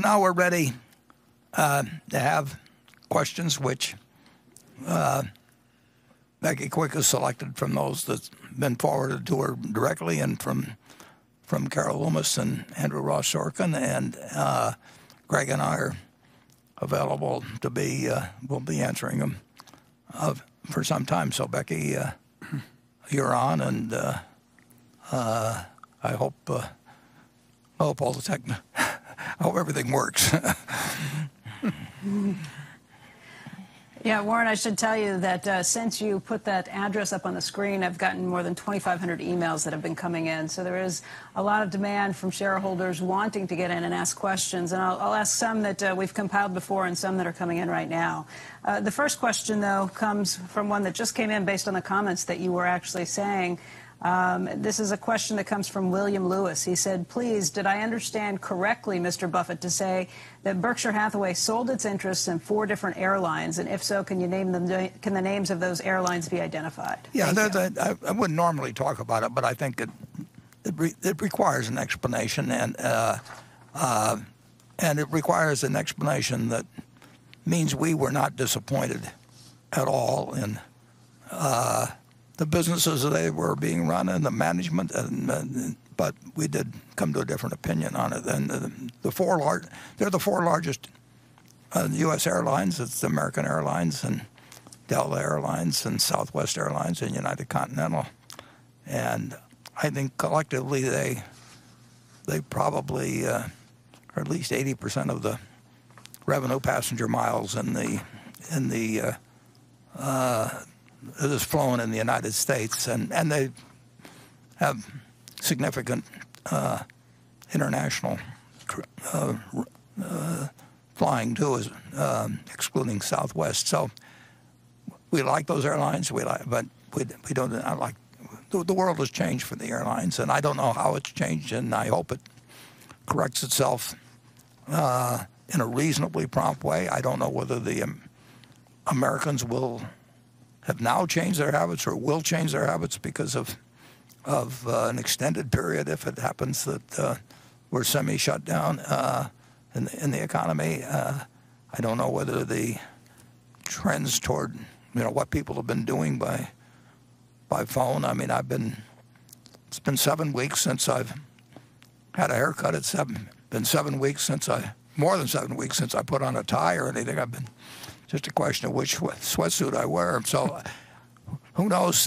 Now we're ready to have questions which Becky Quick has selected from those that's been forwarded to her directly and from Carol Loomis and Andrew Ross Sorkin, and Greg and I are available to be, we'll be answering them for some time. Becky, you're on and I hope everything works. Yeah, Warren, I should tell you that, since you put that address up on the screen, I've gotten more than 2,500 emails that have been coming in, so there is a lot of demand from shareholders wanting to get in and ask questions. I'll ask some that we've compiled before and some that are coming in right now. The first question though comes from one that just came in based on the comments that you were actually saying. This is a question that comes from William Lewis. He said, please, did I understand correctly Mr. Buffett to say that Berkshire Hathaway sold its interests in four different airlines, and if so, can you name them, can the names of those airlines be identified? Thank you. Yeah, that I wouldn't normally talk about it, but I think it requires an explanation and it requires an explanation that means we were not disappointed at all in the businesses they were being run and the management. We did come to a different opinion on it. They're the four largest U.S. airlines. It's American Airlines and Delta Air Lines and Southwest Airlines and United Continental. I think collectively they probably are at least 80% of the revenue passenger miles that's flown in the United States. They have significant international flying too, excluding Southwest. We like those airlines, but we don't like The world has changed for the airlines, and I don't know how it's changed, and I hope it corrects itself in a reasonably prompt way. I don't know whether the Americans will, have now changed their habits or will change their habits because of an extended period if it happens that we're semi-shut down in the economy. I don't know whether the trends toward, you know, what people have been doing by phone. I mean, It's been seven weeks since I've had a haircut. It's been seven weeks since I more than seven weeks since I put on a tie or anything. It's just a question of which sweatsuit I wear. Who knows,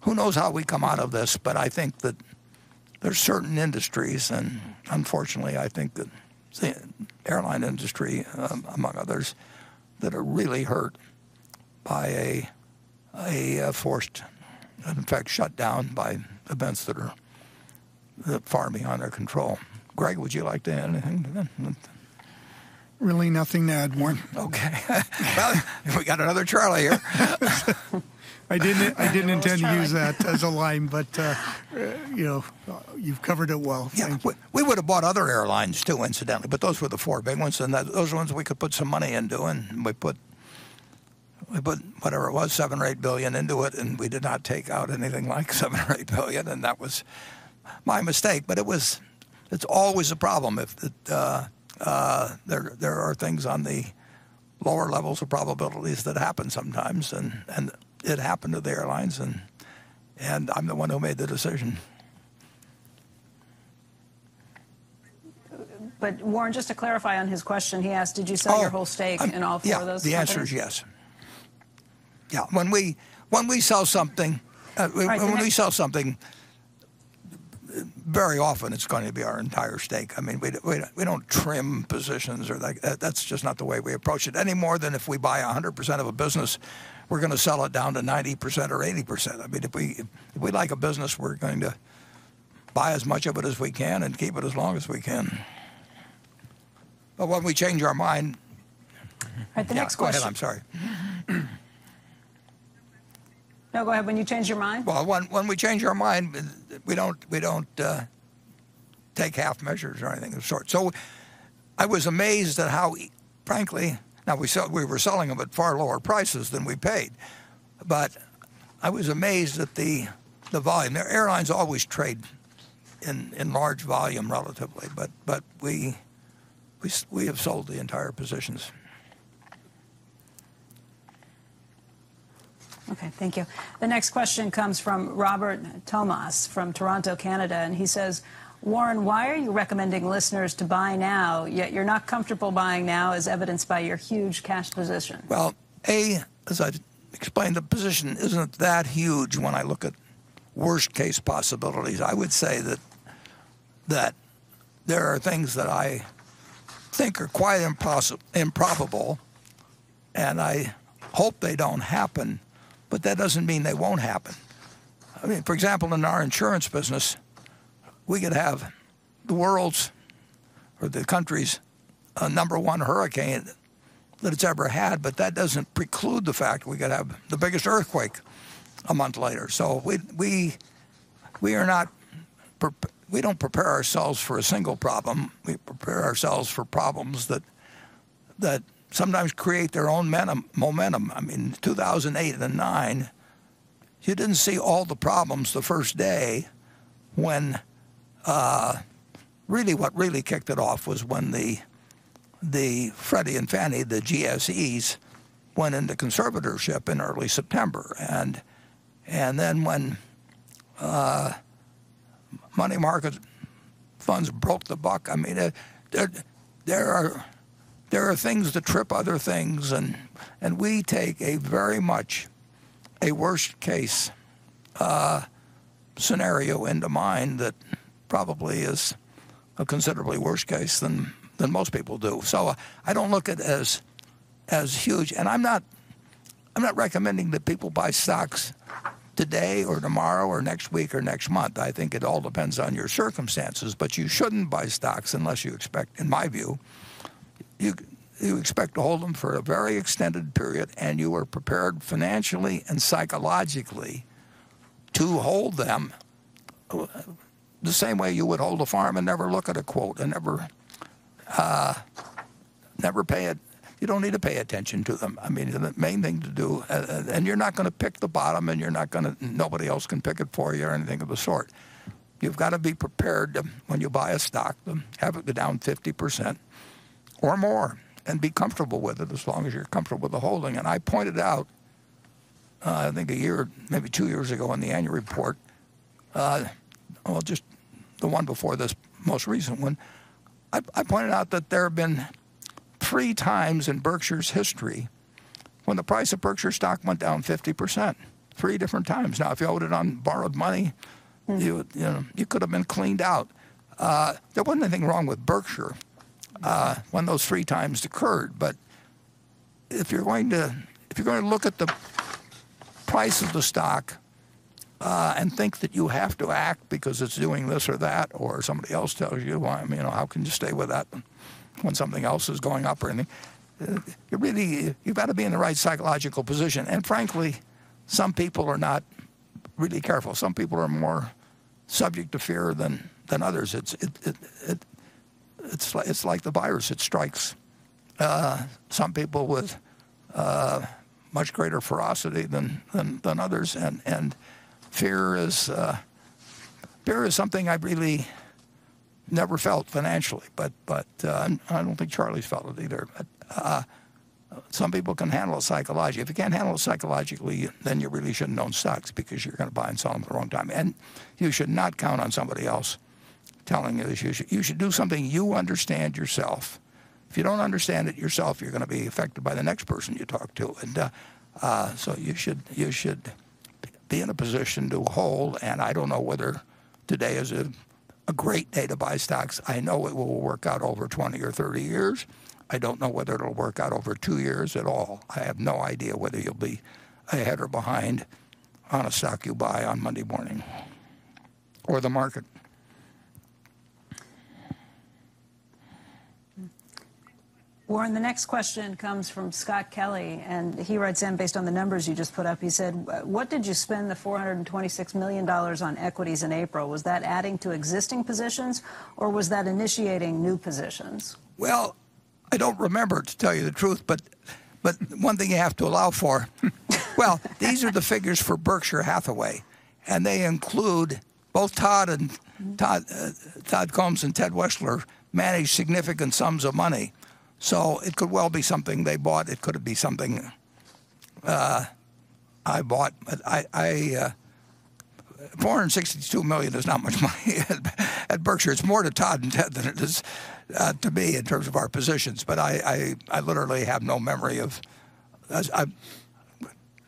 who knows how we come out of this? I think that there's certain industries, and unfortunately, I think that the airline industry, among others, that are really hurt by a forced, in fact, shut down by events that are far beyond their control. Greg, would you like to add anything to that? Really nothing to add, Warren. Okay. Well, if we got another Charlie here. I didn't intend to use that as a line, but, you know, you've covered it well. Thank you. Yeah, we would've bought other airlines too, incidentally, but those were the four big ones. Those ones we could put some money into, and we put whatever it was, $7 billion or $8 billion into it, and we did not take out anything like $7 billion or $8 billion, that was my mistake. It's always a problem if there are things on the lower levels of probabilities that happen sometimes and it happened to the airlines and I'm the one who made the decision. Warren, just to clarify on his question, he asked, did you sell your whole stake in all four of those companies? Oh, Yeah, the answer is yes. Yeah. When we sell something. All right, can I. Very often it's going to be our entire stake. I mean, we don't trim positions or like, that's just not the way we approach it any more than if we buy 100% of a business, we're gonna sell it down to 90% or 80%. I mean, if we like a business, we're going to buy as much of it as we can and keep it as long as we can. When we change our mind. All right, the next question. Go ahead. I'm sorry. No, go ahead. When you change your mind? Well, when we change our mind, we don't, we don't take half measures or anything of the sort. I was amazed at how frankly Now, we were selling them at far lower prices than we paid, but I was amazed at the volume. The airlines always trade in large volume relatively, but we have sold the entire positions. Okay, thank you. The next question comes from Robert Tomas from Toronto, Canada, and he says, Warren, why are you recommending listeners to buy now, yet you're not comfortable buying now as evidenced by your huge cash position? A, as I explained, the position isn't that huge when I look at worst case possibilities. I would say that there are things that I think are quite improbable, and I hope they don't happen, but that doesn't mean they won't happen. I mean, for example, in our insurance business, we could have the world's or the country's, number one hurricane that it's ever had, but that doesn't preclude the fact we could have the biggest earthquake a month later. We don't prepare ourselves for a single problem. We prepare ourselves for problems that sometimes create their own momentum. I mean, 2008 and 2009. You didn't see all the problems the first day when really what really kicked it off was when the Freddie and Fannie, the GSEs, went into conservatorship in early September. Then when money market funds broke the buck. I mean, there are things that trip other things and we take a very much a worst case scenario into mind that probably is a considerably worse case than most people do. I don't look at it as huge. I'm not recommending that people buy stocks today or tomorrow or next week or next month. I think it all depends on your circumstances. You shouldn't buy stocks unless you expect, in my view, you expect to hold them for a very extended period and you are prepared financially and psychologically to hold them the same way you would hold a farm and never look at a quote and never You don't need to pay attention to them. I mean, the main thing to do, you're not gonna pick the bottom and nobody else can pick it for you or anything of the sort. You've got to be prepared when you buy a stock to have it go down 50% or more and be comfortable with it as long as you're comfortable with the holding. I pointed out, I think a year, maybe two years ago on the annual report, well, just the one before this most recent one, I pointed out that there have been three times in Berkshire's history when the price of Berkshire stock went down 50%, three different times. If you hold it on borrowed money. You would, you know, you could have been cleaned out. There wasn't anything wrong with Berkshire when those three times occurred. If you're gonna look at the price of the stock and think that you have to act because it's doing this or that, or somebody else tells you, well, I mean, how can you stay with that when something else is going up or anything? You really, you've got to be in the right psychological position. Frankly, some people are not really careful. Some people are more subject to fear than others. It's like the virus. It strikes some people with much greater ferocity than others. Fear is something I've really never felt financially, but, and I don't think Charlie's felt it either. Some people can handle it psychologically. If you can't handle it psychologically, then you really shouldn't own stocks because you're gonna buy and sell them at the wrong time. You should not count on somebody else telling you. You should do something you understand yourself. If you don't understand it yourself, you're gonna be affected by the next person you talk to. You should be in a position to hold. I don't know whether today is a great day to buy stocks. I know it will work out over 20 or 30 years. I don't know whether it'll work out over two years at all. I have no idea whether you'll be ahead or behind on a stock you buy on Monday morning or the market. Warren, the next question comes from Scott Kelly. He writes in based on the numbers you just put up. He said, what did you spend the $426 million on equities in April? Was that adding to existing positions, or was that initiating new positions? I don't remember, to tell you the truth, but one thing you have to allow for. These are the figures for Berkshire Hathaway, and they include both Todd Combs and Ted Weschler manage significant sums of money. It could well be something they bought. It could be something I bought. I $462 million is not much money at Berkshire. It's more to Todd and Ted than it is to me in terms of our positions. I literally have no memory of.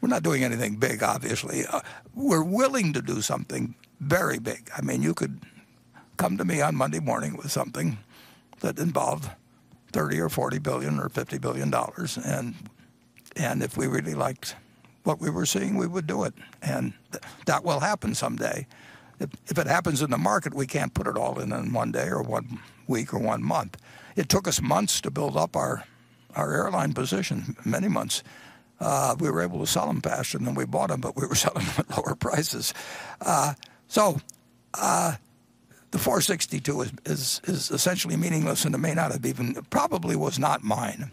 We're not doing anything big, obviously. We're willing to do something very big. I mean, you could come to me on Monday morning with something that involved $30 billion or $40 billion or $50 billion, and if we really liked what we were seeing, we would do it. That will happen someday. If it happens in the market, we can't put it all in in one day or one week or one month. It took us months to build up our airline position, many months. We were able to sell them faster than we bought them, but we were selling them at lower prices. The $462 million is essentially meaningless and probably was not mine.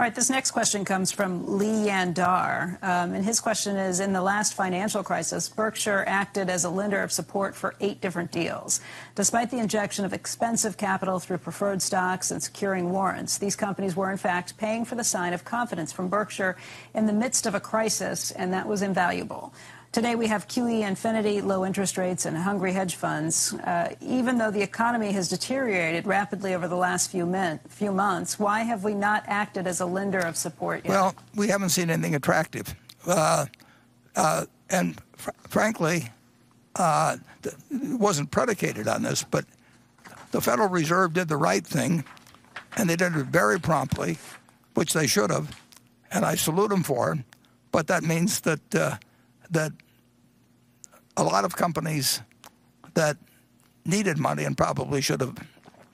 All right, this next question comes from Lee Yan Dar. His question is, in the last financial crisis, Berkshire acted as a lender of support for eight different deals. Despite the injection of expensive capital through preferred stocks and securing warrants, these companies were, in fact, paying for the sign of confidence from Berkshire in the midst of a crisis, and that was invaluable. Today, we have QE infinity, low interest rates, and hungry hedge funds. Even though the economy has deteriorated rapidly over the last few months, why have we not acted as a lender of support yet? We haven't seen anything attractive. It wasn't predicated on this, but the Federal Reserve did the right thing, and they did it very promptly, which they should have, and I salute them for it. That means that a lot of companies that needed money and probably should have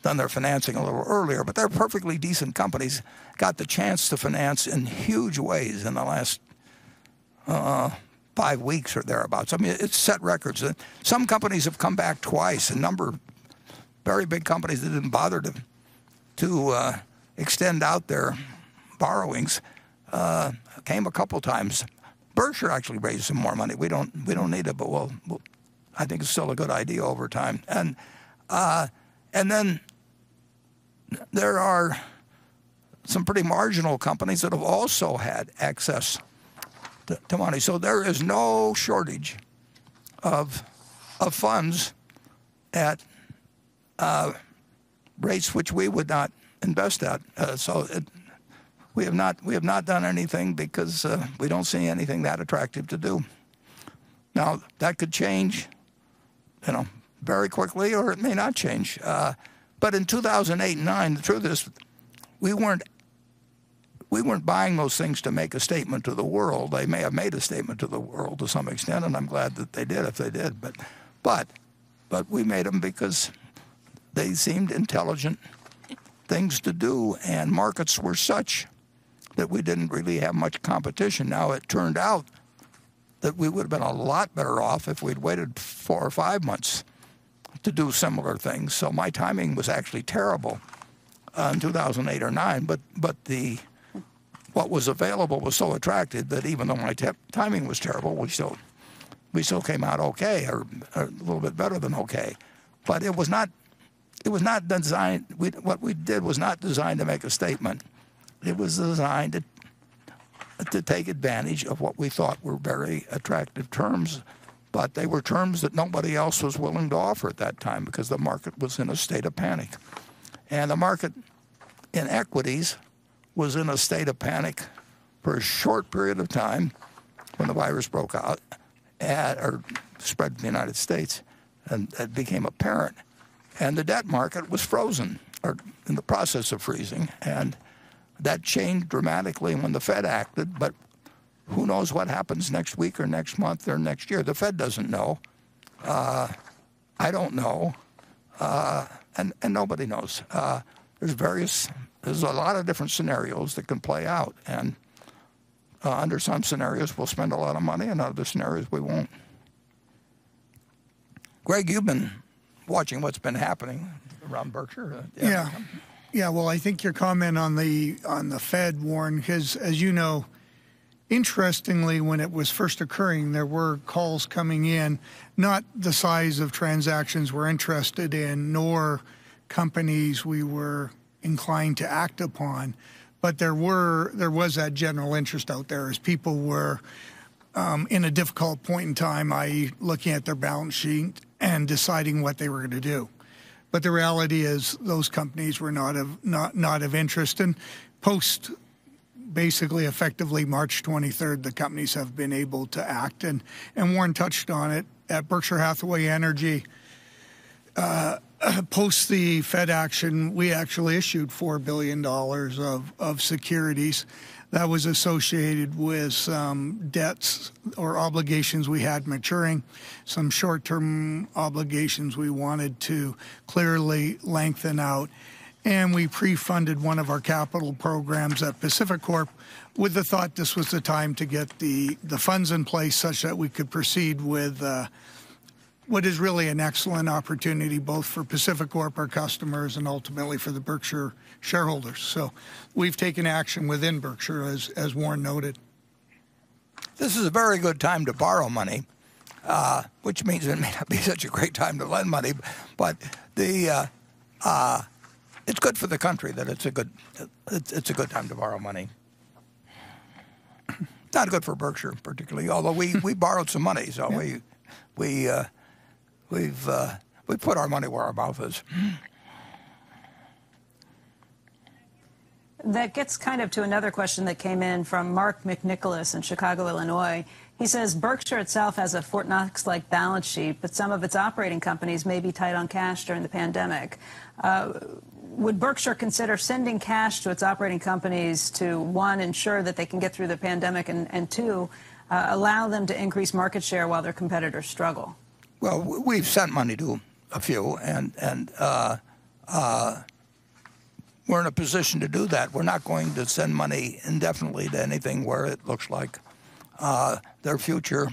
done their financing a little earlier, but they're perfectly decent companies, got the chance to finance in huge ways in the last five weeks or thereabouts. I mean, it set records. Some companies have come back twice. A number of very big companies that didn't bother to extend out their borrowings came a couple times. Berkshire actually raised some more money. We don't need it, but we'll I think it's still a good idea over time. There are some pretty marginal companies that have also had access to money. There is no shortage of funds at rates which we would not invest at. We have not done anything because we don't see anything that attractive to do. Now, that could change, you know, very quickly, or it may not change. In 2008 and 2009, the truth is, we weren't buying those things to make a statement to the world. They may have made a statement to the world to some extent, and I'm glad that they did if they did. We made them because they seemed intelligent things to do, and markets were such that we didn't really have much competition. It turned out that we would have been a lot better off if we'd waited four or five months to do similar things. My timing was actually terrible in 2008 or 2009. What was available was so attractive that even though my timing was terrible, we still came out okay or a little bit better than okay. It was not designed, what we did was not designed to make a statement. It was designed to take advantage of what we thought were very attractive terms. They were terms that nobody else was willing to offer at that time because the market was in a state of panic. The market in equities was in a state of panic for a short period of time when the virus broke out at, or spread to the United States and became apparent. The debt market was frozen, or in the process of freezing, and that changed dramatically when the Fed acted. Who knows what happens next week or next month or next year? The Fed doesn't know, I don't know, and nobody knows. There's various, there's a lot of different scenarios that can play out. Under some scenarios, we'll spend a lot of money, and other scenarios, we won't. Greg, you've been watching what's been happening around Berkshire. Yeah. Well, I think your comment on the Fed, Warren, because as you know, interestingly, when it was first occurring, there were calls coming in, not the size of transactions we're interested in, nor companies we were inclined to act upon. There was that general interest out there as people were in a difficult point in time, i.e., looking at their balance sheet and deciding what they were gonna do. The reality is those companies were not of interest. Post, basically, effectively March 23rd, the companies have been able to act. Warren touched on it. At Berkshire Hathaway Energy, post the Fed action, we actually issued $4 billion of securities that was associated with some debts or obligations we had maturing, some short-term obligations we wanted to clearly lengthen out. We pre-funded one of our capital programs at PacifiCorp with the thought this was the time to get the funds in place such that we could proceed with what is really an excellent opportunity, both for PacifiCorp, our customers, and ultimately for the Berkshire shareholders. We've taken action within Berkshire, as Warren noted. This is a very good time to borrow money, which means it may not be such a great time to lend money. The, it's good for the country that it's a good time to borrow money. Not good for Berkshire particularly, although we borrowed some money. We've put our money where our mouth is. That gets kind of to another question that came in from Mark McNicholas in Chicago, Illinois. He says, Berkshire itself has a Fort Knox-like balance sheet, but some of its operating companies may be tight on cash during the pandemic. Would Berkshire consider sending cash to its operating companies to, one, ensure that they can get through the pandemic and, two, allow them to increase market share while their competitors struggle? Well, we've sent money to a few and we're in a position to do that. We're not going to send money indefinitely to anything where it looks like their future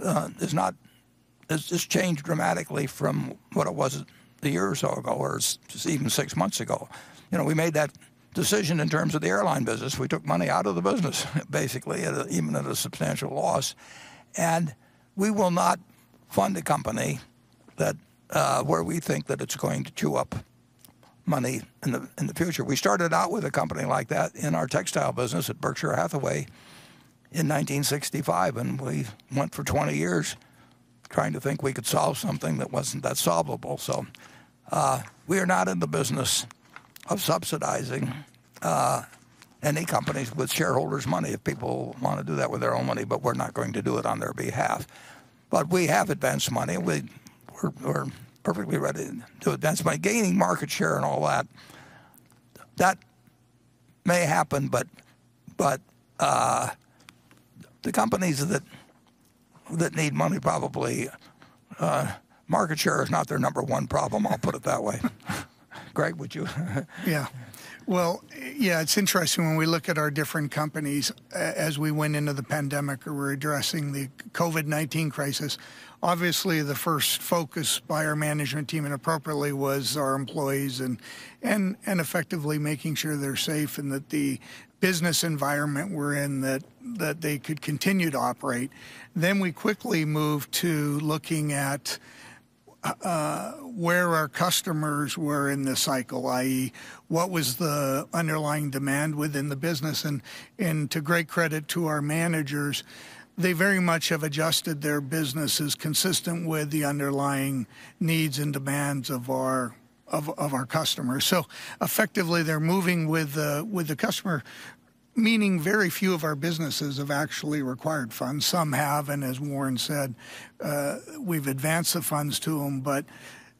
has changed dramatically from what it was a year or so ago or just even six months ago. You know, we made that decision in terms of the airline business. We took money out of the business basically, at even a substantial loss. We will not fund a company that where we think that it's going to chew up money in the future. We started out with a company like that in our textile business at Berkshire Hathaway in 1965, and we went for 20 years trying to think we could solve something that wasn't that solvable. We are not in the business of subsidizing any companies with shareholders' money. If people wanna do that with their own money, but we're not going to do it on their behalf. We have advanced money. We're perfectly ready to advance money. Gaining market share and all that may happen, but the companies that need money probably. Market share is not their number one problem, I'll put it that way. Greg, would you? Well, it's interesting when we look at our different companies as we went into the pandemic or we're addressing the COVID-19 crisis, obviously the first focus by our management team, and appropriately, was our employees and effectively making sure they're safe and that the business environment we're in that they could continue to operate. We quickly moved to looking at where our customers were in the cycle, i.e., what was the underlying demand within the business? To great credit to our managers, they very much have adjusted their businesses consistent with the underlying needs and demands of our customers. Effectively they're moving with the customer, meaning very few of our businesses have actually required funds. Some have, and as Warren said, we've advanced the funds to them.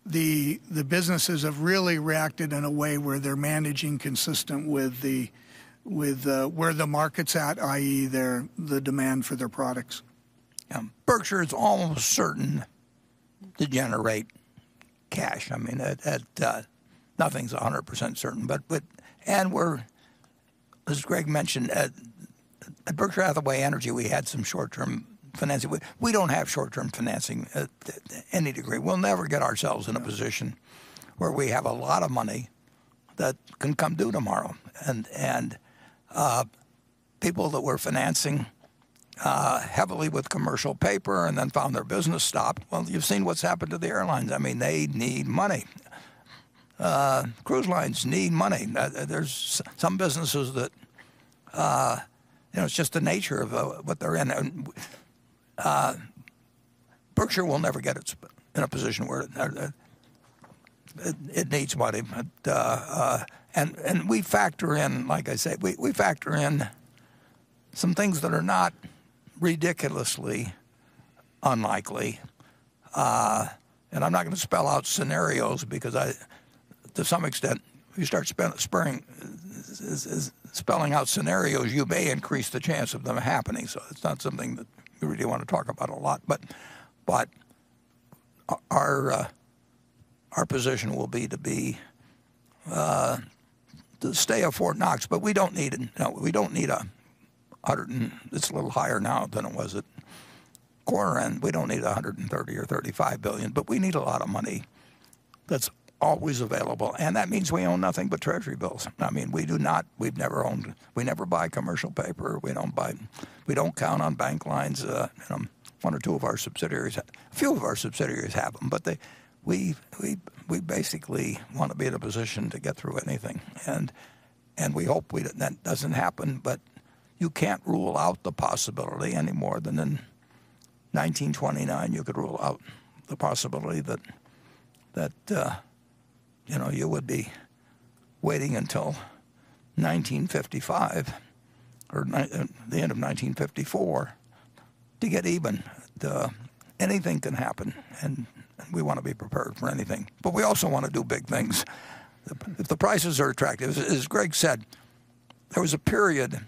The businesses have really reacted in a way where they're managing consistent with the where the market's at, i.e., the demand for their products. Yeah. Berkshire's almost certain to generate cash. I mean, Nothing's 100% certain, but we're, as Greg mentioned, at Berkshire Hathaway Energy, we had some short-term financing. We don't have short-term financing at any degree. We'll never get ourselves in a position where we have a lot of money that can come due tomorrow. People that we're financing heavily with commercial paper and then found their business stopped, well, you've seen what's happened to the airlines. I mean, they need money. Cruise lines need money. Now, there's some businesses that, you know, it's just the nature of what they're in, Berkshire will never get itself in a position where it needs money. We factor in, like I say, we factor in some things that are not ridiculously unlikely. I'm not gonna spell out scenarios because I, to some extent, if you start spelling out scenarios, you may increase the chance of them happening. It's not something that we really want to talk about a lot. Our position will be to be to stay a Fort Knox, but we don't need, you know, we don't need $100 billion and It's a little higher now than it was at quarter end. We don't need $130 billion or $35 billion, but we need a lot of money that's always available, and that means we own nothing but Treasury bills. I mean, we do not. We've never owned. We never buy commercial paper. We don't count on bank lines. You know, a few of our subsidiaries have them, but We basically wanna be in a position to get through anything. We hope that doesn't happen, but you can't rule out the possibility any more than in 1929 you could rule out the possibility that, you know, you would be waiting until 1955 or the end of 1954 to get even. Anything can happen, and we wanna be prepared for anything. We also wanna do big things if the prices are attractive. As Greg said, there was a period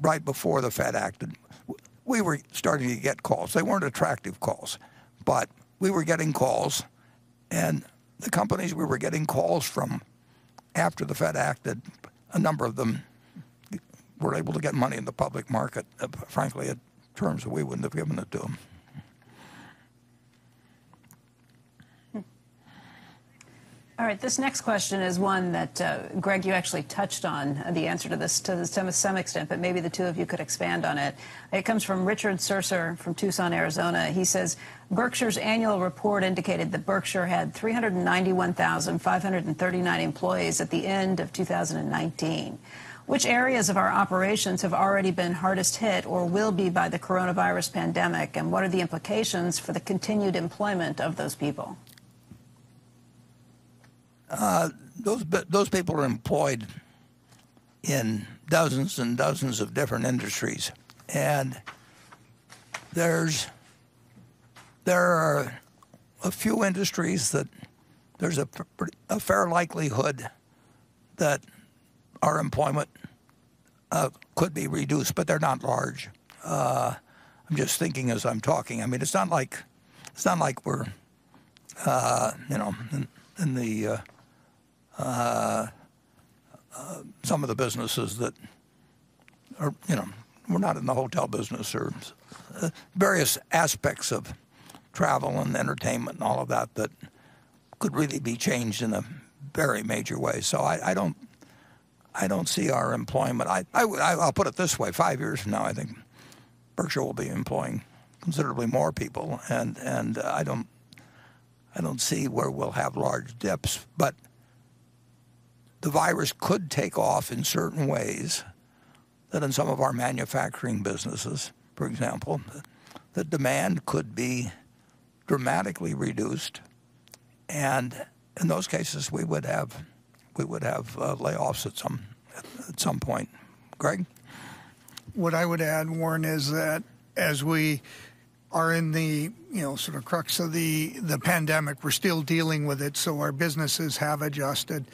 right before the Fed acted. We were starting to get calls. They weren't attractive calls, but we were getting calls, and the companies we were getting calls from after the Fed acted, a number of them were able to get money in the public market, frankly, at terms that we wouldn't have given it to them. All right, this next question is one that, Greg, you actually touched on the answer to this some extent, but maybe the two of you could expand on it. It comes from Richard Sercer from Tucson, Arizona. He says, Berkshire's annual report indicated that Berkshire had 391,539 employees at the end of 2019. Which areas of our operations have already been hardest hit or will be by the coronavirus pandemic, and what are the implications for the continued employment of those people? Those people are employed in dozens and dozens of different industries. There are a few industries that there's a fair likelihood that our employment could be reduced, but they're not large. I'm just thinking as I'm talking. I mean, it's not like we're, you know, in some of the businesses that are You know, we're not in the hotel business or various aspects of travel and entertainment and all of that that could really be changed in a very major way. I don't see our employment. I'll put it this way. Five years from now, I think Berkshire will be employing considerably more people and I don't see where we'll have large dips. The virus could take off in certain ways that in some of our manufacturing businesses, for example, the demand could be dramatically reduced, and in those cases, we would have layoffs at some point. Greg? What I would add, Warren, is that as we are in the, you know, sort of crux of the pandemic, we're still dealing with it, so our businesses have adjusted.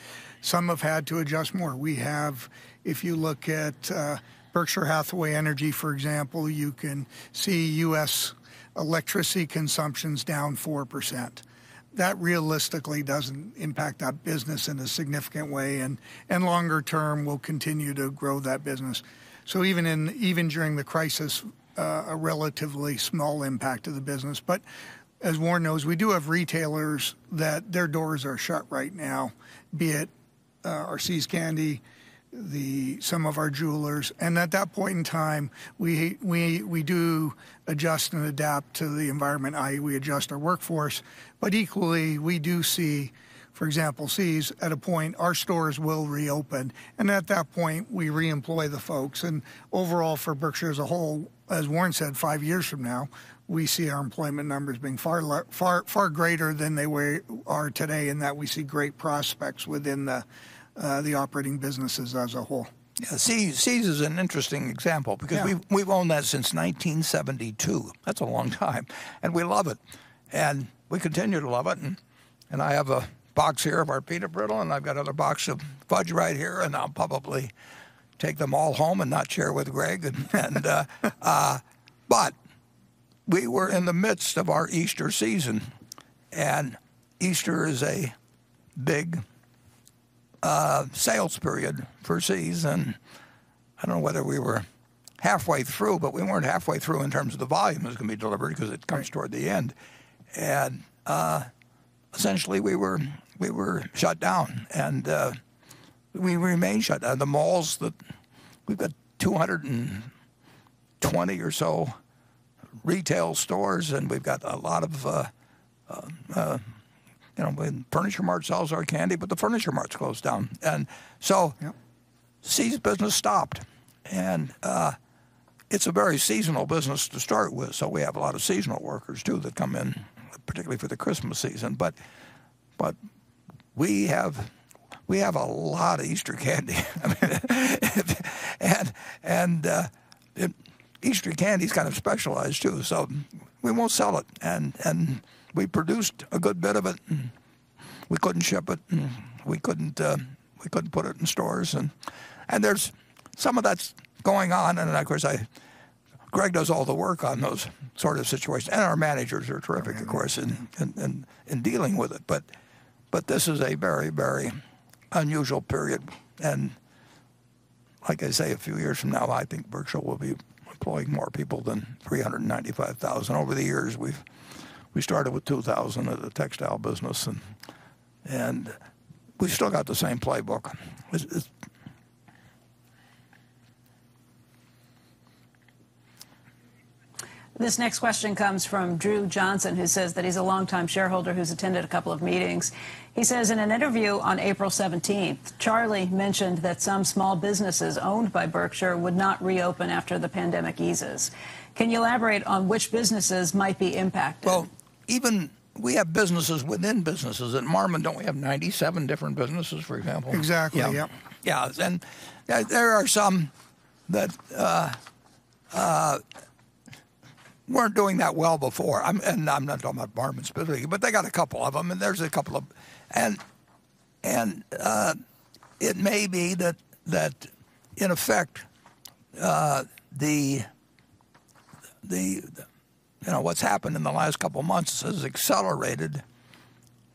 Some have had to adjust more. If you look at Berkshire Hathaway Energy, for example, you can see U.S. electricity consumption's down 4%. That realistically doesn't impact our business in a significant way and longer term we'll continue to grow that business. Even during the crisis, a relatively small impact to the business. As Warren knows, we do have retailers that their doors are shut right now, be it our See's Candies, some of our jewelers. At that point in time, we do adjust and adapt to the environment, i.e., we adjust our workforce. Equally, we do see, for example, See's at a point our stores will reopen, and at that point we reemploy the folks. Overall for Berkshire as a whole, as Warren said, five years from now, we see our employment numbers being far greater than they are today in that we see great prospects within the operating businesses as a whole. Yeah. See's is an interesting example. Yeah. Because we've owned that since 1972. That's a long time. We love it. We continue to love it. I have a box here of our peanut brittle, I've got another box of fudge right here, I'll probably take them all home and not share with Greg. We were in the midst of our Easter season, Easter is a big sales period for See's. I don't know whether we were halfway through, but we weren't halfway through in terms of the volume that was going to be delivered because it comes toward the end. Essentially we were shut down, we remain shut down. We've got 220 or so retail stores and we've got a lot of, you know, Nebraska Furniture Mart sells our candy, but the Nebraska Furniture Mart's closed down. Yep. See's business stopped. It's a very seasonal business to start with, so we have a lot of seasonal workers too that come in, particularly for the Christmas season. We have a lot of Easter candy. I mean, and Easter candy's kind of specialized too, so we won't sell it. We produced a good bit of it and we couldn't ship it and we couldn't put it in stores and there's some of that's going on. Of course Greg does all the work on those sort of situations, and our managers are terrific of course in dealing with it. This is a very, very unusual period. Like I say, a few years from now, I think Berkshire will be employing more people than 395,000. Over the years, We started with 2,000 at the textile business and we still got the same playbook. This next question comes from Drew Johnson, who says that he's a longtime shareholder who's attended a couple of meetings. He says, in an interview on April 17th, Charlie mentioned that some small businesses owned by Berkshire would not reopen after the pandemic eases. Can you elaborate on which businesses might be impacted? Well, even we have businesses within businesses. At Marmon, don't we have 97 different businesses, for example? Exactly. Yep. Yeah. Yeah. There are some that weren't doing that well before. I'm not talking about Marmon specifically, but they got a couple of them, and there's a couple of, it may be that in effect, you know, what's happened in the last couple of months has accelerated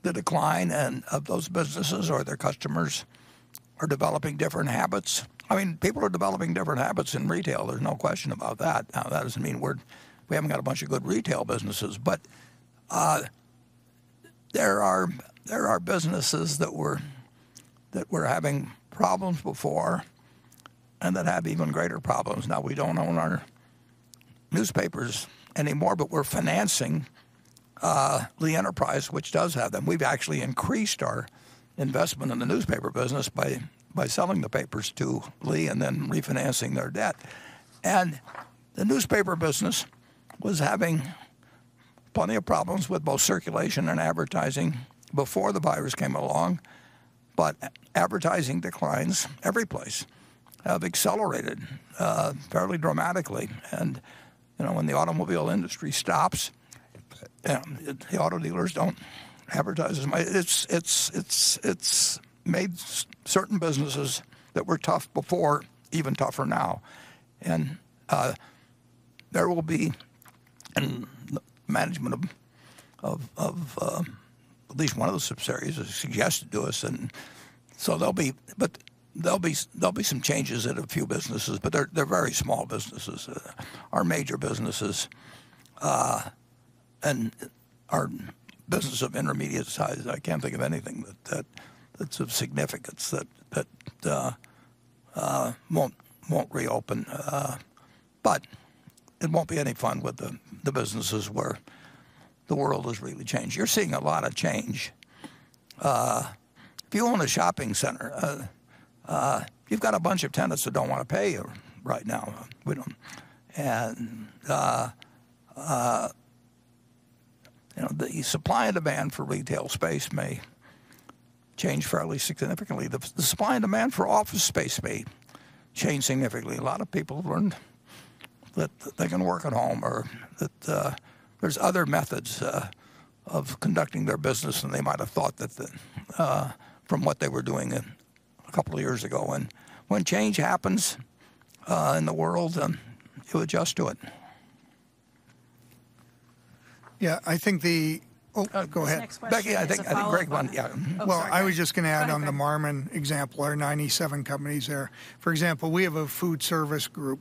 the decline of those businesses or their customers are developing different habits. I mean, people are developing different habits in retail, there's no question about that. That doesn't mean we haven't got a bunch of good retail businesses. There are businesses that were having problems before and that have even greater problems now. We don't own our newspapers anymore, but we're financing Lee Enterprises, which does have them. We've actually increased our investment in the newspaper business by selling the papers to Lee and then refinancing their debt. The newspaper business was having plenty of problems with both circulation and advertising before the virus came along. Advertising declines every place have accelerated fairly dramatically. You know, when the automobile industry stops, the auto dealers don't advertise as. It's made certain businesses that were tough before even tougher now. There will be, and management of at least one of the subsidiaries has suggested to us, and so there'll be some changes at a few businesses, but they're very small businesses. Our major businesses, and our business of intermediate size, I can't think of anything that's of significance that won't reopen. It won't be any fun with the businesses where the world has really changed. You're seeing a lot of change. If you own a shopping center, you've got a bunch of tenants that don't wanna pay you right now. We don't. You know, the supply and demand for retail space may change fairly significantly. The supply and demand for office space may change significantly. A lot of people have learned that they can work at home or that there's other methods of conducting their business than they might have thought from what they were doing a couple of years ago. When change happens, in the world, you adjust to it. Yeah, I think Oh, go ahead. This next question is a follow-up. Becky, I think Greg wanted, yeah. Oh, sorry. Well, I was just gonna add on the Marmon example, our 97 companies there. For example, we have a food service group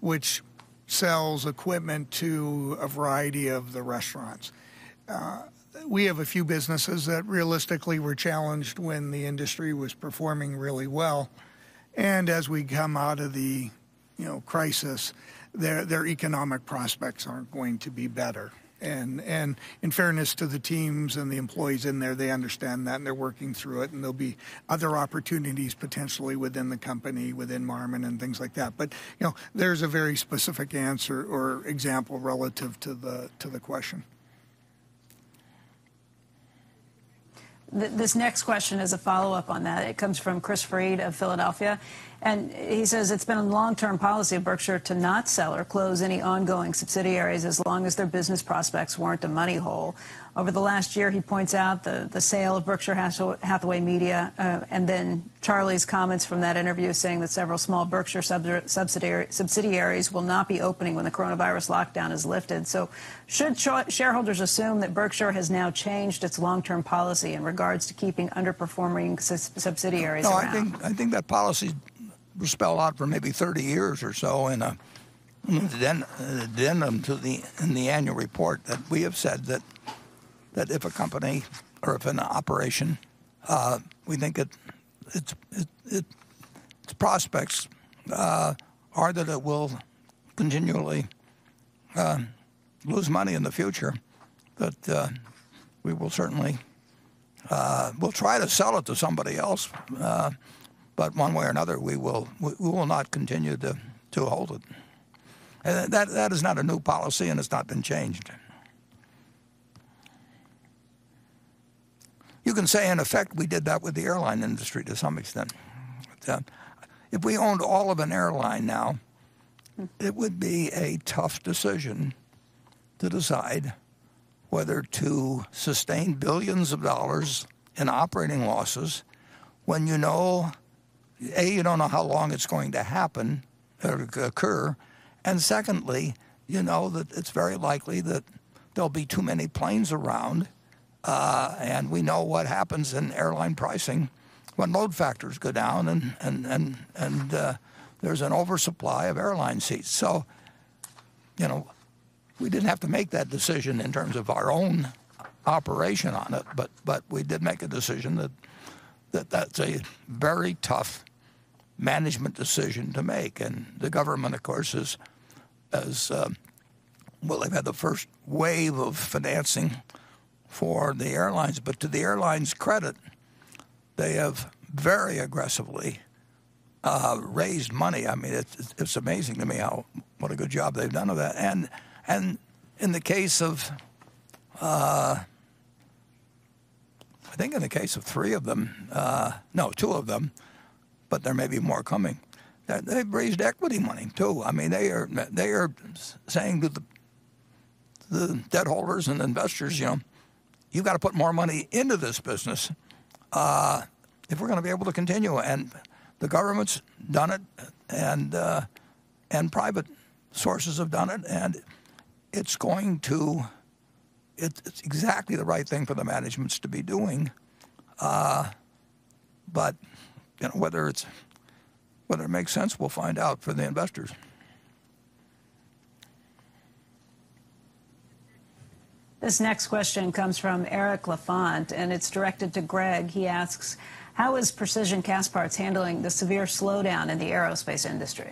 which sells equipment to a variety of the restaurants. We have a few businesses that realistically were challenged when the industry was performing really well. As we come out of the, you know, crisis, their economic prospects aren't going to be better. In fairness to the teams and the employees in there, they understand that, and they're working through it, and there'll be other opportunities potentially within the company, within Marmon and things like that. You know, there's a very specific answer or example relative to the question. This next question is a follow-up on that. It comes from Chris Fried of Philadelphia, and he says, it's been a long-term policy of Berkshire to not sell or close any ongoing subsidiaries as long as their business prospects weren't a money hole. Over the last year, he points out the sale of Berkshire Hathaway Media, and then Charlie's comments from that interview saying that several small Berkshire subsidiaries will not be opening when the coronavirus lockdown is lifted. Should shareholders assume that Berkshire has now changed its long-term policy in regards to keeping underperforming subsidiaries around? No, I think that policy was spelled out for maybe 30 years or so in an addendum to the annual report, that we have said that if a company or if an operation, we think its prospects are that it will continually lose money in the future, that we will certainly, we'll try to sell it to somebody else. One way or another, we will not continue to hold it. That is not a new policy, and it's not been changed. You can say, in effect, we did that with the airline industry to some extent. If we owned all of an airline now. It would be a tough decision to decide whether to sustain billions of dollars in operating losses when you know, A, you don't know how long it's going to happen or occur, and secondly, you know that it's very likely that there'll be too many planes around. We know what happens in airline pricing when load factors go down and there's an oversupply of airline seats. You know, we didn't have to make that decision in terms of our own operation on it, but we did make a decision that that's a very tough management decision to make. The government, of course, Well, they've had the first wave of financing for the airlines. To the airlines' credit, they have very aggressively raised money. I mean, it's amazing to me how, what a good job they've done of that. In the case of, I think in the case of three of them, no, two of them, but there may be more coming, they've raised equity money too. I mean, they are saying to the debt holders and investors, you know, you've got to put more money into this business, if we're gonna be able to continue. The government's done it and private sources have done it, and It's exactly the right thing for the managements to be doing. You know, whether it's, whether it makes sense, we'll find out for the investors. This next question comes from Eric Lefante, and it's directed to Greg. He asks, how is Precision Castparts handling the severe slowdown in the aerospace industry?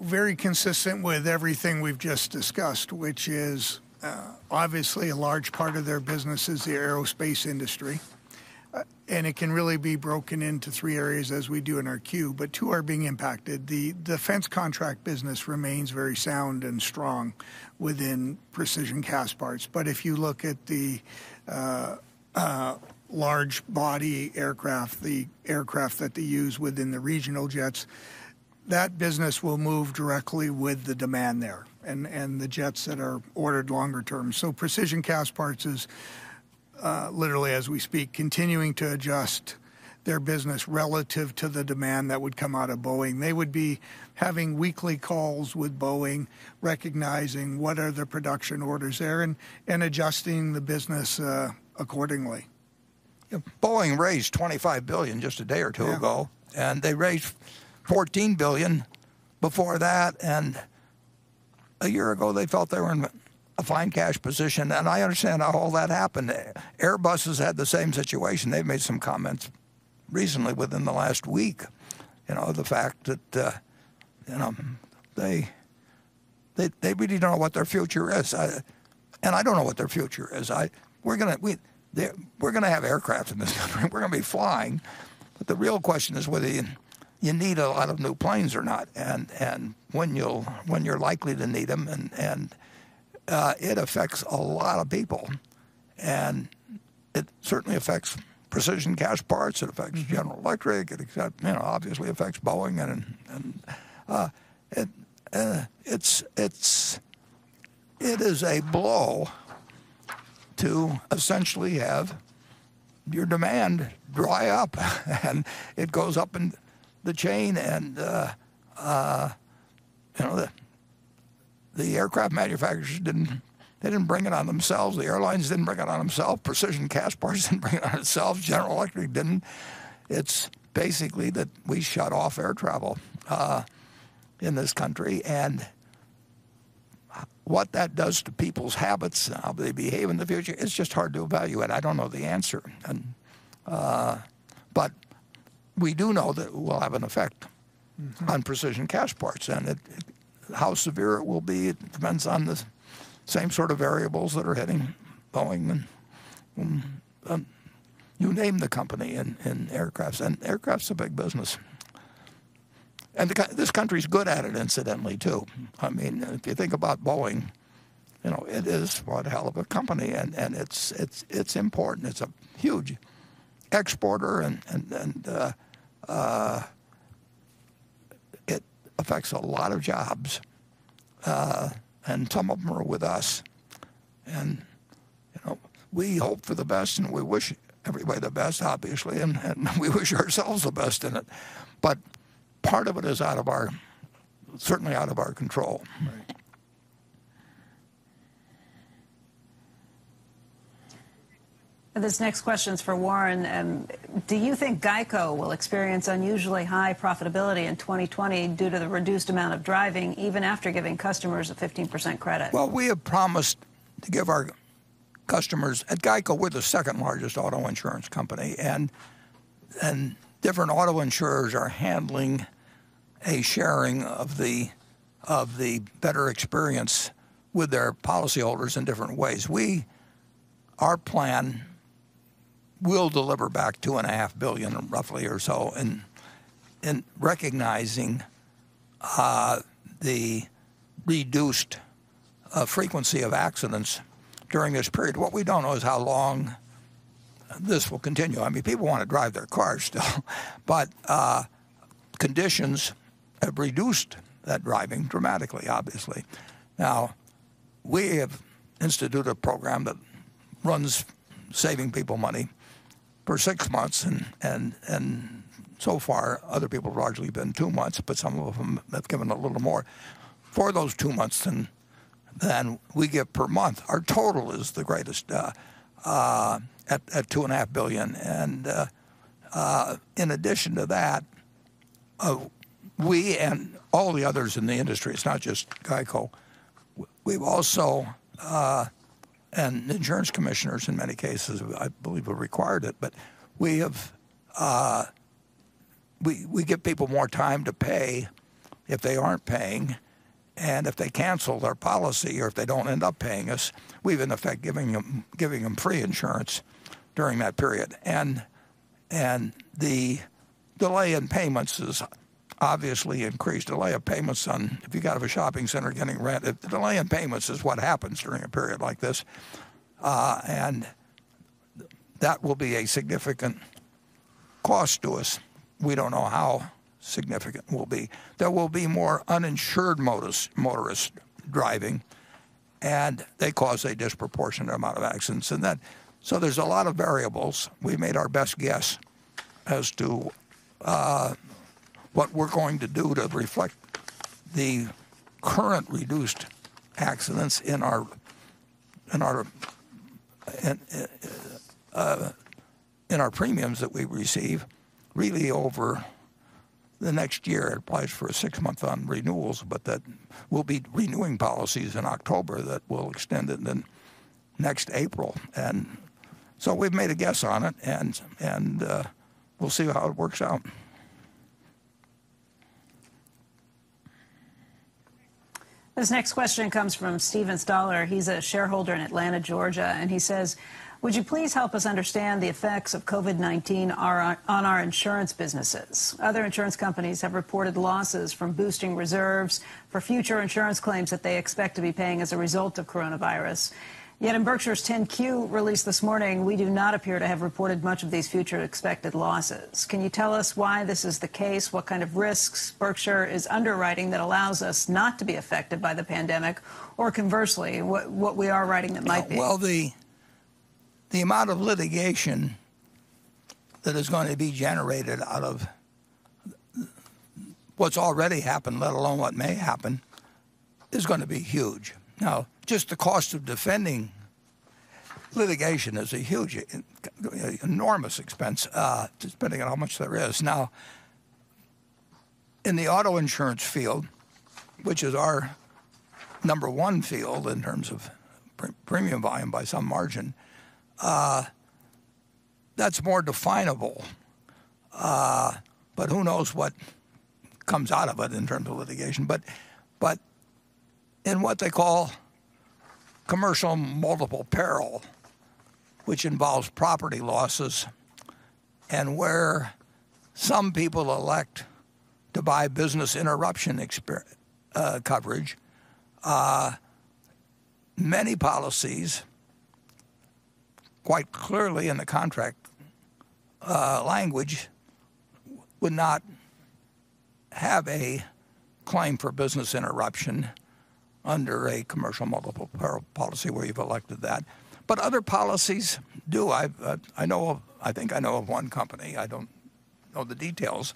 Very consistent with everything we've just discussed, which is, obviously, a large part of their business is the aerospace industry. And it can really be broken into three areas as we do in our Q, but two are being impacted. The defense contract business remains very sound and strong within Precision Castparts. If you look at the large body aircraft, the aircraft that they use within the regional jets, that business will move directly with the demand there and the jets that are ordered longer term. Precision Castparts is, literally, as we speak, continuing to adjust their business relative to the demand that would come out of Boeing. They would be having weekly calls with Boeing, recognizing what are the production orders there and adjusting the business accordingly. Yeah. Boeing raised $25 billion just a day or two ago. Yeah. They raised $14 billion before that. A year ago, they felt they were in a fine cash position. I understand how all that happened. Airbus had the same situation. They've made some comments recently within the last week, you know, the fact that, you know, they really don't know what their future is. I don't know what their future is. We're gonna have aircraft in this country. We're gonna be flying. The real question is whether you need a lot of new planes or not, and when you're likely to need them and, it affects a lot of people. It certainly affects Precision Castparts. General Electric, it obviously affects Boeing and it is a blow to essentially have your demand dry up, and it goes up in the chain, you know, the aircraft manufacturers didn't bring it on themselves. The airlines didn't bring it on themselves. Precision Castparts didn't bring it on itself. General Electric didn't. It's basically that we shut off air travel in this country. What that does to people's habits and how they behave in the future, it's just hard to evaluate. I don't know the answer. We do know that it will have an effect. On Precision Castparts and how severe it will be, it depends on the same sort of variables that are hitting Boeing and you name the company in aircrafts, and aircraft's a big business. This country's good at it incidentally, too. I mean, if you think about Boeing, you know, it is one hell of a company and it's important. It's a huge exporter and it affects a lot of jobs and some of them are with us. You know, we hope for the best and we wish everybody the best, obviously, and we wish ourselves the best in it. Part of it is certainly out of our control. This next question's for Warren. Do you think GEICO will experience unusually high profitability in 2020 due to the reduced amount of driving even after giving customers a 15% credit? Well, we have promised to give our customers at GEICO, we're the second-largest auto insurance company, and different auto insurers are handling a sharing of the better experience with their policyholders in different ways. Our plan will deliver back two and a half billion roughly or so in recognizing the reduced frequency of accidents during this period. What we don't know is how long this will continue. I mean, people wanna drive their cars still, conditions have reduced that driving dramatically, obviously. We have instituted a program that runs saving people money for six months and so far other people have largely been two months, some of them have given a little more for those two months than we get per month. Our total is the greatest at $2.5 billion. In addition to that, we and all the others in the industry, it's not just GEICO, we've also, and insurance commissioners in many cases I believe have required it, but we have, we give people more time to pay if they aren't paying. If they cancel their policy or if they don't end up paying us, we've in effect giving them free insurance during that period. The delay in payments is obviously increased. Delay of payments on if you got of a shopping center getting rent, delay in payments is what happens during a period like this. That will be a significant cost to us. We don't know how significant it will be. There will be more uninsured motorists driving. They cause a disproportionate amount of accidents. There's a lot of variables. We made our best guess as to what we're going to do to reflect the current reduced accidents in our premiums that we receive really over the next year. It applies for a six-month on renewals, that we'll be renewing policies in October that will extend it then next April. We've made a guess on it and we'll see how it works out. This next question comes from Steven Stoller. He's a shareholder in Atlanta, Georgia, and he says, would you please help us understand the effects of COVID-19 on our insurance businesses? Other insurance companies have reported losses from boosting reserves for future insurance claims that they expect to be paying as a result of coronavirus. Yet in Berkshire's 10-Q released this morning, we do not appear to have reported much of these future expected losses. Can you tell us why this is the case? What kind of risks Berkshire is underwriting that allows us not to be affected by the pandemic? Or conversely, what we are writing that might be? The amount of litigation that is going to be generated out of what's already happened, let alone what may happen, is gonna be huge. Just the cost of defending litigation is a huge, enormous expense, depending on how much there is. In the auto insurance field, which is our number one field in terms of premium volume by some margin, that's more definable, but who knows what comes out of it in terms of litigation. In what they call commercial multiple peril, which involves property losses and where some people elect to buy business interruption coverage, many policies quite clearly in the contract language would not have a claim for business interruption under a commercial multiple peril policy where you've elected that. Other policies do. I've, I think I know of one company, I don't know the details,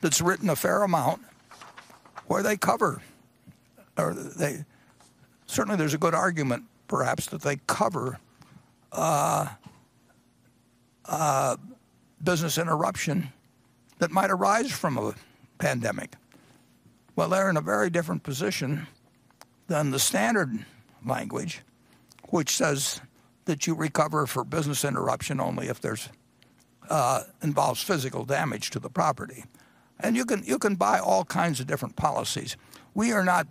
that's written a fair amount where they cover, or they Certainly there's a good argument perhaps that they cover, business interruption that might arise from a pandemic. Well, they're in a very different position than the standard language, which says that you recover for business interruption only if there's, involves physical damage to the property. You can buy all kinds of different policies. We are not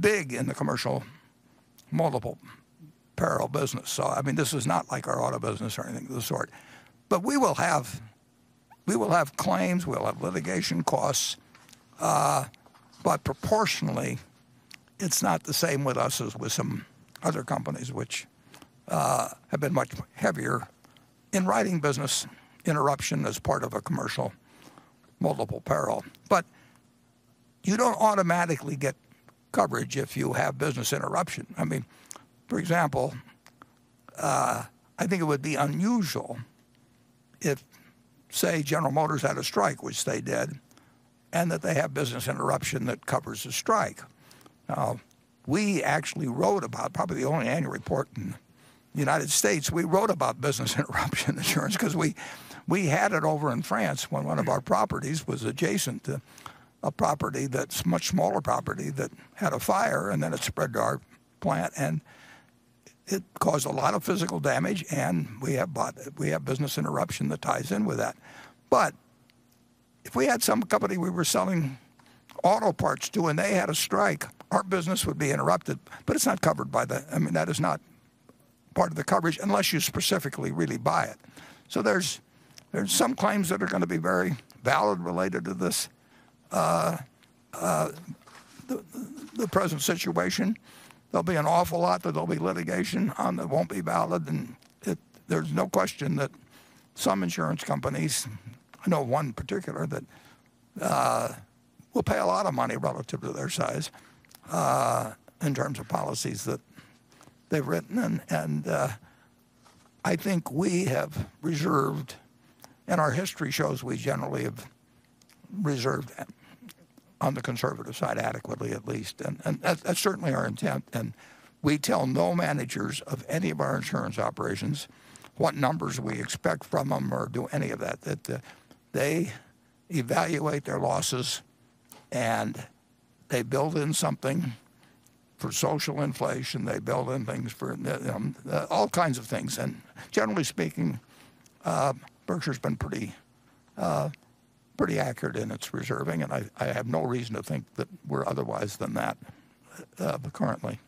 big in the commercial multiple peril business, so I mean, this is not like our auto business or anything of the sort. We will have claims, we'll have litigation costs, proportionally, it's not the same with us as with some other companies which have been much heavier in writing business interruption as part of a commercial multiple peril. You don't automatically get coverage if you have business interruption. I mean, for example, I think it would be unusual if, say, General Motors had a strike, which they did, and that they have business interruption that covers the strike. We actually wrote about, probably the only annual report in the United States, we wrote about business interruption insurance because we had it over in France when one of our properties was adjacent to a property that's much smaller property that had a fire, and then it spread to our plant, and it caused a lot of physical damage, and we have bought, we have business interruption that ties in with that. If we had some company we were selling auto parts to and they had a strike, our business would be interrupted, but it's not covered by the I mean, that is not part of the coverage unless you specifically really buy it. There's, there's some claims that are gonna be very valid related to this, the present situation. There'll be an awful lot that there'll be litigation on that won't be valid, and there's no question that some insurance companies, I know one particular, that will pay a lot of money relative to their size in terms of policies that they've written. I think we have reserved, and our history shows we generally have reserved on the conservative side adequately at least. That's certainly our intent. We tell no managers of any of our insurance operations what numbers we expect from them or do any of that. They evaluate their losses, and they build in something for social inflation. They build in things for all kinds of things. Generally speaking, Berkshire's been pretty accurate in its reserving, and I have no reason to think that we're otherwise than that, currently.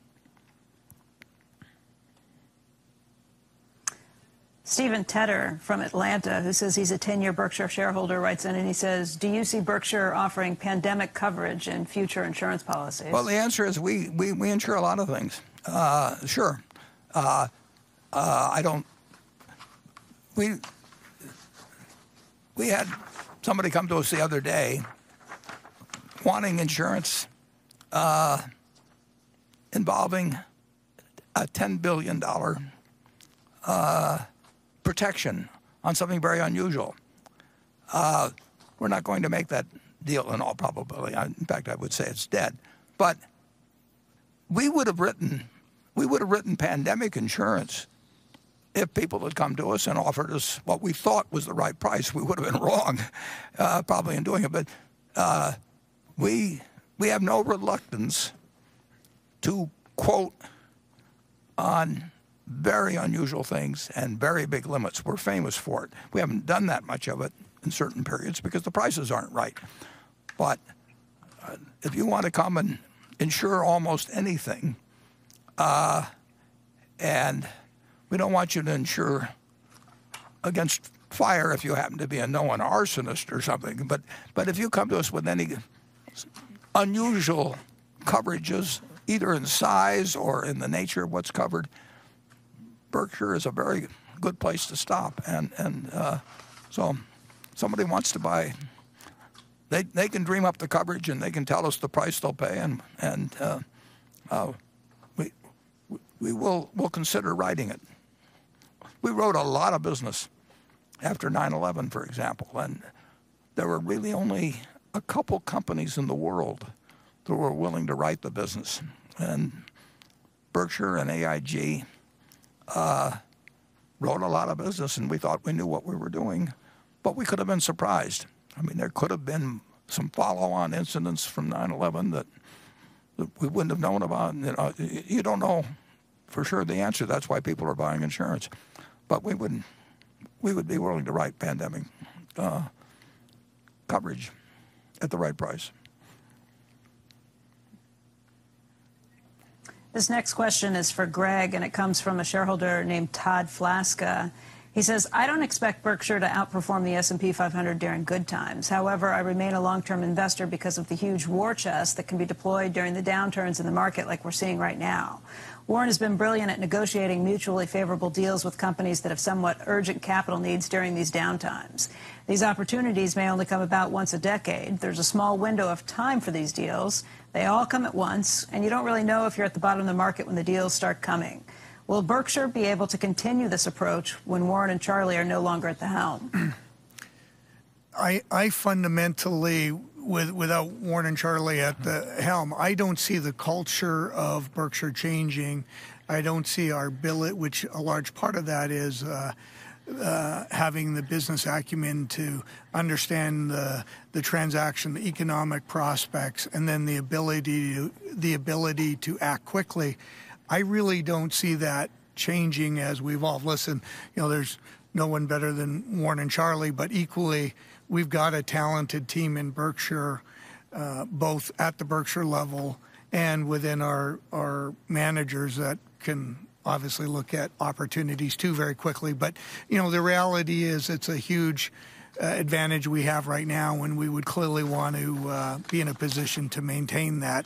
Stephen Tedder from Atlanta, who says he's a 10-year Berkshire shareholder, writes in and he says, do you see Berkshire offering pandemic coverage in future insurance policies? The answer is we insure a lot of things. Sure. We had somebody come to us the other day wanting insurance involving a $10 billion protection on something very unusual. We're not going to make that deal in all probability. In fact, I would say it's dead. We would've written pandemic insurance if people had come to us and offered us what we thought was the right price. We would've been wrong, probably in doing it. We have no reluctance to quote on very unusual things and very big limits. We're famous for it. We haven't done that much of it in certain periods because the prices aren't right. If you want to come and insure almost anything, and we don't want you to insure against fire if you happen to be a known arsonist or something. If you come to us with any unusual coverages, either in size or in the nature of what's covered, Berkshire is a very good place to stop. Somebody wants to buy, they can dream up the coverage, and they can tell us the price they'll pay, and we'll consider writing it. We wrote a lot of business after 9/11, for example, and there were really only a couple companies in the world that were willing to write the business. Berkshire and AIG wrote a lot of business, and we thought we knew what we were doing, but we could've been surprised. I mean, there could've been some follow-on incidents from 9/11 that we wouldn't have known about. You don't know for sure the answer. That's why people are buying insurance. We would be willing to write pandemic coverage at the right price. This next question is for Greg, and it comes from a shareholder named Todd Flaska. He says, I don't expect Berkshire to outperform the S&P 500 during good times. However, I remain a long-term investor because of the huge war chest that can be deployed during the downturns in the market like we're seeing right now. Warren has been brilliant at negotiating mutually favorable deals with companies that have somewhat urgent capital needs during these downtimes. These opportunities may only come about once a decade. There's a small window of time for these deals. They all come at once, and you don't really know if you're at the bottom of the market when the deals start coming. Will Berkshire be able to continue this approach when Warren and Charlie are no longer at the helm? I fundamentally, without Warren and Charlie at the helm, I don't see the culture of Berkshire changing. I don't see our ability, which a large part of that is having the business acumen to understand the transaction, the economic prospects, and then the ability to act quickly. I really don't see that changing as we've all listened. You know, there's no one better than Warren and Charlie, but equally, we've got a talented team in Berkshire, both at the Berkshire level and within our managers that can obviously look at opportunities too very quickly. You know, the reality is it's a huge advantage we have right now, and we would clearly want to be in a position to maintain that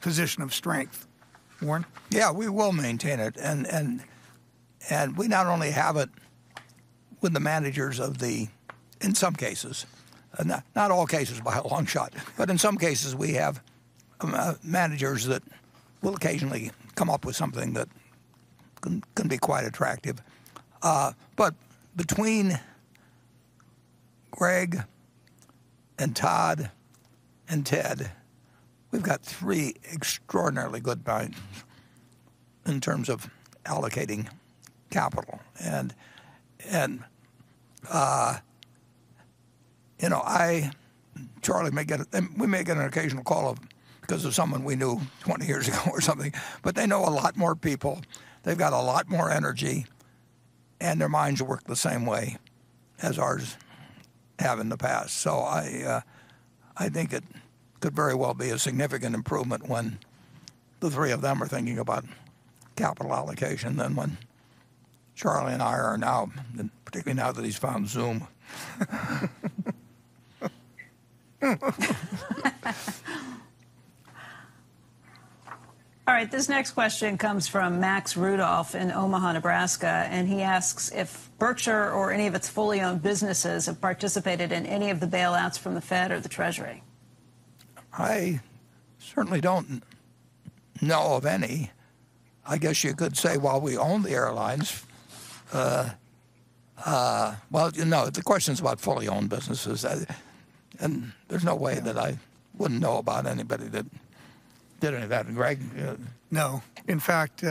position of strength. Warren? Yeah, we will maintain it. We not only have it with the managers in some cases, not all cases by a long shot, but in some cases, we have managers that will occasionally come up with something that can be quite attractive. Between Greg and Todd and Ted, we've got three extraordinarily good minds in terms of allocating capital. You know, Charlie may get an occasional call because of someone we knew 20 years ago or something, but they know a lot more people. They've got a lot more energy, and their minds work the same way as ours have in the past. I think it could very well be a significant improvement when the three of them are thinking about capital allocation than when Charlie and I are now, and particularly now that he's found Zoom. All right, this next question comes from Max Rudolph in Omaha, Nebraska, and he asks if Berkshire or any of its fully owned businesses have participated in any of the bailouts from the Fed or the Treasury. I certainly don't know of any. I guess you could say, well, we own the airlines. Well, you know, the question's about fully owned businesses. There's no way that I wouldn't know about anybody that did any of that. Greg? No. In fact,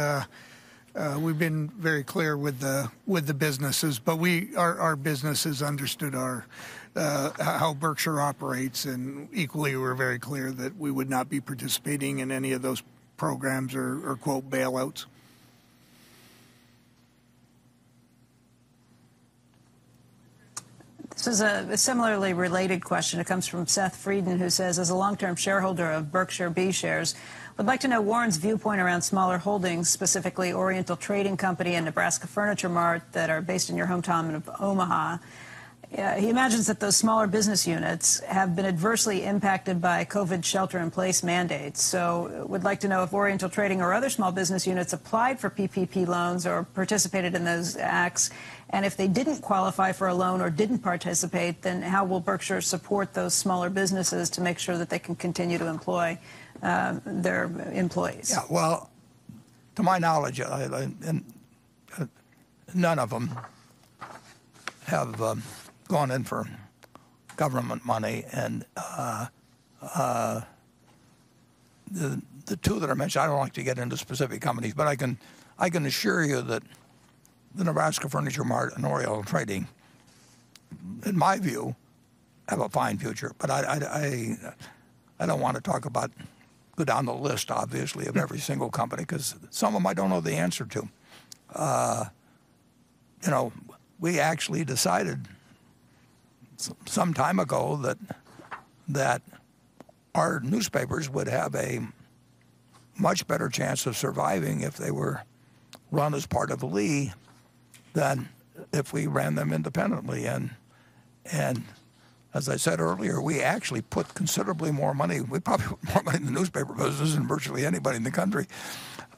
we've been very clear with the businesses, our businesses understood our how Berkshire operates. Equally, we're very clear that we would not be participating in any of those programs or quote bailouts. This is a similarly related question. It comes from Seth Freiden, who says, As a long-term shareholder of Berkshire B shares, I'd like to know Warren's viewpoint around smaller holdings, specifically Oriental Trading Company and Nebraska Furniture Mart, that are based in your hometown of Omaha. He imagines that those smaller business units have been adversely impacted by COVID shelter in place mandates. Would like to know if Oriental Trading or other small business units applied for PPP loans or participated in those acts. If they didn't qualify for a loan or didn't participate, then how will Berkshire support those smaller businesses to make sure that they can continue to employ their employees? Yeah. Well, to my knowledge, none of them have gone in for government money. The two that are mentioned, I don't like to get into specific companies, but I can assure you that the Nebraska Furniture Mart and Oriental Trading, in my view, have a fine future. I don't want to talk about go down the list, obviously, of every single company because some of them I don't know the answer to. You know, we actually decided some time ago that our newspapers would have a much better chance of surviving if they were run as part of Lee than if we ran them independently. As I said earlier, we actually put considerably more money. We probably put more money in the newspaper business than virtually anybody in the country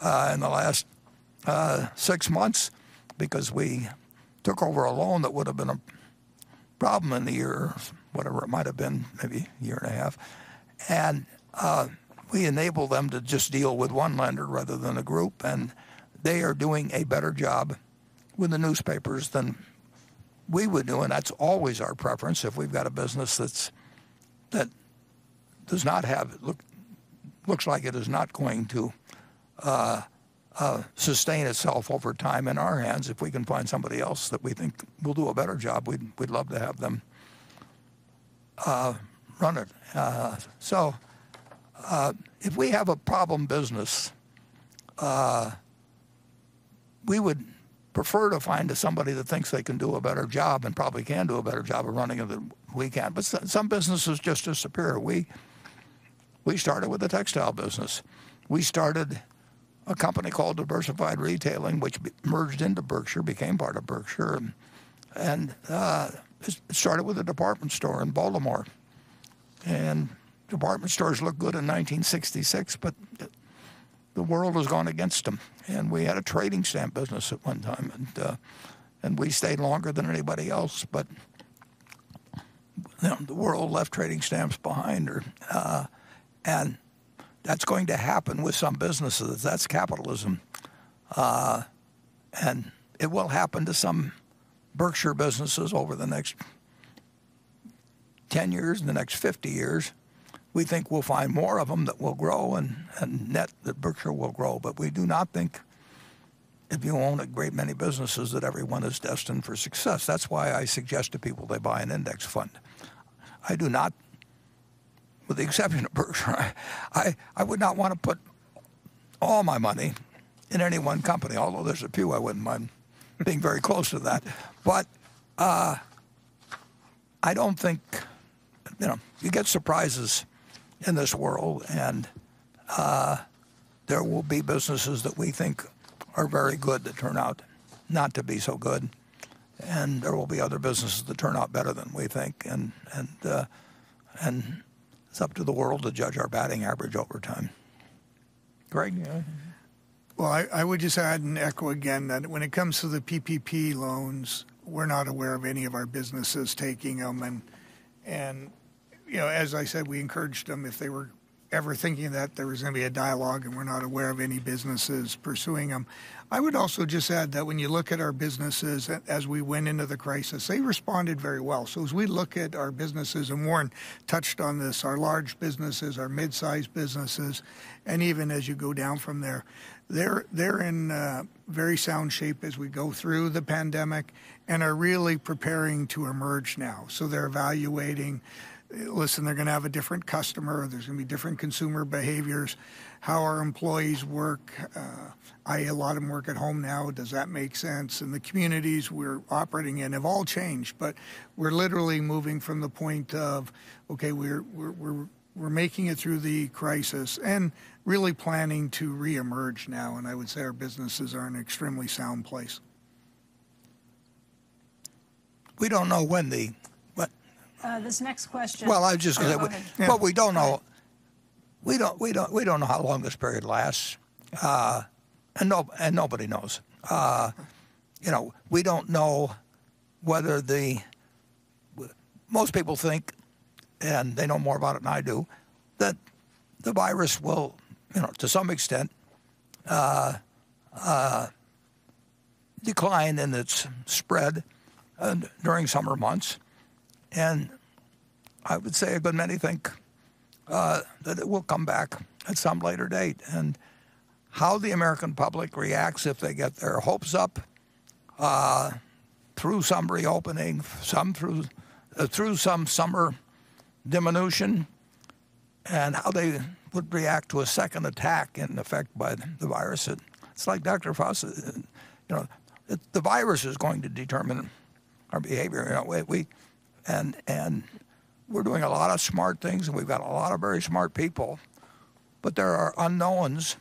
in the last six months because we took over a loan that would have been a problem in a year, whatever it might have been, maybe a year and a half. We enabled them to just deal with one lender rather than a group, and they are doing a better job with the newspapers than we would do. That's always our preference. If we've got a business that looks like it is not going to sustain itself over time in our hands, if we can find somebody else that we think will do a better job, we'd love to have them run it. If we have a problem business, we would prefer to find somebody that thinks they can do a better job and probably can do a better job of running it than we can. Some businesses just disappear. We started with the textile business. We started a company called Diversified Retailing, which merged into Berkshire, became part of Berkshire, and it started with a department store in Baltimore. Department stores looked good in 1966, but the world has gone against them. We had a trading stamp business at one time, and we stayed longer than anybody else, but, you know, the world left trading stamps behind or, and that's going to happen with some businesses. That's capitalism. It will happen to some Berkshire businesses over the next 10 years, the next 50 years. We think we'll find more of them that will grow and net that Berkshire will grow. We do not think if you own a great many businesses that every one is destined for success. That's why I suggest to people they buy an index fund. With the exception of Berkshire, I would not wanna put all my money in any one company, although there's a few I wouldn't mind being very close to that. You know, you get surprises in this world, and there will be businesses that we think are very good that turn out not to be so good, and there will be other businesses that turn out better than we think. It's up to the world to judge our batting average over time. Greg? Well, I would just add and echo again that when it comes to the PPP loans, we're not aware of any of our businesses taking them and, you know, as I said, we encouraged them. If they were ever thinking that there was gonna be a dialogue and we're not aware of any businesses pursuing them. I would also just add that when you look at our businesses as we went into the crisis, they responded very well. As we look at our businesses, and Warren touched on this, our large businesses, our mid-sized businesses, and even as you go down from there, they're in very sound shape as we go through the pandemic and are really preparing to emerge now. They're evaluating. Listen, they're gonna have a different customer. There's gonna be different consumer behaviors. How our employees work, a lot of them work at home now. Does that make sense? The communities we're operating in have all changed. We're literally moving from the point of, okay, we're making it through the crisis and really planning to reemerge now, and I would say our businesses are in extremely sound place. We don't know when the What? This next question. Well. Oh, go ahead. We don't know. We don't know how long this period lasts, and nobody knows. You know, Most people think, and they know more about it than I do, that the virus will, you know, to some extent, decline in its spread during summer months. I would say a bit many think that it will come back at some later date. How the American public reacts if they get their hopes up through some reopening, some through some summer diminution, and how they would react to a second attack in effect by the virus. It's like Dr. Fauci, you know, the virus is going to determine our behavior. You know, we're doing a lot of smart things, and we've got a lot of very smart people, but there are unknowns.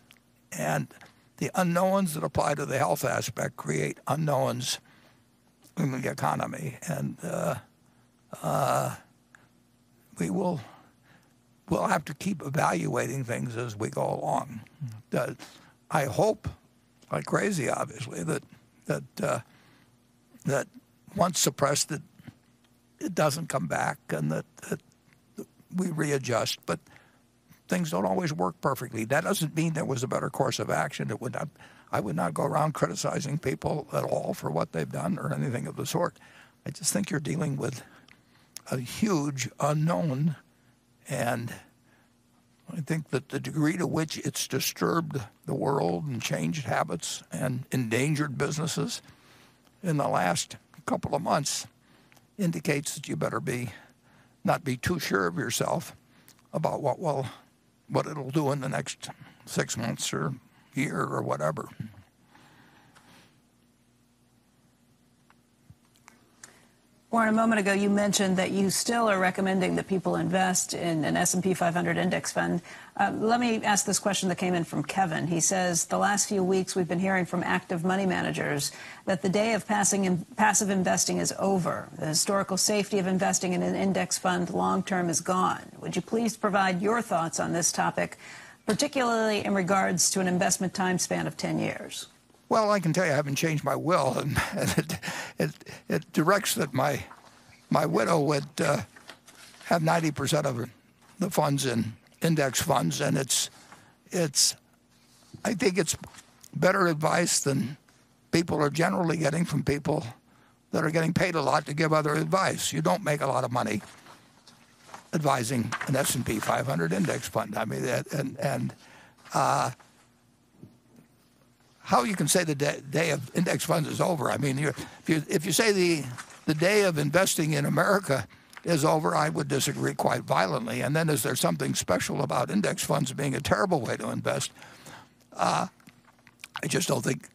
The unknowns that apply to the health aspect create unknowns in the economy. We'll have to keep evaluating things as we go along. I hope like crazy, obviously, that once suppressed it doesn't come back and that we readjust, but things don't always work perfectly. That doesn't mean there was a better course of action. I would not go around criticizing people at all for what they've done or anything of the sort. I just think you're dealing with a huge unknown. I think that the degree to which it's disturbed the world and changed habits and endangered businesses in the last couple of months indicates that you better not be too sure of yourself about what it'll do in the next six months or year or whatever. Warren, a moment ago, you mentioned that you still are recommending that people invest in an S&P 500 index fund. Let me ask this question that came in from Kevin. He says, the last few weeks we've been hearing from active money managers that the day of passive investing is over. The historical safety of investing in an index fund long term is gone. Would you please provide your thoughts on this topic, particularly in regards to an investment time span of 10 years? Well, I can tell you I haven't changed my will. It directs that my widow would have 90% of the funds in index funds, it's better advice than people are generally getting from people that are getting paid a lot to give other advice. You don't make a lot of money advising an S&P 500 index fund. I mean, how you can say the day of index funds is over, I mean, if you say the day of investing in America is over, I would disagree quite violently. Is there something special about index funds being a terrible way to invest? I just don't think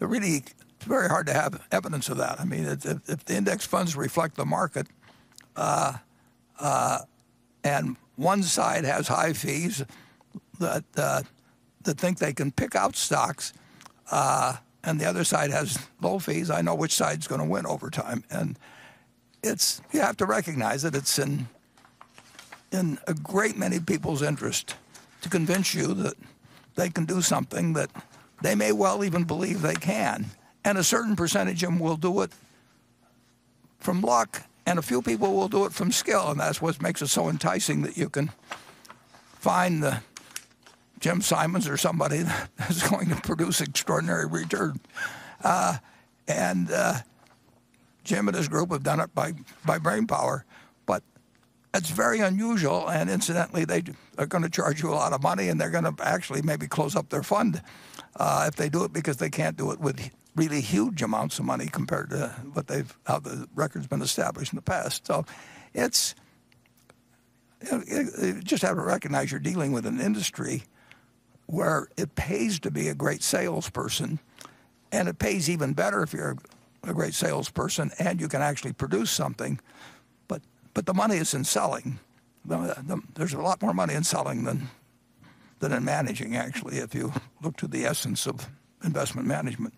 really it's very hard to have evidence of that. I mean, it, if the index funds reflect the market, and one side has high fees that think they can pick out stocks, and the other side has low fees, I know which side's gonna win over time. You have to recognize that it's in a great many people's interest to convince you that they can do something that they may well even believe they can. A certain percentage of them will do it from luck, and a few people will do it from skill, and that's what makes it so enticing that you can find the Jim Simons or somebody that is going to produce extraordinary return. Jim and his group have done it by brainpower. It's very unusual, and incidentally, they are going to charge you a lot of money, and they're going to actually maybe close up their fund if they do it because they can't do it with really huge amounts of money compared to how the record's been established in the past. You just have to recognize you're dealing with an industry where it pays to be a great salesperson, and it pays even better if you're a great salesperson and you can actually produce something. The money is in selling. There's a lot more money in selling than in managing, actually, if you look to the essence of investment management.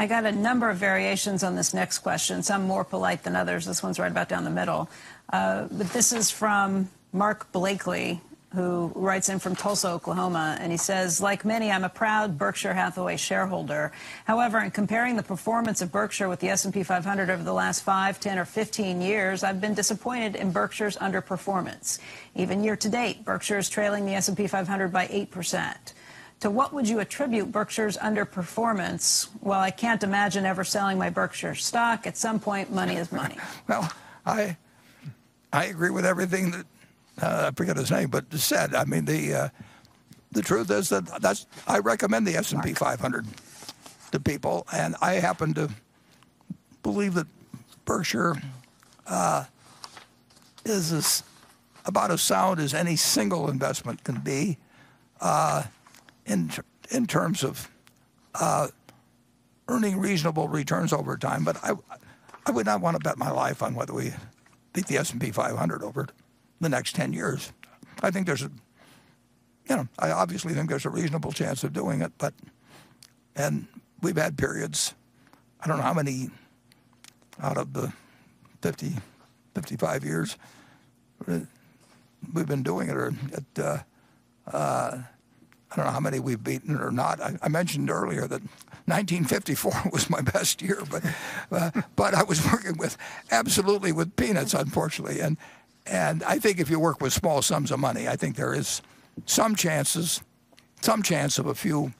I got a number of variations on this next question, some more polite than others. This one's right about down the middle. But this is from Mark Blakely, who writes in from Tulsa, Oklahoma. He says, like many, I'm a proud Berkshire Hathaway shareholder. However, in comparing the performance of Berkshire with the S&P 500 over the last five, 10, or 15 years, I've been disappointed in Berkshire's underperformance. Even year to date, Berkshire is trailing the S&P 500 by 8%. To what would you attribute Berkshire's underperformance? While I can't imagine ever selling my Berkshire stock, at some point, money is money. Well, I agree with everything that, I forget his name, but said. I mean, the truth is that I recommend the S&P 500 to people, and I happen to believe that Berkshire is as about as sound as any single investment can be in terms of earning reasonable returns over time. But I would not wanna bet my life on whether we beat the S&P 500 over the next 10 years. I think there's a You know, I obviously think there's a reasonable chance of doing it, but we've had periods, I don't know how many out of the 50, 55 years we've been doing it or at, I don't know how many we've beaten or not. I mentioned earlier that 1954 was my best year, but I was working with absolutely with peanuts, unfortunately. I think if you work with small sums of money, I think there is some chance of a few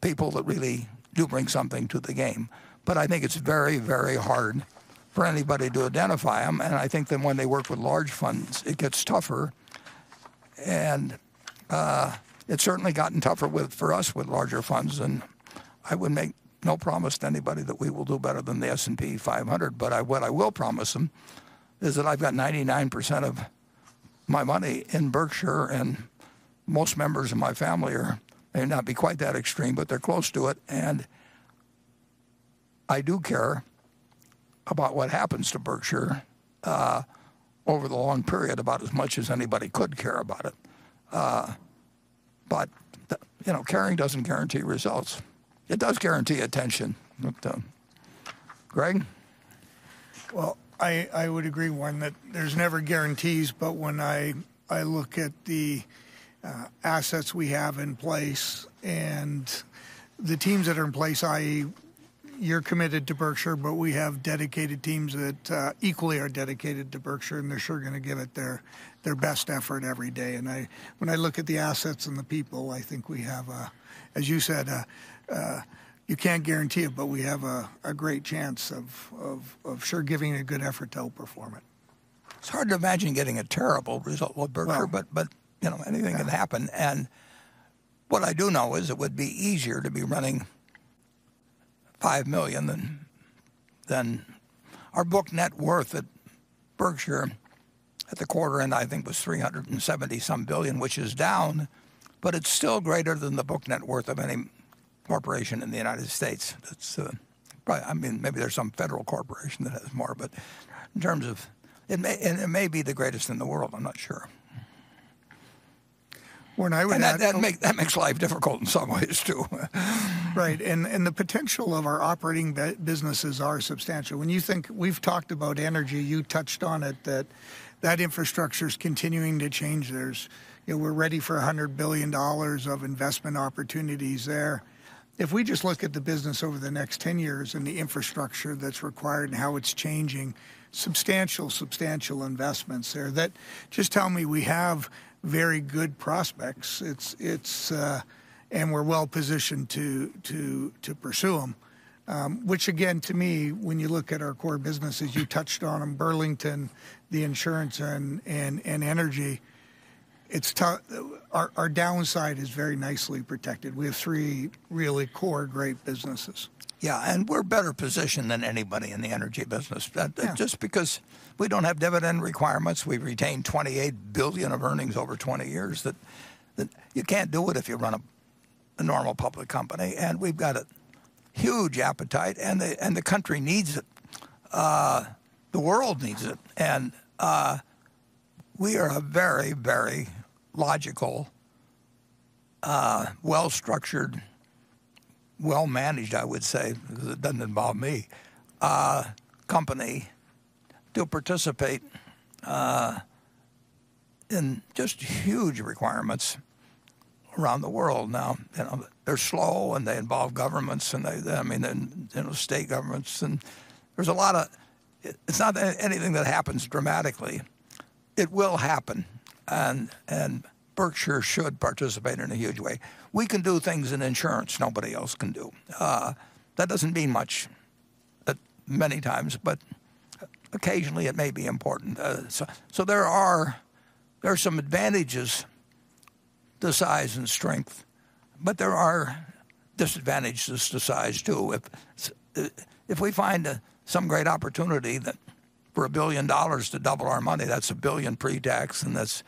people that really do bring something to the game. I think it's very hard for anybody to identify them. I think that when they work with large funds, it gets tougher. It's certainly gotten tougher for us with larger funds, and I would make no promise to anybody that we will do better than the S&P 500. What I will promise them is that I've got 99% of my money in Berkshire, and most members of my family may not be quite that extreme, but they're close to it. I do care about what happens to Berkshire over the long period about as much as anybody could care about it. You know, caring doesn't guarantee results. It does guarantee attention. Greg? Well, I would agree, one, that there's never guarantees. When I look at the assets we have in place and the teams that are in place, i.e., you're committed to Berkshire, but we have dedicated teams that equally are dedicated to Berkshire, and they're sure gonna give it their best effort every day. I, when I look at the assets and the people, I think we have a, as you said, you can't guarantee it, but we have a great chance of sure giving a good effort to outperform it. It's hard to imagine getting a terrible result with Berkshire. Well. You know, anything can happen. What I do know is it would be easier to be running $5 million than Our book net worth at Berkshire at the quarter end, I think, was $370-some billion, which is down, but it's still greater than the book net worth of any corporation in the United States. That's probably, I mean, maybe there's some federal corporation that has more. It may be the greatest in the world. I'm not sure. When I would add. That makes life difficult in some ways too. Right. The potential of our operating businesses are substantial. When you think, we've talked about energy, you touched on it, that that infrastructure's continuing to change. There's, you know, we're ready for $100 billion of investment opportunities there. If we just look at the business over the next 10 years and the infrastructure that's required and how it's changing, substantial investments there that just tell me we have very good prospects. We're well-positioned to pursue them. Which again, to me, when you look at our core businesses, you touched on Burlington, the insurance and energy. Our downside is very nicely protected. We have three really core great businesses. Yeah, we're better positioned than anybody in the energy business just because we don't have dividend requirements. We've retained $28 billion of earnings over 20 years that you can't do it if you run a normal public company. We've got a huge appetite, and the country needs it. The world needs it. We are a very, very logical, well-structured, well-managed, I would say, it doesn't involve me, company to participate in just huge requirements around the world now. You know, they're slow, and they involve governments, and state governments, and there's a lot of it's not anything that happens dramatically. It will happen, and Berkshire should participate in a huge way. We can do things in insurance nobody else can do. That doesn't mean much many times, but occasionally it may be important. There are some advantages to size and strength, but there are disadvantages to size too. If we find some great opportunity that for $1 billion to double our money, that's $1 billion pre-tax, and that's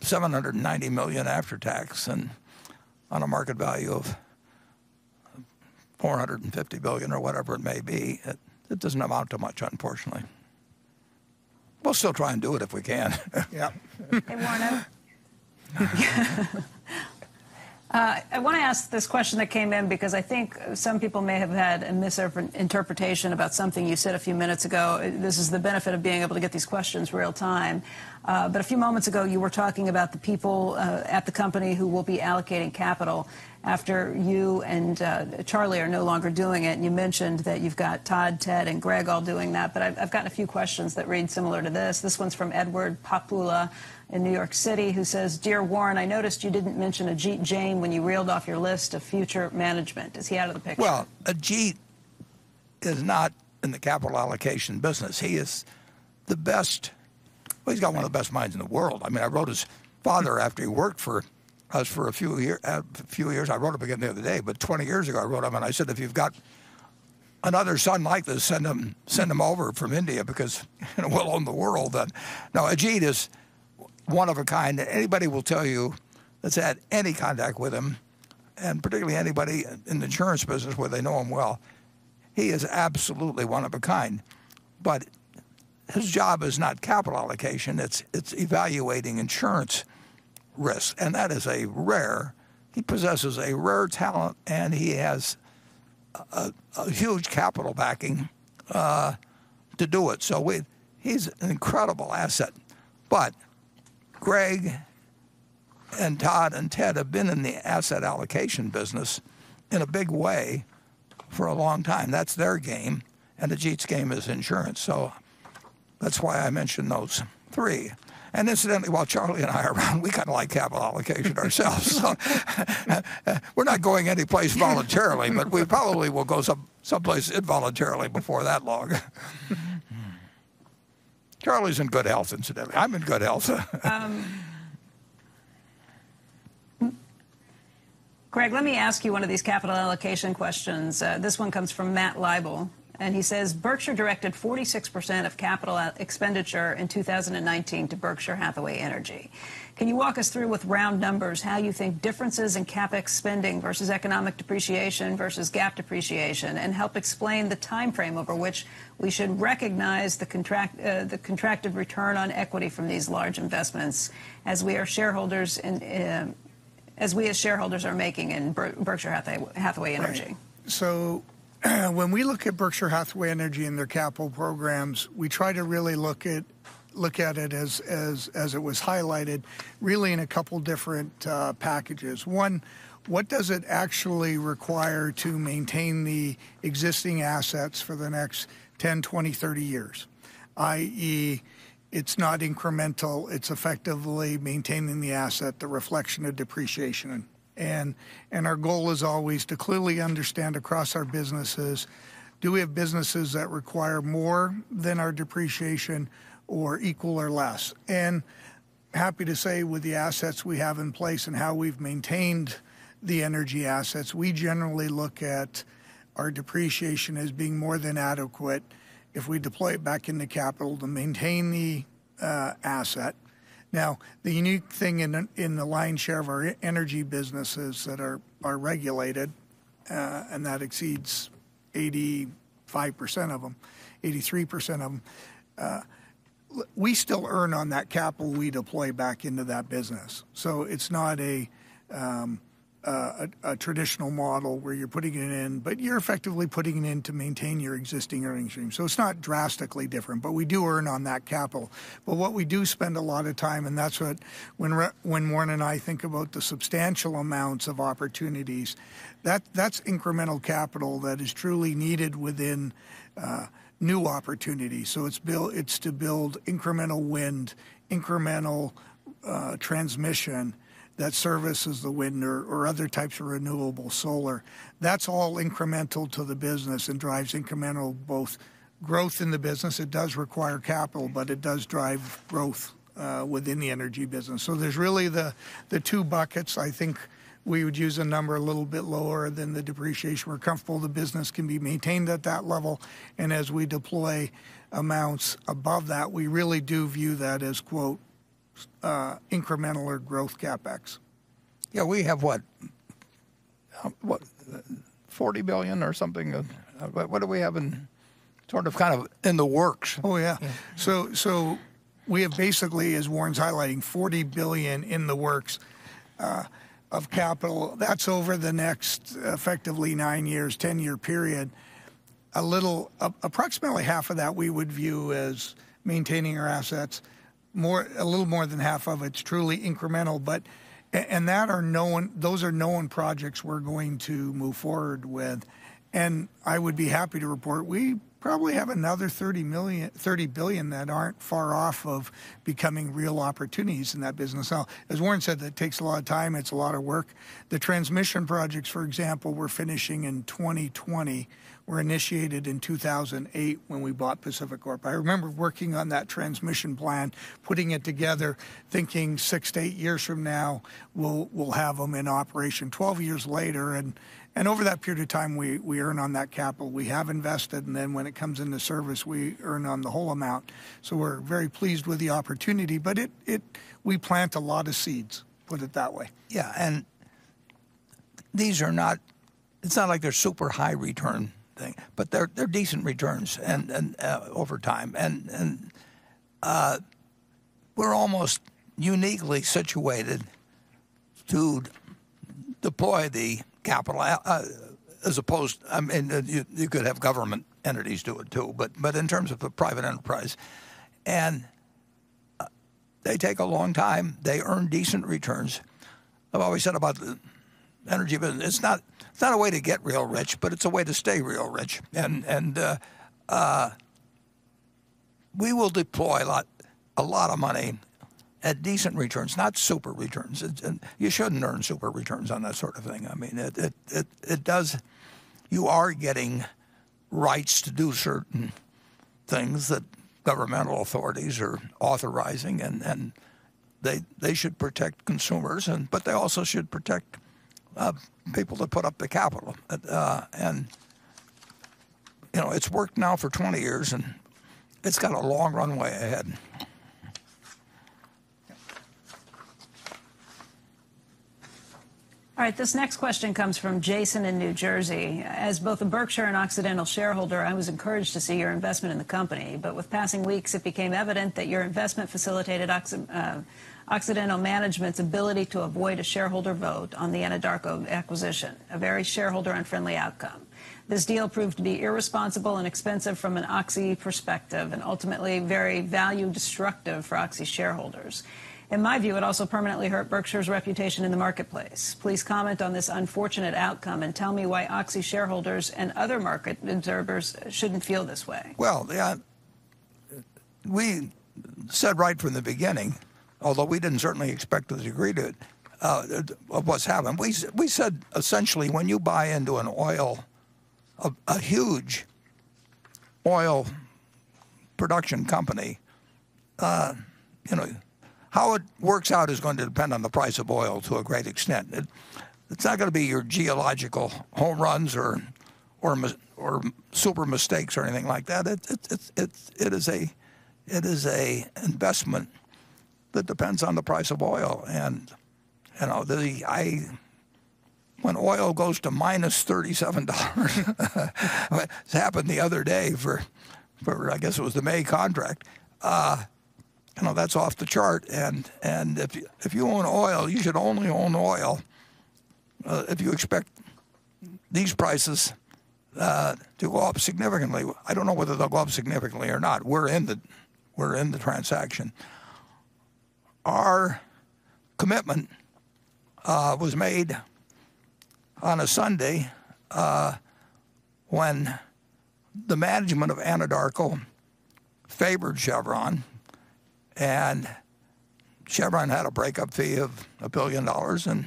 $790 million after tax and on a market value of $450 billion or whatever it may be. It doesn't amount to much, unfortunately. We'll still try and do it if we can. Yeah. Hey, Warren, I wanna ask this question that came in because I think some people may have had a misinterpretation about something you said a few minutes ago. This is the benefit of being able to get these questions real time. A few moments ago, you were talking about the people at the company who will be allocating capital after you and Charlie are no longer doing it, and you mentioned that you've got Todd, Ted, and Greg all doing that. I've gotten a few questions that read similar to this. This one's from Edward Popoola in New York City who says, dear Warren, I noticed you didn't mention Ajit Jain when you reeled off your list of future management. Is he out of the picture? Well, Ajit is not in the capital allocation business. Well, he's got one of the best minds in the world. I mean, I wrote his father after he worked for us for a few years. I wrote him again the other day. 20 years ago, I wrote him and I said, if you've got another son like this, send him, send him over from India because we'll own the world then. No, Ajit is one of a kind. Anybody will tell you that's had any contact with him, and particularly anybody in the insurance business where they know him well, he is absolutely one of a kind. His job is not capital allocation. It's evaluating insurance risks. He possesses a rare talent, and he has a huge capital backing to do it. He's an incredible asset. Greg and Todd and Ted have been in the asset allocation business in a big way for a long time. That's their game, and Ajit's game is insurance. That's why I mentioned those three. Incidentally, while Charlie and I are around, we kinda like capital allocation ourselves. We're not going anyplace voluntarily. We probably will go someplace involuntarily before that long. Charlie's in good health incidentally. I'm in good health. Greg, let me ask you one of these capital allocation questions. This one comes from Matt Libel, and he says, Berkshire directed 46% of capital expenditure in 2019 to Berkshire Hathaway Energy. Can you walk us through with round numbers how you think differences in CapEx spending versus economic depreciation versus GAAP depreciation, and help explain the timeframe over which we should recognize the contractive return on equity from these large investments as we are shareholders in, as we as shareholders are making in Berkshire Hathaway Energy? Right. When we look at Berkshire Hathaway Energy and their capital programs, we try to really look at it as it was highlighted, really in a couple different packages. One, what does it actually require to maintain the existing assets for the next 10, 20, 30 years? I.e., it's not incremental. It's effectively maintaining the asset, the reflection of depreciation. Our goal is always to clearly understand across our businesses, do we have businesses that require more than our depreciation or equal or less? Happy to say with the assets we have in place and how we've maintained the energy assets, we generally look at our depreciation as being more than adequate if we deploy it back into capital to maintain the asset. The unique thing in the lion's share of our energy businesses that are regulated, and that exceeds 85% of them, 83% of them, we still earn on that capital we deploy back into that business. It's not a traditional model where you're putting it in, but you're effectively putting it in to maintain your existing earnings stream. It's not drastically different, but we do earn on that capital. What we do spend a lot of time, and that's what when Warren and I think about the substantial amounts of opportunities, that's incremental capital that is truly needed within new opportunities. It's to build incremental wind, incremental transmission that services the wind or other types of renewable solar. That's all incremental to the business and drives incremental both growth in the business. It does require capital, but it does drive growth within the energy business. There's really the two buckets. I think we would use a number a little bit lower than the depreciation. We're comfortable the business can be maintained at that level, and as we deploy amounts above that, we really do view that as incremental or growth CapEx. Yeah, we have what? How, what $40 billion or something of what do we have in sort of, kind of in the works? Oh, yeah. We have basically, as Warren's highlighting, $40 billion in the works of capital. That's over the next effectively nine years, 10-year period. Approximately half of that we would view as maintaining our assets. A little more than half of it's truly incremental. Those are known projects we're going to move forward with. I would be happy to report, we probably have another $30 billion that aren't far off of becoming real opportunities in that business. As Warren said, that takes a lot of time, it's a lot of work. The transmission projects, for example, we're finishing in 2020, were initiated in 2008 when we bought PacifiCorp. I remember working on that transmission plan, putting it together, thinking six to eight years from now, we'll have them in operation. 12 years later, over that period of time, we earn on that capital. We have invested, then when it comes into service, we earn on the whole amount. We're very pleased with the opportunity. We plant a lot of seeds, put it that way. These are not it's not like they're super high return thing, but they're decent returns over time. We're almost uniquely situated to deploy the capital, as opposed I mean, you could have government entities do it too, but in terms of a private enterprise. They take a long time. They earn decent returns. I've always said about the energy business, it's not a way to get real rich, but it's a way to stay real rich. We will deploy a lot of money at decent returns, not super returns. You shouldn't earn super returns on that sort of thing. You are getting rights to do certain things that governmental authorities are authorizing and they should protect consumers and, but they also should protect people that put up the capital. You know, it's worked now for 20 years, and it's got a long runway ahead. All right, this next question comes from Jason in New Jersey. As both a Berkshire and Occidental shareholder, I was encouraged to see your investment in the company. With passing weeks, it became evident that your investment facilitated Occidental Management's ability to avoid a shareholder vote on the Anadarko acquisition, a very shareholder-unfriendly outcome. This deal proved to be irresponsible and expensive from an Oxy perspective and ultimately very value destructive for Oxy shareholders. In my view, it also permanently hurt Berkshire's reputation in the marketplace. Please comment on this unfortunate outcome and tell me why Oxy shareholders and other market observers shouldn't feel this way. Well, yeah, we said right from the beginning, although we didn't certainly expect the degree to of what's happened. We said essentially, when you buy into an oil, a huge oil production company, you know, how it works out is going to depend on the price of oil to a great extent. It's not gonna be your geological home runs or super mistakes or anything like that. It is an investment that depends on the price of oil. You know, when oil goes to -$37, it happened the other day for I guess it was the May contract. You know, that's off the chart. If you own oil, you should only own oil if you expect these prices to go up significantly. I don't know whether they'll go up significantly or not. We're in the transaction. Our commitment was made on a Sunday when the management of Anadarko favored Chevron, and Chevron had a breakup fee of $1 billion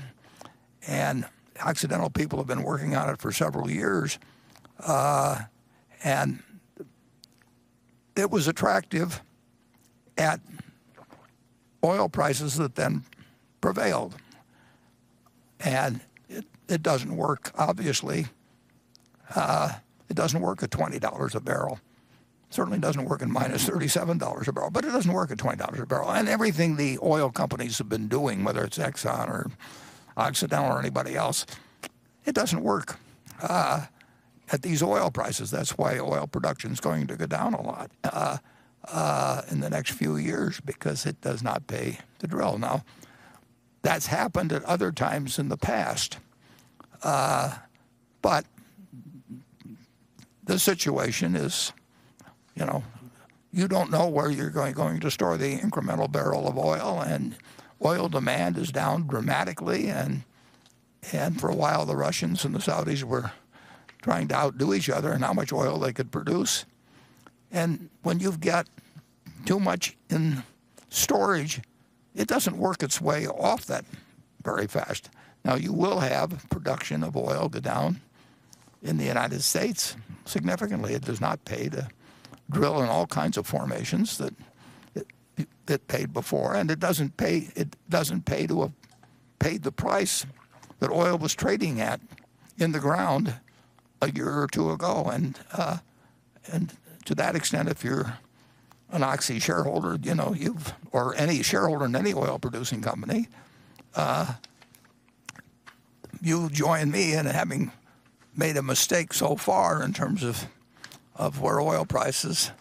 and Occidental people have been working on it for several years. It was attractive at oil prices that then prevailed. It doesn't work, obviously. It doesn't work at $20 a barrel. Certainly doesn't work at -$37 a barrel, but it doesn't work at $20 a barrel. Everything the oil companies have been doing, whether it's Exxon or Occidental or anybody else, it doesn't work at these oil prices. That's why oil production's going to go down a lot in the next few years because it does not pay to drill. Now, that's happened at other times in the past, but the situation is, you know, you don't know where you're going to store the one incremental barrel of oil. Oil demand is down dramatically and for a while, the Russians and the Saudis were trying to outdo each other in how much oil they could produce. When you've got too much in storage, it doesn't work its way off that very fast. Now, you will have production of oil go down in the United States significantly. It does not pay to drill in all kinds of formations that it paid before and it doesn't pay to paid the price that oil was trading at in the ground a year or two ago. To that extent, if you're an Oxy shareholder, you know, you've or any shareholder in any oil producing company, you'll join me in having made a mistake so far in terms of where oil prices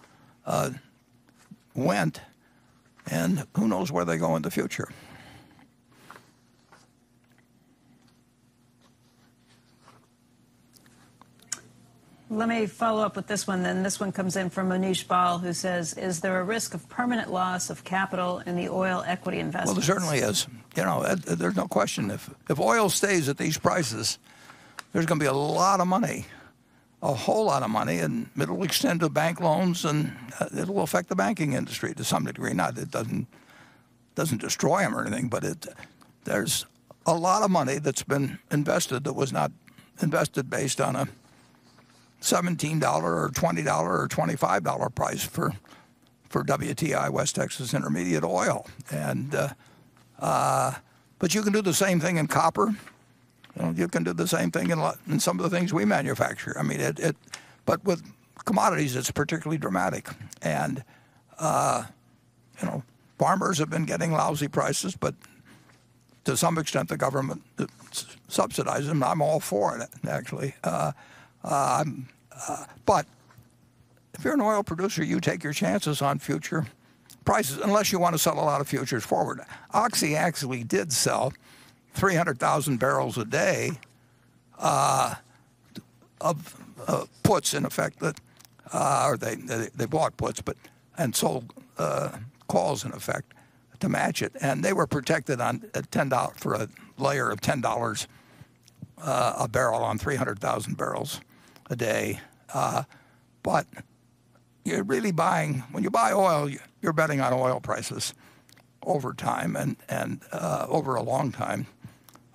went, and who knows where they go in the future. Let me follow up with this one then. This one comes in from Mohnish Bahl, who says, is there a risk of permanent loss of capital in the oil equity investments? Well, there certainly is. You know, there's no question. If oil stays at these prices, there's gonna be a lot of money, a whole lot of money, and it'll extend to bank loans and it'll affect the banking industry to some degree. It doesn't destroy them or anything, but there's a lot of money that's been invested that was not invested based on a $17 or $20 or $25 price for WTI, West Texas Intermediate oil. You can do the same thing in copper. You know, you can do the same thing in some of the things we manufacture. I mean, with commodities, it's particularly dramatic. You know, farmers have been getting lousy prices, but to some extent the government subsidizes them. I'm all for it, actually. If you're an oil producer, you take your chances on future prices, unless you want to sell a lot of futures forward. Oxy actually did sell 300,000 bpd of puts in effect. They bought puts and sold calls in effect to match it. They were protected for a layer of $10 a barrel on 300,000 bpd. You're really buying. When you buy oil, you're betting on oil prices over time and over a long time.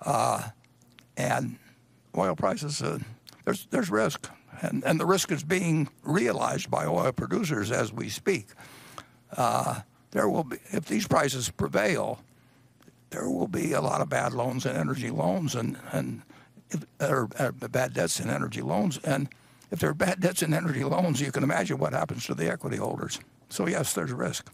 Oil prices, there's risk and the risk is being realized by oil producers as we speak. If these prices prevail, there will be a lot of bad loans and energy loans or bad debts in energy loans. If there are bad debts in energy loans, you can imagine what happens to the equity holders. Yes, there's a risk.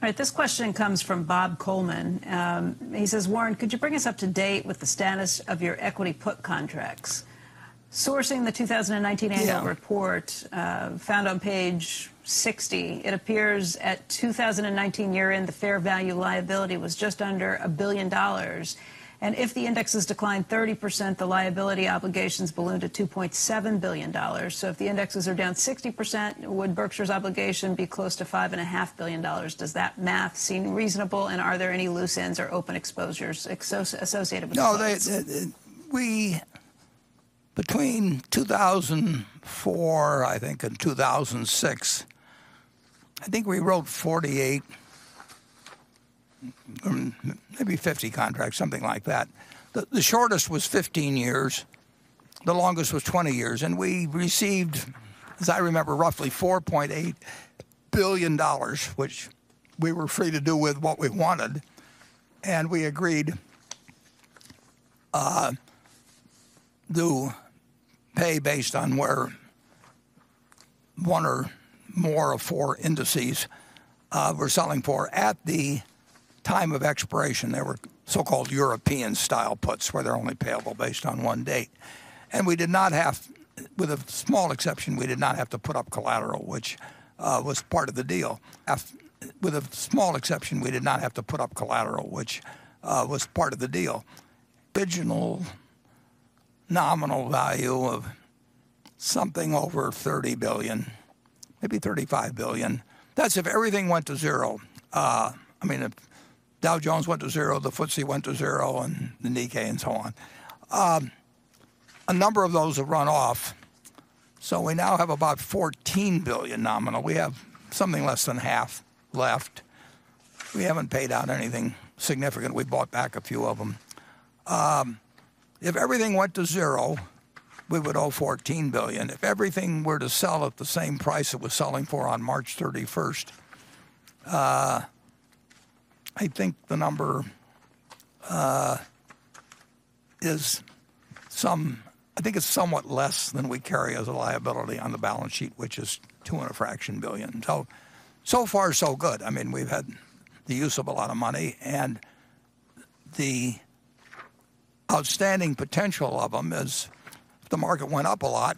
All right, this question comes from Bob Coleman. He says, Warren, could you bring us up to date with the status of your equity put contracts? Sourcing the 2019 annual report, found on page 60, it appears at 2019 year-end, the fair value liability was just under $1 billion. If the indexes declined 30%, the liability obligations ballooned to $2.7 billion. If the indexes are down 60%, would Berkshire's obligation be close to $5.5 billion? Does that math seem reasonable, and are there any loose ends or open exposures associated with those loans? No, between 2004 and 2006 we wrote 48, maybe 50 contracts, something like that. The shortest was 15 years, the longest was 20 years. We received roughly $4.8 billion, which we were free to do with what we wanted. We agreed to pay based on where one or more of four indices were selling for at the time of expiration. They were so-called European-style puts, where they're only payable based on one date. We did not have, with a small exception, we did not have to put up collateral, which was part of the deal. With a small exception, we did not have to put up collateral, which was part of the deal. Original nominal value of something over $30 billion, maybe $35 billion. That's if everything went to zero. I mean, if Dow Jones went to zero, the FTSE went to zero, and the Nikkei and so on. A number of those have run off, we now have about $14 billion nominal. We have something less than half left. We haven't paid out anything significant. We bought back a few of them. If everything went to zero, we would owe $14 billion. If everything were to sell at the same price it was selling for on March 31st, I think the number, I think it's somewhat less than we carry as a liability on the balance sheet, which is $2 and a fraction billion in total. So far, so good. I mean, we've had the use of a lot of money, and the outstanding potential of them is if the market went up a lot,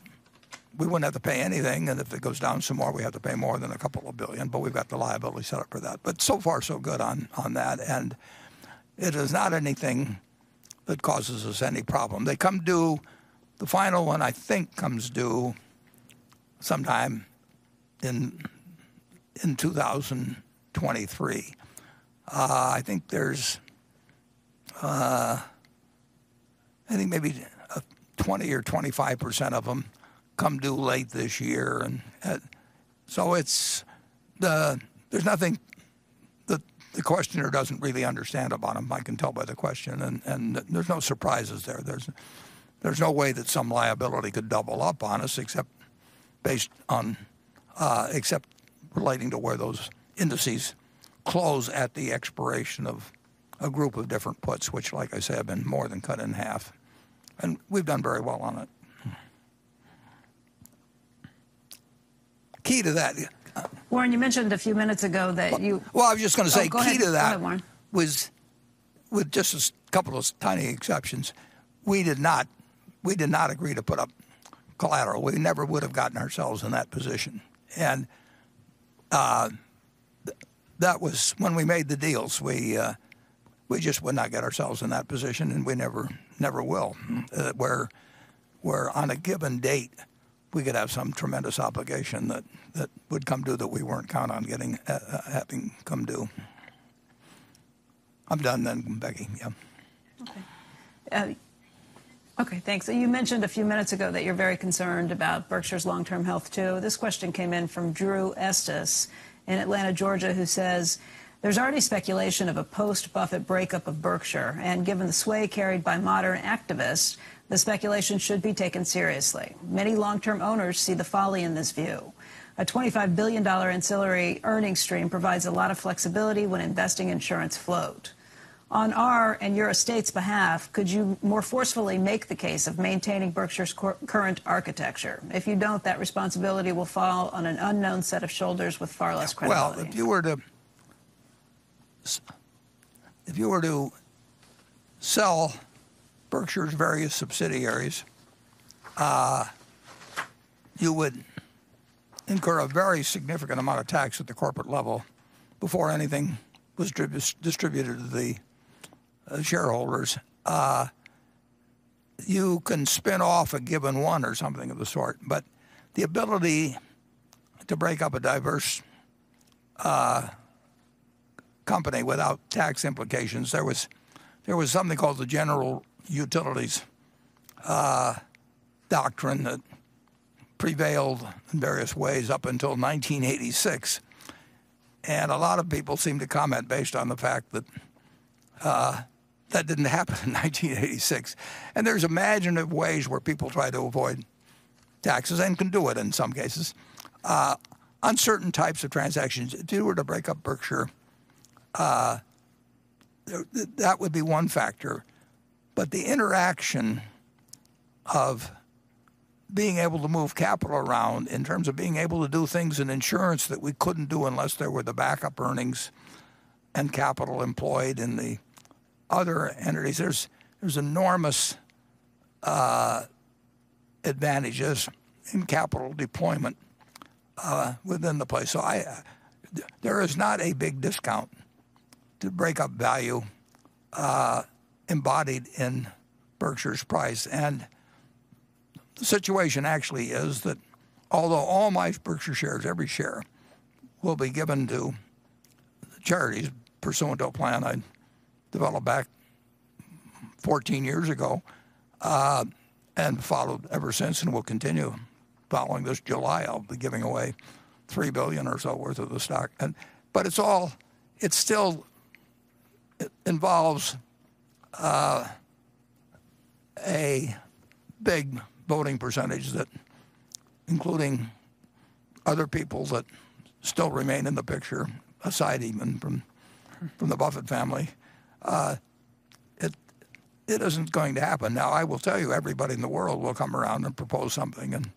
we wouldn't have to pay anything, and if it goes down some more, we have to pay more than a couple of billion, but we've got the liability set up for that. So far, so good on that. It is not anything that causes us any problem. They come due, the final one, I think, comes due sometime in 2023. I think there's, I think maybe 20% or 25% of them come due late this year. The questioner doesn't really understand about them, I can tell by the question. There's no surprises there. There's no way that some liability could double up on us except based on, except relating to where those indices close at the expiration of a group of different puts, which like I say, have been more than cut in half. We've done very well on it. Warren, you mentioned a few minutes ago that. Well, I was just gonna say. Oh, go ahead. Key to that. Go ahead, Warren. Was with just a couple of tiny exceptions, we did not agree to put up collateral. We never would've gotten ourselves in that position. That was when we made the deals, we just would not get ourselves in that position and we never will. Where on a given date we could have some tremendous obligation that would come due that we weren't counting on getting having come due. I'm done then, Becky. Yeah. Okay. Okay, thanks. You mentioned a few minutes ago that you're very concerned about Berkshire's long-term health too. This question came in from Drew Estes in Atlanta, Georgia, who says, There's already speculation of a post-Buffett breakup of Berkshire, and given the sway carried by modern activists, the speculation should be taken seriously. Many long-term owners see the folly in this view. A $25 billion ancillary earning stream provides a lot of flexibility when investing insurance float. On our and your estate's behalf, could you more forcefully make the case of maintaining Berkshire's current architecture? If you don't, that responsibility will fall on an unknown set of shoulders with far less credibility. Well, if you were to sell Berkshire's various subsidiaries, you would incur a very significant amount of tax at the corporate level before anything was distributed to the shareholders. You can spin off a given one or something of the sort, but the ability to break up a diverse company without tax implications, there was something called the General Utilities doctrine that prevailed in various ways up until 1986. A lot of people seem to comment based on the fact that that didn't happen in 1986. There's imaginative ways where people try to avoid taxes and can do it in some cases. On certain types of transactions, if you were to break up Berkshire, that would be one factor. The interaction of being able to move capital around in terms of being able to do things in insurance that we couldn't do unless there were the backup earnings and capital employed in the other entities, there's enormous advantages in capital deployment within the place. I, there is not a big discount to breakup value embodied in Berkshire's price. The situation actually is that although all my Berkshire shares, every share, will be given to charities pursuant to a plan I developed back 14 years ago and followed ever since and will continue following this July, I'll be giving away $3 billion or so worth of the stock. It's all, it still, it involves a big voting percentage that including other people that still remain in the picture, aside even from the Buffett family. it isn't going to happen. I will tell you, everybody in the world will come around and propose something and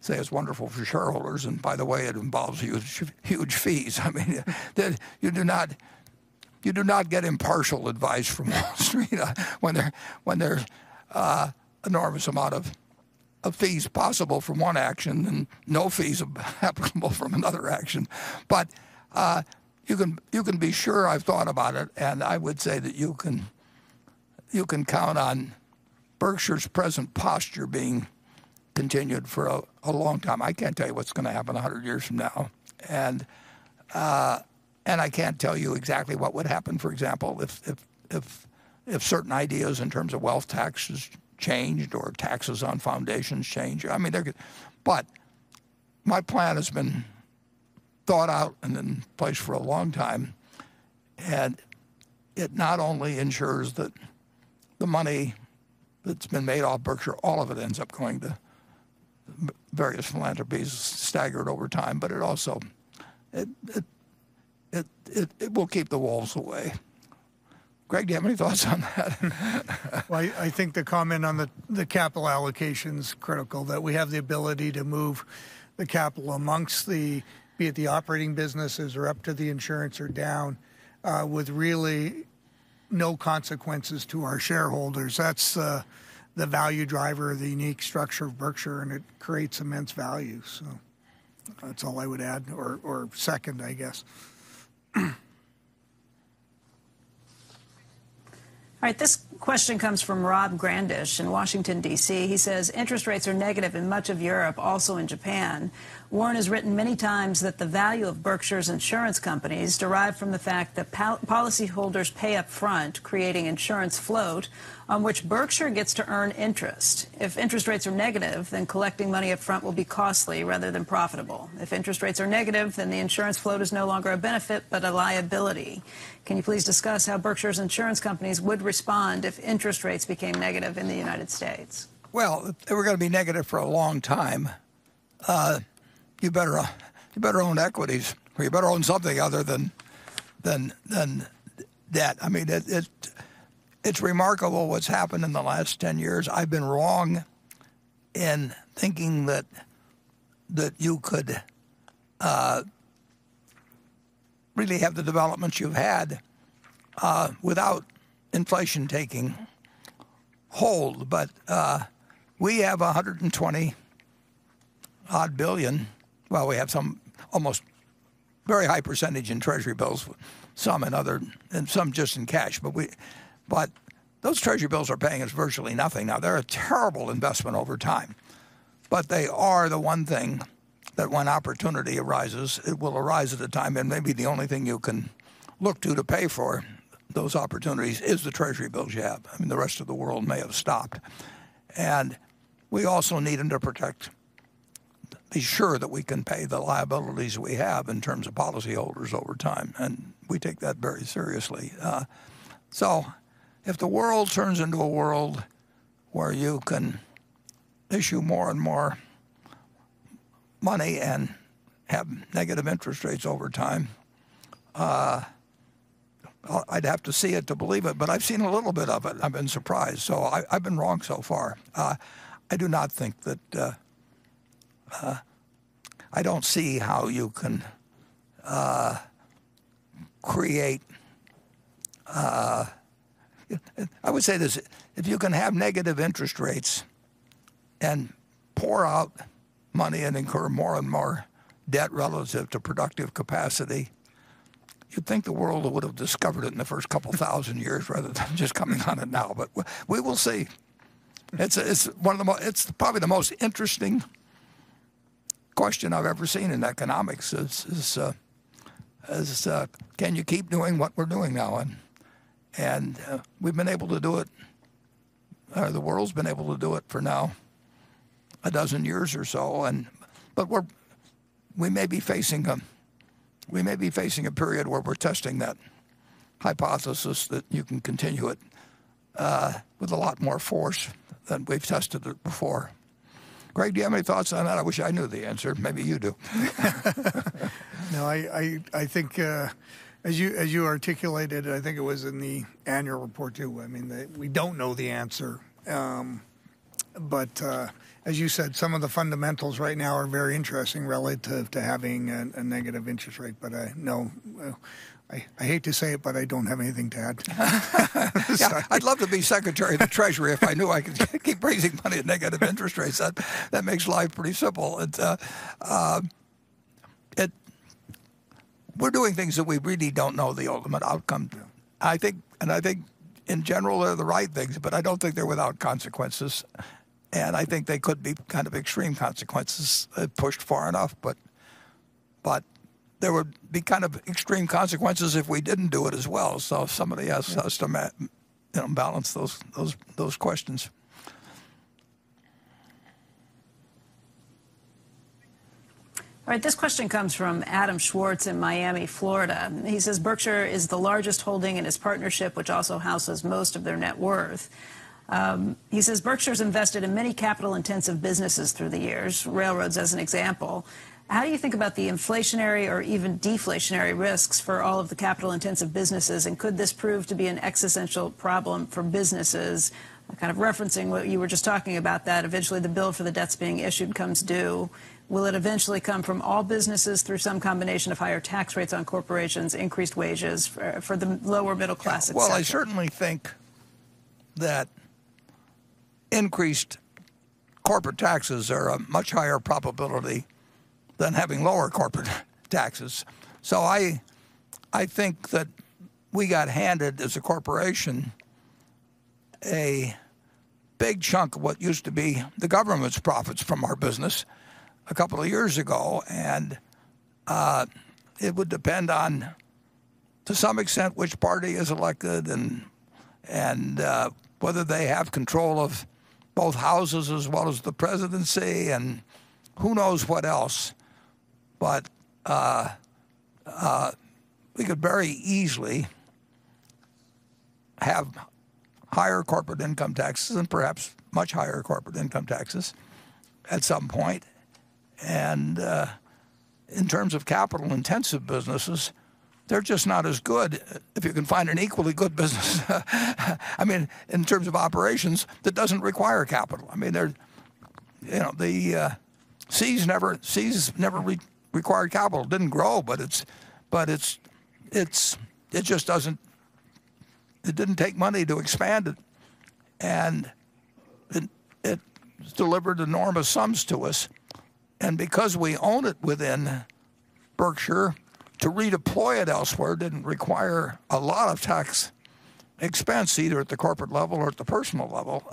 say it's wonderful for shareholders, and by the way, it involves huge, huge fees. I mean, you do not get impartial advice from Wall Street when there's an enormous amount of fees possible from one action and no fees applicable from another action. You can be sure I've thought about it, and I would say that you can count on Berkshire's present posture being continued for a long time. I can't tell you what's gonna happen 100 years from now. I can't tell you exactly what would happen, for example, if certain ideas in terms of wealth taxes changed or taxes on foundations change. I mean, there could my plan has been thought out and in place for a long time, and it not only ensures that the money that's been made off Berkshire, all of it ends up going to various philanthropies staggered over time, but it also, it will keep the wolves away. Greg, do you have any thoughts on that? Well, I think the comment on the capital allocation's critical, that we have the ability to move the capital amongst the, be it the operating businesses or up to the insurance or down, with really no consequences to our shareholders. That's the value driver of the unique structure of Berkshire and it creates immense value. That's all I would add or second, I guess. All right, this question comes from Robb Grandish in Washington, D.C. He says, interest rates are negative in much of Europe, also in Japan. Warren has written many times that the value of Berkshire's insurance companies derive from the fact that policyholders pay up front, creating insurance float, on which Berkshire gets to earn interest. Collecting money up front will be costly rather than profitable. The insurance float is no longer a benefit but a liability. Can you please discuss how Berkshire's insurance companies would respond if interest rates became negative in the United States? Well, they were gonna be negative for a long time. You better own equities or you better own something other than debt. I mean, it's remarkable what's happened in the last 10 years. I've been wrong in thinking that you could really have the developments you've had without inflation taking hold. We have $120-odd billion. Well, we have some almost very high percentage in Treasury bills, some in other, and some just in cash. Those Treasury bills are paying us virtually nothing. Now, they're a terrible investment over time. They are the one thing that when opportunity arises, it will arise at a time when maybe the only thing you can look to to pay for those opportunities is the Treasury bills you have. I mean, the rest of the world may have stopped. We also need them to protect, be sure that we can pay the liabilities we have in terms of policyholders over time. We take that very seriously. If the world turns into a world where you can issue more and more money and have negative interest rates over time, well, I'd have to see it to believe it. I've seen a little bit of it. I've been surprised. I've been wrong so far. I do not think that, I don't see how you can create I would say this, if you can have negative interest rates and pour out money and incur more and more debt relative to productive capacity, you'd think the world would have discovered it in the first couple thousand years rather than just coming on it now. We will see. It's one of the most interesting question I've ever seen in economics is, can you keep doing what we're doing now? We've been able to do it, the world's been able to do it for now a dozen years or so. We may be facing a period where we're testing that hypothesis that you can continue it with a lot more force than we've tested it before. Greg, do you have any thoughts on that? I wish I knew the answer. Maybe you do. No, I think, as you articulated, I think it was in the annual report too, I mean, we don't know the answer. As you said, some of the fundamentals right now are very interesting relative to having a negative interest rate. No, I hate to say it, but I don't have anything to add. Yeah. I'd love to be Secretary of the Treasury if I knew I could keep raising money at negative interest rates. That makes life pretty simple. We're doing things that we really don't know the ultimate outcome. I think, I think in general they're the right things, but I don't think they're without consequences. I think they could be kind of extreme consequences pushed far enough. There would be kind of extreme consequences if we didn't do it as well. Somebody has to, you know, balance those questions. All right. This question comes from Adam Schwarz in Miami, Florida. He says, Berkshire is the largest holding in his partnership which also houses most of their net worth. He says, Berkshire's invested in many capital-intensive businesses through the years, railroads as an example. How do you think about the inflationary or even deflationary risks for all of the capital-intensive businesses, and could this prove to be an existential problem for businesses? Kind of referencing what you were just talking about, that eventually the bill for the debts being issued comes due. Will it eventually come from all businesses through some combination of higher tax rates on corporations, increased wages for the lower middle class, etc.? Well, I certainly think that increased corporate taxes are a much higher probability than having lower corporate taxes. I think that we got handed, as a corporation, a big chunk of what used to be the government's profits from our business a couple of years ago. It would depend on, to some extent, which party is elected and whether they have control of both Houses as well as the presidency and who knows what else. We could very easily have higher corporate income taxes and perhaps much higher corporate income taxes at some point. In terms of capital-intensive businesses, they're just not as good, if you can find an equally good business, I mean, in terms of operations, that doesn't require capital. I mean, they're, you know, the See's never re-required capital. Didn't grow, but it's, it just doesn't, it didn't take money to expand it. It, it delivered enormous sums to us. Because we own it within Berkshire, to redeploy it elsewhere didn't require a lot of tax expense, either at the corporate level or at the personal level.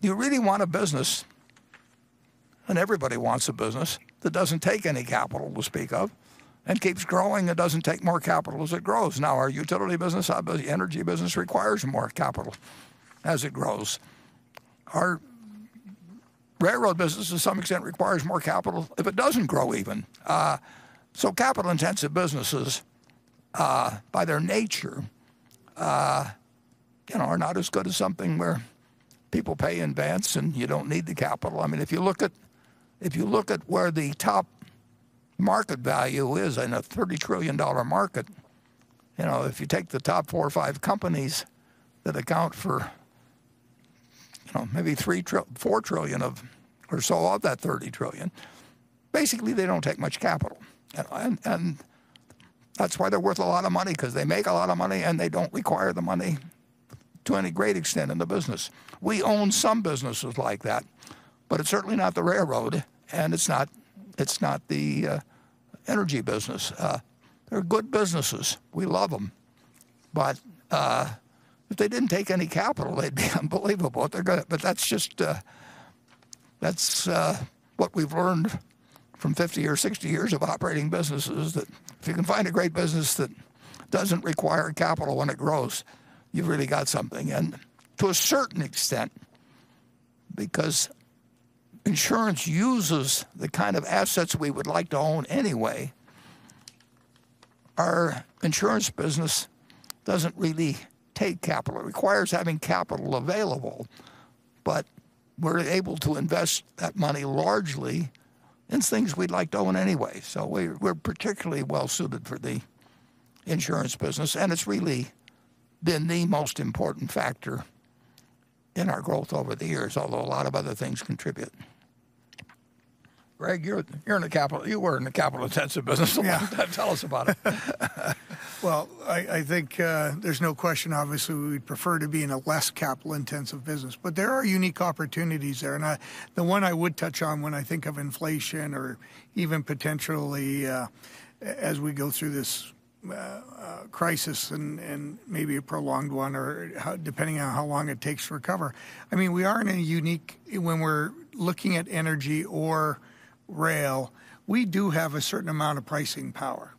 You really want a business, and everybody wants a business, that doesn't take any capital to speak of and keeps growing and doesn't take more capital as it grows. Our utility business, our energy business requires more capital as it grows. Our railroad business to some extent requires more capital if it doesn't grow even. Capital-intensive businesses, by their nature, you know, are not as good as something where people pay in advance and you don't need the capital. I mean, if you look at where the top market value is in a $30 trillion market, you know, if you take the top four or five companies that account for, you know, maybe $3 trillion-$4 trillion of, or so of that $30 trillion, basically they don't take much capital. That's why they're worth a lot of money, because they make a lot of money and they don't require the money to any great extent in the business. We own some businesses like that, it's certainly not the railroad and it's not the energy business. They're good businesses. We love them. If they didn't take any capital, they'd be unbelievable. That's just what we've learned from 50 or 60 years of operating businesses, that if you can find a great business that doesn't require capital when it grows, you've really got something. To a certain extent, because insurance uses the kind of assets we would like to own anyway, our insurance business doesn't really take capital. It requires having capital available, but we're able to invest that money largely in things we'd like to own anyway. We're particularly well-suited for the insurance business, and it's really been the most important factor in our growth over the years, although a lot of other things contribute. Greg, you were in a capital-intensive business. Yeah. Tell us about it. I think there's no question, obviously, we would prefer to be in a less capital-intensive business. There are unique opportunities there, and the one I would touch on when I think of inflation or even potentially, as we go through this crisis and maybe a prolonged one or how, depending on how long it takes to recover. I mean, when we're looking at energy or rail, we do have a certain amount of pricing power.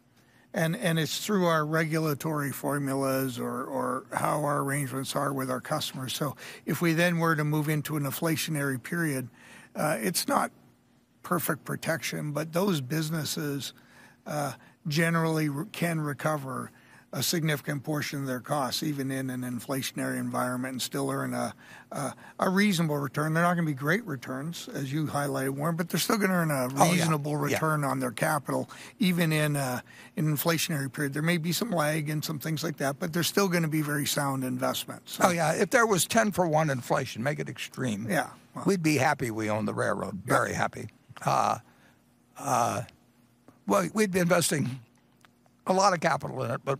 It's through our regulatory formulas or how our arrangements are with our customers. If we then were to move into an inflationary period, it's not perfect protection, but those businesses generally can recover a significant portion of their costs, even in an inflationary environment, and still earn a reasonable return. They're not gonna be great returns, as you highlighted, Warren, but they're still gonna earn reasonable return on their capital, even in an inflationary period. There may be some lag and some things like that, but they're still gonna be very sound investments. Oh, yeah. If there was 10-for-one inflation, make it extreme. Yeah. We'd be happy we own the railroad. Yeah. Very happy. Well, we'd be investing a lot of capital in it, but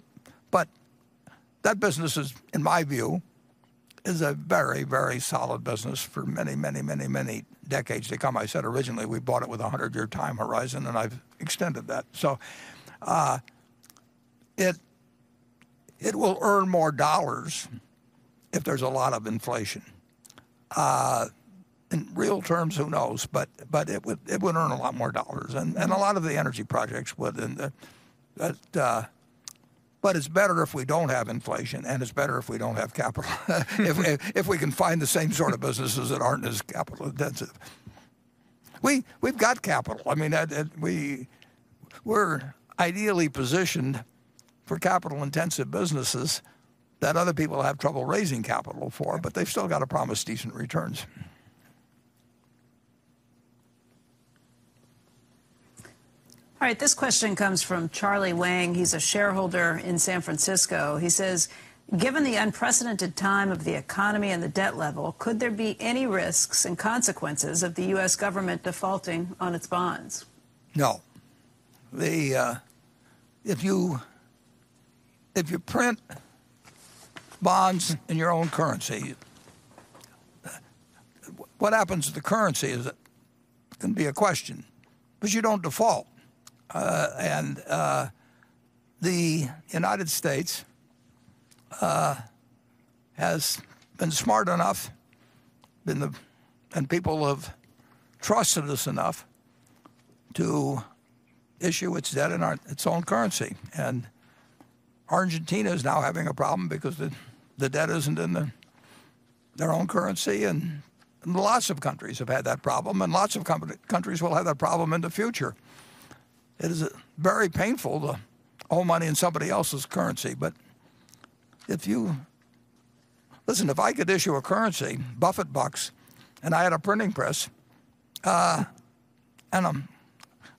that business is, in my view, is a very solid business for many decades to come. I said originally we bought it with a 100-year time horizon, I've extended that. It will earn more dollars if there's a lot of inflation. In real terms, who knows? It would earn a lot more dollars. A lot of the energy projects would. It's better if we don't have inflation, it's better if we don't have capital. If we can find the same sort of businesses that aren't as capital-intensive. We've got capital. I mean, that, we're ideally positioned for capital-intensive businesses that other people have trouble raising capital for. They've still got to promise decent returns. All right, this question comes from Charlie Wang. He's a shareholder in San Francisco. He says, given the unprecedented time of the economy and the debt level, could there be any risks and consequences of the U.S. government defaulting on its bonds? No. The, if you print bonds in your own currency, what happens to the currency is, can be a question, because you don't default. The United States has been smart enough, and people have trusted us enough to issue its debt in our, its own currency. Argentina is now having a problem because the debt isn't in their own currency, and lots of countries have had that problem, and lots of countries will have that problem in the future. It is very painful to owe money in somebody else's currency. Listen, if I could issue a currency, Buffett bucks, and I had a printing press, and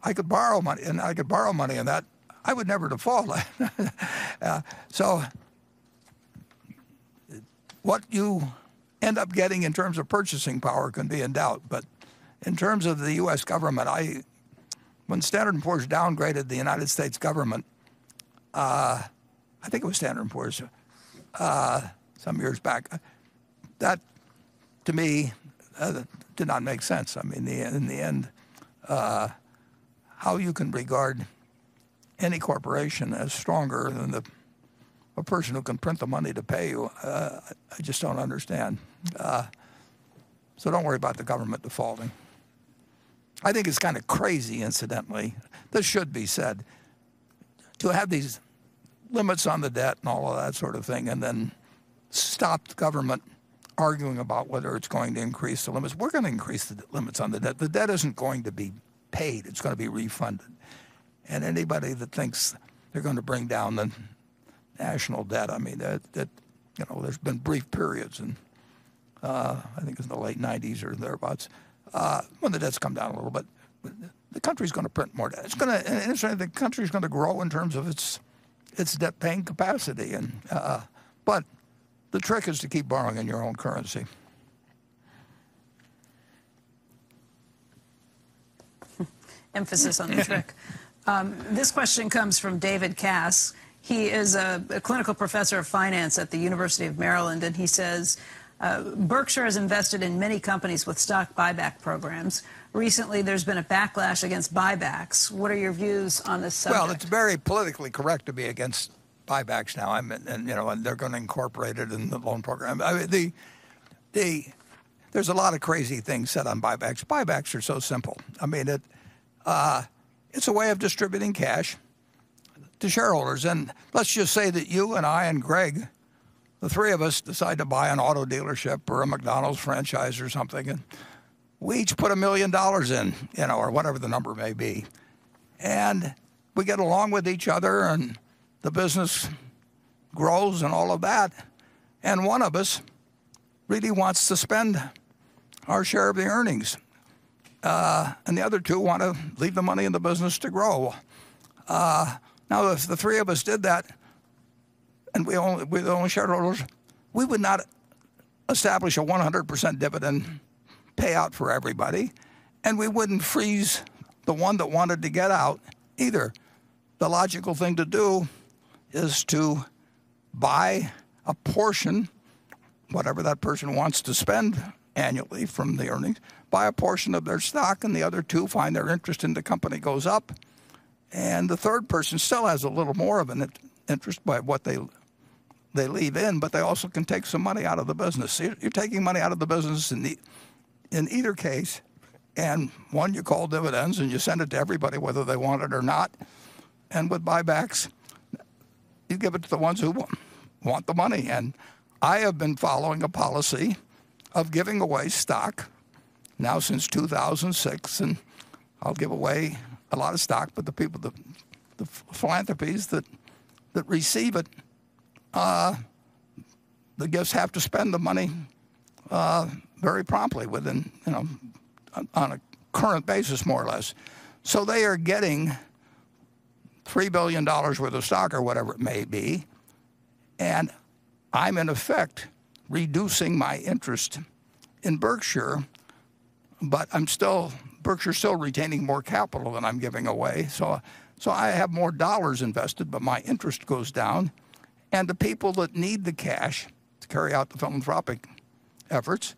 I could borrow money, and I could borrow money in that, I would never default. What you end up getting in terms of purchasing power can be in doubt. In terms of the U.S. government, when Standard & Poor's downgraded the United States government, I think it was Standard & Poor's, some years back, that to me did not make sense. I mean, in the end, how you can regard any corporation as stronger than the person who can print the money to pay you, I just don't understand. Don't worry about the government defaulting. I think it's kind of crazy, incidentally, this should be said, to have these limits on the debt and all of that sort of thing and then government arguing about whether it's going to increase the limits. We're going to increase the limits on the debt. The debt isn't going to be paid. It's gonna be refunded. Anybody that thinks they're gonna bring down the national debt, I mean, that. You know, there's been brief periods in, I think it was the late '90s or thereabouts, when the debt's come down a little bit. The country's gonna print more debt. The country's gonna grow in terms of its debt-paying capacity and the trick is to keep borrowing in your own currency. Emphasis on the trick. This question comes from David Kass. He is a clinical professor of finance at the University of Maryland, and he says, Berkshire has invested in many companies with stock buyback programs. Recently, there's been a backlash against buybacks. What are your views on this subject? Well, it's very politically correct to be against buybacks now. You know, they're gonna incorporate it in the loan program. I mean, there's a lot of crazy things said on buybacks. Buybacks are so simple. I mean, it's a way of distributing cash to shareholders. Let's just say that you and I and Greg, the three of us decide to buy an auto dealership or a McDonald's franchise or something, and we each put $1 million in, you know, or whatever the number may be. We get along with each other, the business grows and all of that, one of us really wants to spend our share of the earnings, and the other two want to leave the money in the business to grow. Now, if the three of us did that, and we own, we're the only shareholders, we would not establish a 100% dividend payout for everybody, and we wouldn't freeze the one that wanted to get out either. The logical thing to do is to buy a portion, whatever that person wants to spend annually from the earnings, buy a portion of their stock, and the other two find their interest in the company goes up. The third person still has a little more of an in-interest by what they leave in, but they also can take some money out of the business. See, you're taking money out of the business in either case, one you call dividends, and you send it to everybody whether they want it or not. With buybacks, you give it to the ones who want the money. I have been following a policy of giving away stock now since 2006, and I'll give away a lot of stock. The people, the philanthropies that receive it, the gifts have to spend the money very promptly within, you know, on a current basis, more or less. They are getting $3 billion worth of stock or whatever it may be, and I'm in effect reducing my interest in Berkshire, but Berkshire's still retaining more capital than I'm giving away. I have more dollars invested, but my interest goes down. The people that need the cash to carry out the philanthropic efforts,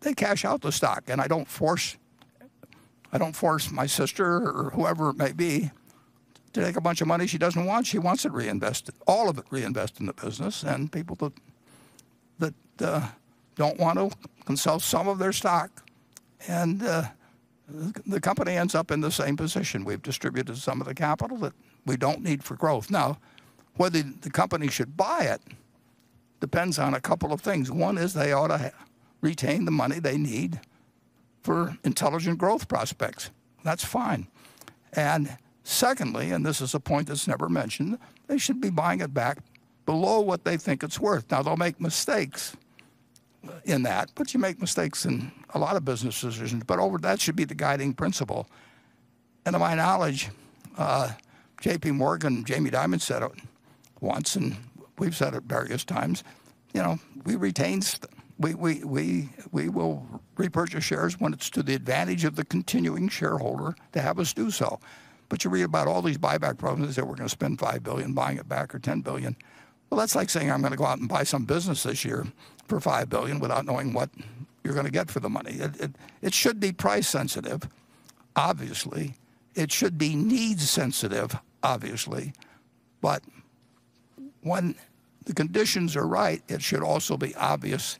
they cash out the stock. I don't force my sister or whoever it may be to take a bunch of money she doesn't want. She wants it reinvested, all of it reinvested in the business. People that don't want to can sell some of their stock, and the company ends up in the same position. We've distributed some of the capital that we don't need for growth. Whether the company should buy it depends on a couple of things. One is they ought to retain the money they need for intelligent growth prospects. That's fine. Secondly, and this is a point that's never mentioned, they should be buying it back below what they think it's worth. They'll make mistakes in that, but you make mistakes in a lot of business decisions. That should be the guiding principle. To my knowledge, JPMorgan, Jamie Dimon said it once, and we've said it various times, you know, we will repurchase shares when it's to the advantage of the continuing shareholder to have us do so. You read about all these buyback programs that say, we're gonna spend $5 billion buying it back or $10 billion. That's like saying, I'm gonna go out and buy some business this year for $5 billion without knowing what you're gonna get for the money. It should be price sensitive, obviously. It should be need sensitive, obviously. When the conditions are right, it should also be obvious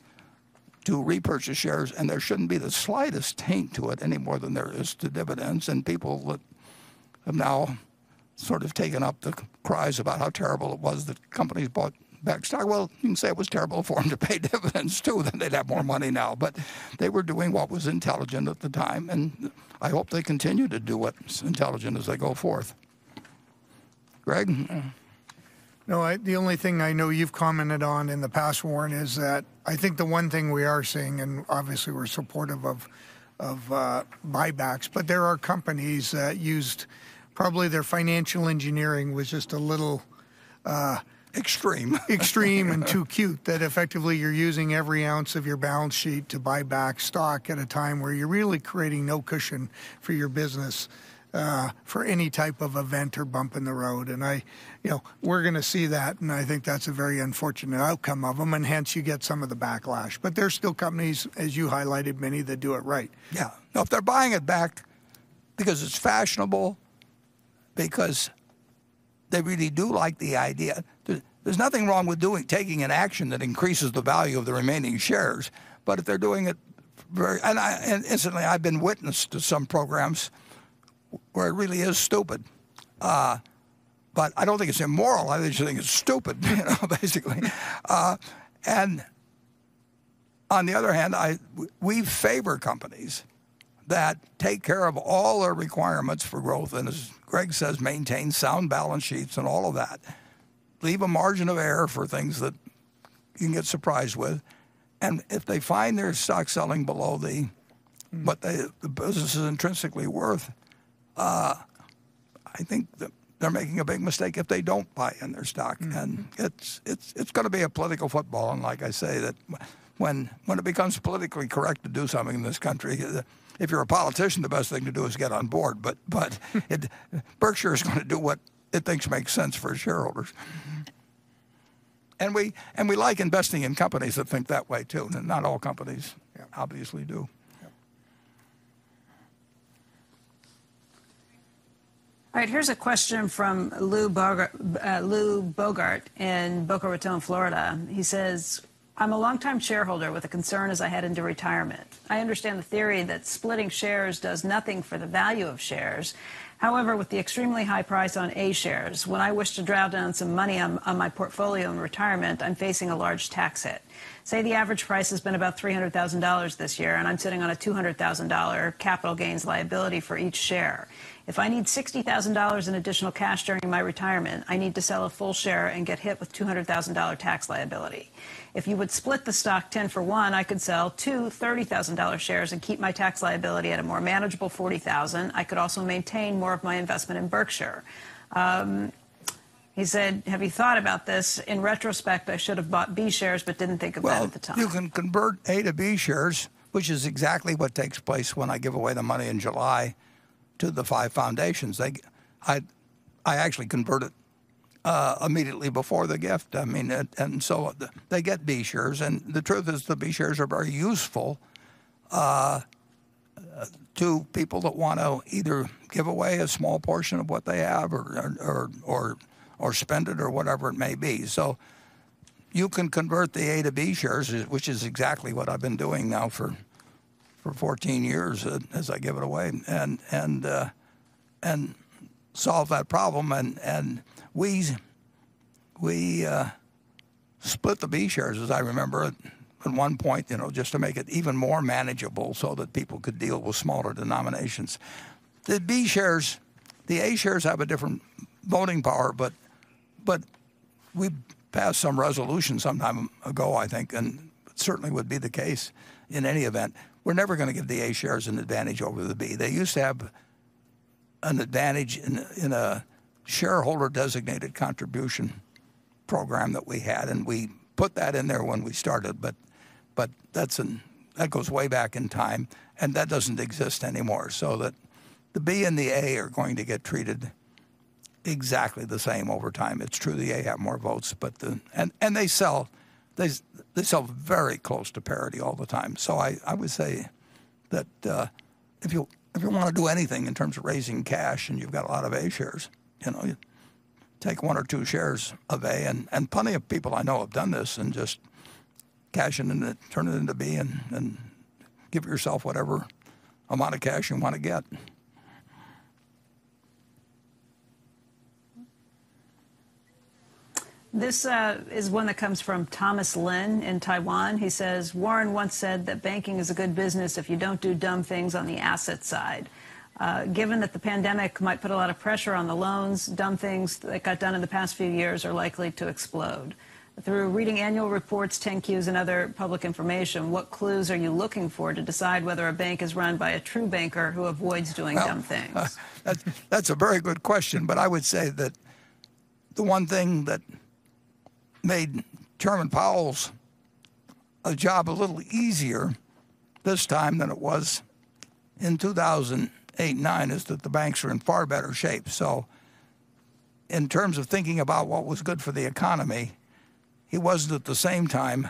to repurchase shares, and there shouldn't be the slightest taint to it any more than there is to dividends. People that have now sort of taken up the cries about how terrible it was that companies bought back stock, well, you can say it was terrible for them to pay dividends too. They'd have more money now. They were doing what was intelligent at the time, and I hope they continue to do what's intelligent as they go forth. Greg? No, the only thing I know you've commented on in the past, Warren, is that I think the one thing we are seeing, and obviously we're supportive of buybacks, there are companies that used Probably their financial engineering was just a little. Extreme. Extreme and too cute that effectively you're using every ounce of your balance sheet to buy back stock at a time where you're really creating no cushion for your business, for any type of event or bump in the road. You know, we're gonna see that, and I think that's a very unfortunate outcome of them, and hence you get some of the backlash. There's still companies, as you highlighted, many that do it right. Yeah. Now, if they're buying it back because it's fashionable, because they really do like the idea, there's nothing wrong with taking an action that increases the value of the remaining shares. If they're doing it very. I, and incidentally, I've been witness to some programs where it really is stupid. I don't think it's immoral. I just think it's stupid, you know, basically. On the other hand, we favor companies that take care of all our requirements for growth, and as Greg says, maintain sound balance sheets and all of that. Leave a margin of error for things that you can get surprised with. If they find their stock selling below what the business is intrinsically worth, I think that they're making a big mistake if they don't buy in their stock. It's gonna be a political football, and like I say, that when it becomes politically correct to do something in this country, the if you're a politician, the best thing to do is get on board. It, Berkshire's gonna do what it thinks makes sense for shareholders. We like investing in companies that think that way, too. Not all companies. Obviously do. Yeah. All right, here's a question from Lou Bogart, Lou Bogart in Boca Raton, Florida. He says, I'm a longtime shareholder with a concern as I head into retirement. I understand the theory that splitting shares does nothing for the value of shares. However, with the extremely high price on A shares, when I wish to draw down some money on my portfolio in retirement, I'm facing a large tax hit. Say the average price has been about $300,000 this year, and I'm sitting on a $200,000 capital gains liability for each share. If I need $60,000 in additional cash during my retirement, I need to sell a full share and get hit with $200,000 tax liability. If you would split the stock 10-for-one, I could sell two $30,000 shares and keep my tax liability at a more manageable $40,000. I could also maintain more of my investment in Berkshire. He said, have you thought about this? In retrospect, I should have bought B shares, but didn't think about it at the time. You can convert A to B shares, which is exactly what takes place when I give away the money in July to the five foundations. I actually convert it immediately before the gift. I mean, they get B shares. The truth is, the B shares are very useful to people that wanna either give away a small portion of what they have or spend it or whatever it may be. You can convert the A to B shares, which is exactly what I've been doing now for 14 years as I give it away and solve that problem. We split the B shares, as I remember it, at one point, you know, just to make it even more manageable so that people could deal with smaller denominations. The B shares The A shares have a different voting power, but we passed some resolution some time ago, I think, and certainly would be the case in any event. We're never gonna give the A shares an advantage over the B. They used to have an advantage in a, in a shareholder-designated contribution program that we had, and we put that in there when we started. That goes way back in time, and that doesn't exist anymore. That the B and the A are going to get treated exactly the same over time. It's true the A have more votes, they sell very close to parity all the time. I would say that if you wanna do anything in terms of raising cash and you've got a lot of A shares, you know, you take one or two shares of A, and plenty of people I know have done this, and just cash it in and turn it into B and give yourself whatever amount of cash you wanna get. This is one that comes from Thomas Lin in Taiwan. He says, Warren once said that banking is a good business if you don't do dumb things on the asset side. Given that the pandemic might put a lot of pressure on the loans, dumb things that got done in the past few years are likely to explode. Through reading annual reports, 10-Qs, and other public information, what clues are you looking for to decide whether a bank is run by a true banker who avoids doing dumb things? Well, that's a very good question. I would say that the one thing that made Chairman Powell's job a little easier this time than it was in 2008 and 2009, is that the banks are in far better shape. In terms of thinking about what was good for the economy, he wasn't at the same time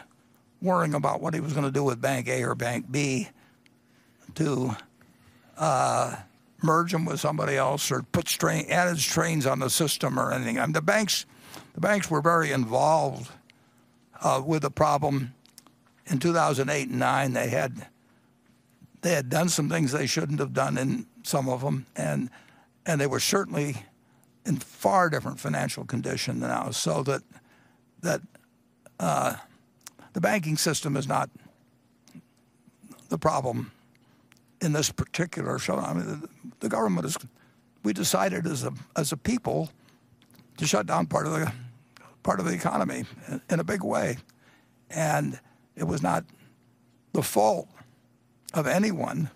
worrying about what he was gonna do with bank A or bank B to merge them with somebody else or put strain, add strains on the system or anything. The banks were very involved with the problem in 2008 and 2009. They had done some things they shouldn't have done in some of them, and they were certainly in far different financial condition than now. That the banking system is not the problem in this particular shutdown. I mean, the government is. We decided as a people to shut down part of the economy in a big way, and it was not the fault of anyone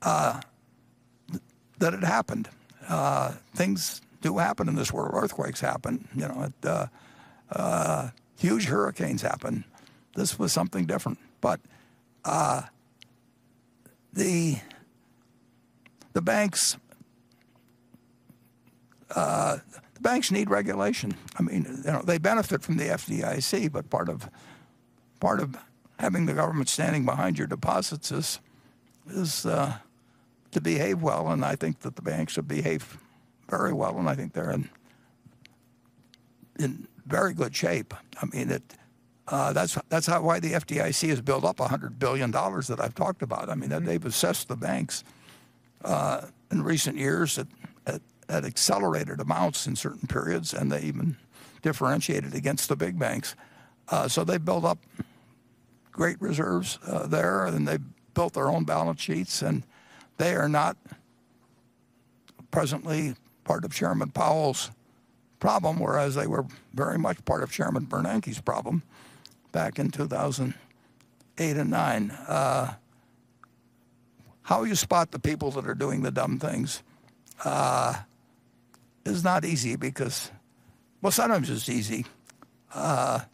that it happened. Things do happen in this world. Earthquakes happen, you know, huge hurricanes happen. This was something different. The banks need regulation. I mean, you know, they benefit from the FDIC, but part of having the government standing behind your deposits is to behave well, and I think that the banks have behaved very well, and I think they're in very good shape. I mean, that's why the FDIC has built up $100 billion that I've talked about. I mean, they've assessed the banks in recent years at accelerated amounts in certain periods, and they even differentiated against the big banks. They built up great reserves there, and they built their own balance sheets, and they are not presently part of Chairman Powell's problem, whereas they were very much part of Chairman Bernanke's problem back in 2008 and 2009. How you spot the people that are doing the dumb things is not easy because. Well, sometimes it's easy. It,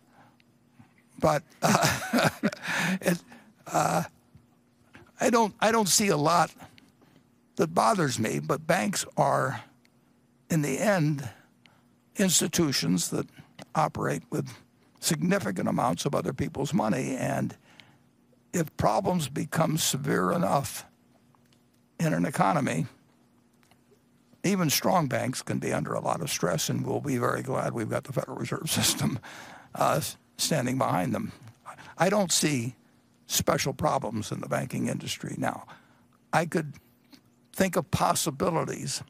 I don't see a lot that bothers me. Banks are, in the end, institutions that operate with significant amounts of other people's money. If problems become severe enough in an economy, even strong banks can be under a lot of stress and will be very glad we've got the Federal Reserve System standing behind them. I don't see special problems in the banking industry now. I could think of possibilities,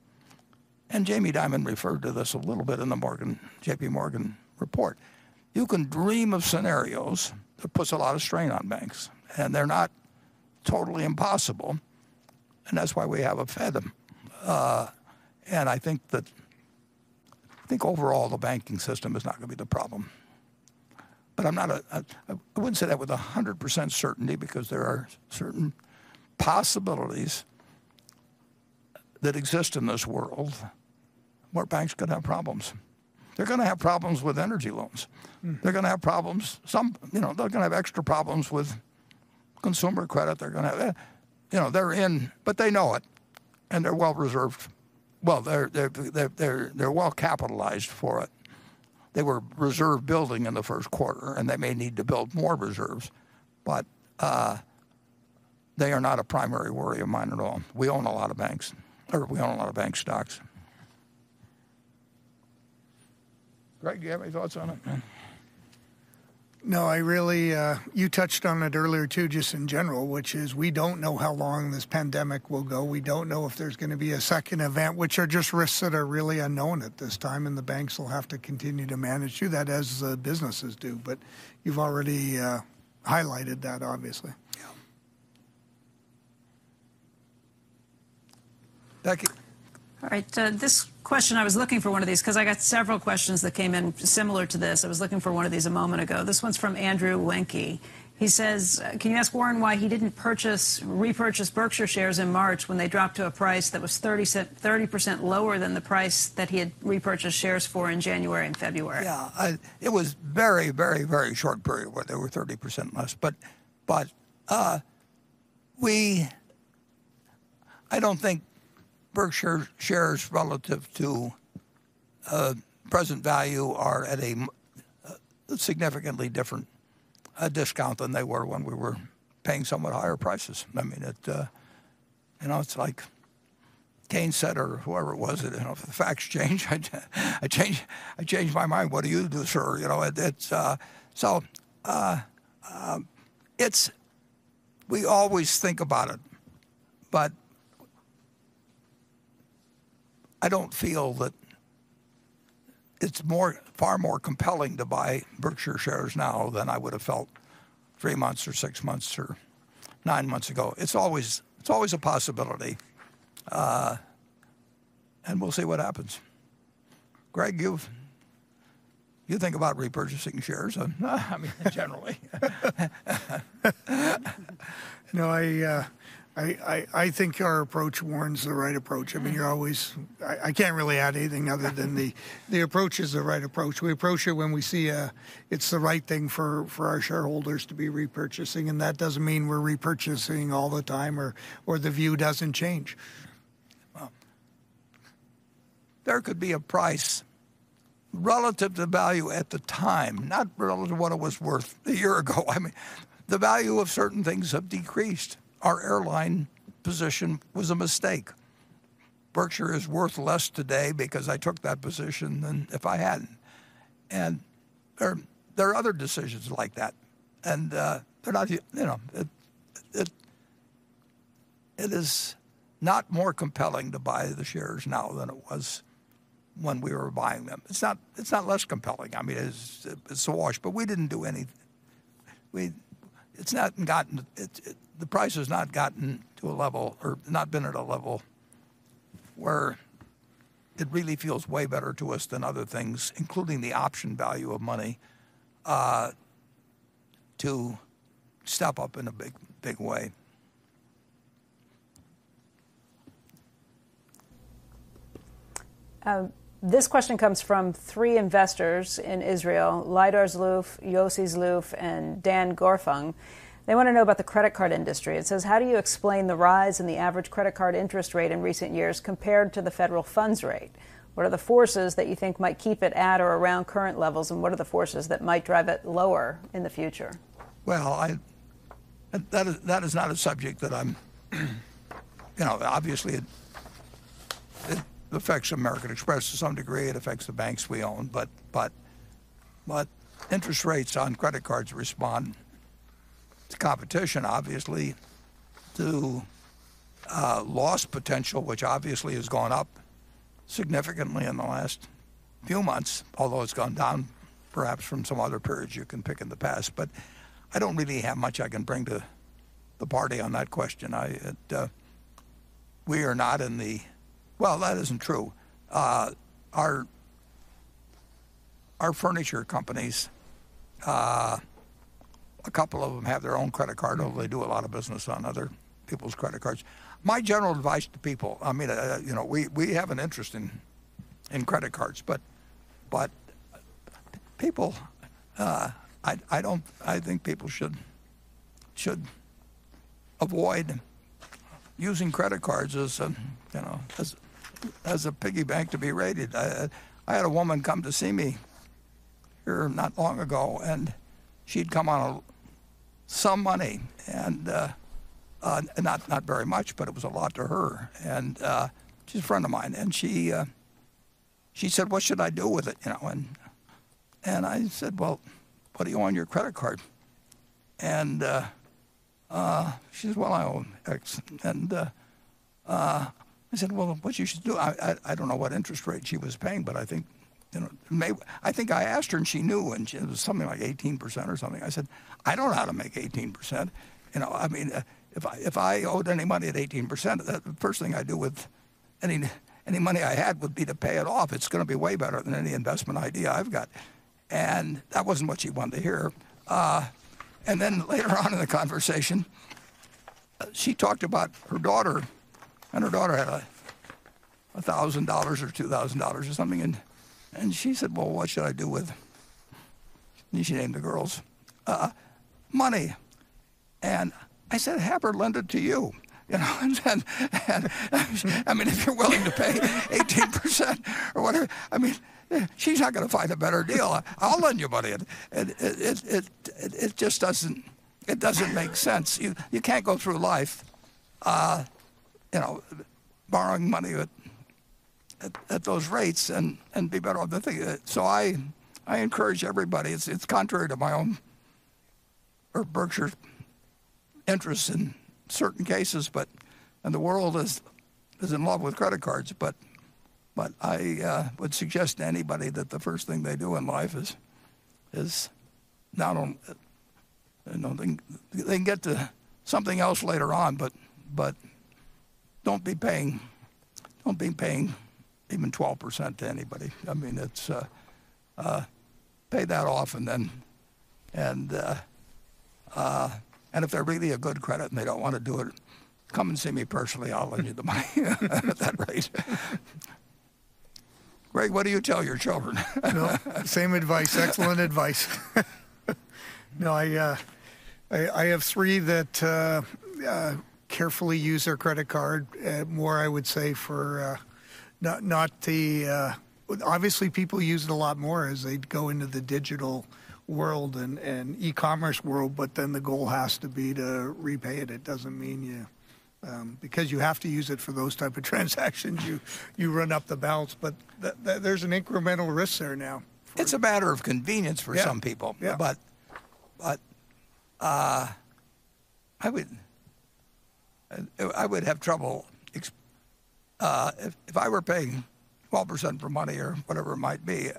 Jamie Dimon referred to this a little bit in the JPMorgan report. You can dream of scenarios that puts a lot of strain on banks, they're not totally impossible, that's why we have a Fed. I think overall the banking system is not gonna be the problem. I'm not I wouldn't say that with 100% certainty because there are certain possibilities that exist in this world where banks could have problems. They're gonna have problems with energy loans. They're gonna have problems, some, you know, they're gonna have extra problems with consumer credit. They know it, and they're well-reserved. Well, they're well-capitalized for it. They were reserve building in the first quarter, and they may need to build more reserves. They are not a primary worry of mine at all. We own a lot of banks, or we own a lot of bank stocks. Greg, do you have any thoughts on it? No, I really, you touched on it earlier, too, just in general, which is we don't know how long this pandemic will go. We don't know if there's gonna be a second event, which are just risks that are really unknown at this time, and the banks will have to continue to manage through that as businesses do. You've already highlighted that, obviously. Yeah. Becky. All right. This question, I was looking for one of these because I got several questions that came in similar to this. I was looking for one of these a moment ago. This one's from Andrew Wenke. He says, can you ask Warren why he didn't repurchase Berkshire shares in March when they dropped to a price that was 30% lower than the price that he had repurchased shares for in January and February? Yeah. It was very, very, very short period where they were 30% less. I don't think Berkshire shares relative to present value are at a significantly different discount than they were when we were paying somewhat higher prices. I mean, it, you know, it's like Keynes said or whoever it was, you know, the facts change. I change, I changed my mind. What do you do, sir? You know? We always think about it, but I don't feel that it's far more compelling to buy Berkshire shares now than I would have felt three months or six months or nine months ago. It's always a possibility. We'll see what happens. Greg, you think about repurchasing shares? I mean, generally. You know, I think our approach, Warren, is the right approach. I mean, you're always I can't really add anything other than the approach is the right approach. We approach it when we see it's the right thing for our shareholders to be repurchasing, that doesn't mean we're repurchasing all the time or the view doesn't change. Well, there could be a price relative to value at the time, not relative to what it was worth a year ago. I mean, the value of certain things have decreased. Our airline position was a mistake. Berkshire is worth less today because I took that position than if I hadn't. There, there are other decisions like that. They're not, you know, it is not more compelling to buy the shares now than it was when we were buying them. It's not, it's not less compelling. I mean, it is, it's a wash. The price has not gotten to a level or not been at a level where it really feels way better to us than other things, including the option value of money, to step up in a big, big way. This question comes from three investors in Israel, Lidor Zloof, Yossi Zloof, and Dan Gorfung. They wanna know about the credit card industry. It says, how do you explain the rise in the average credit card interest rate in recent years compared to the federal funds rate? What are the forces that you think might keep it at or around current levels, and what are the forces that might drive it lower in the future? Well, that is, that is not a subject that I'm You know, obviously it affects American Express to some degree. It affects the banks we own. Interest rates on credit cards respond to competition, obviously, to loss potential, which obviously has gone up significantly in the last few months. Although it's gone down perhaps from some other periods you can pick in the past. I don't really have much I can bring to the party on that question. We are not in the Well, that isn't true. Our furniture companies, a couple of them have their own credit card, although they do a lot of business on other people's credit cards. My general advice to people, I mean, you know, we have an interest in credit cards, but people, I don't think people should avoid using credit cards as a, you know, as a piggy bank to be raided. I had a woman come to see me here not long ago, and she'd come on some money and not very much, but it was a lot to her. She's a friend of mine, and she said, what should I do with it, you know? I said, well, put it on your credit card. She says, well, I owe X. I said, well, what you should do, I don't know what interest rate she was paying, but I think, you know, I think I asked her, and she knew, and she It was something like 18% or something. I said, I know how to make 18%. You know, I mean, if I owed any money at 18%, the first thing I'd do with any money I had would be to pay it off. It's gonna be way better than any investment idea I've got. That wasn't what she wanted to hear. Later on in the conversation, she talked about her daughter, and her daughter had a $1,000 or $2,000 or something. She said, well, what should I do with? She named the girls money. I said, have her lend it to you. You know, and then I mean, if you're willing to pay 18% or whatever, I mean, she's not gonna find a better deal. I'll lend you money. It just doesn't make sense. You can't go through life, you know, borrowing money at those rates and be better off. I encourage everybody. It's contrary to my own or Berkshire's interests in certain cases. The world is in love with credit cards, but I would suggest to anybody that the first thing they do in life is not on, you know, they can get to something else later on, but don't be paying even 12% to anybody. I mean, Pay that off and then if they're really a good credit and they don't wanna do it, come and see me personally. I'll lend you the money at that rate. Greg, what do you tell your children? Well, same advice. Excellent advice. No, I have three that carefully use their credit card more I would say for Well, obviously people use it a lot more as they go into the digital world and e-commerce world, the goal has to be to repay it. It doesn't mean you because you have to use it for those type of transactions. You run up the balance. There's an incremental risk there now. It's a matter of convenience for some people. Yeah, yeah. I would have trouble if I were paying 12% for money or whatever it might be,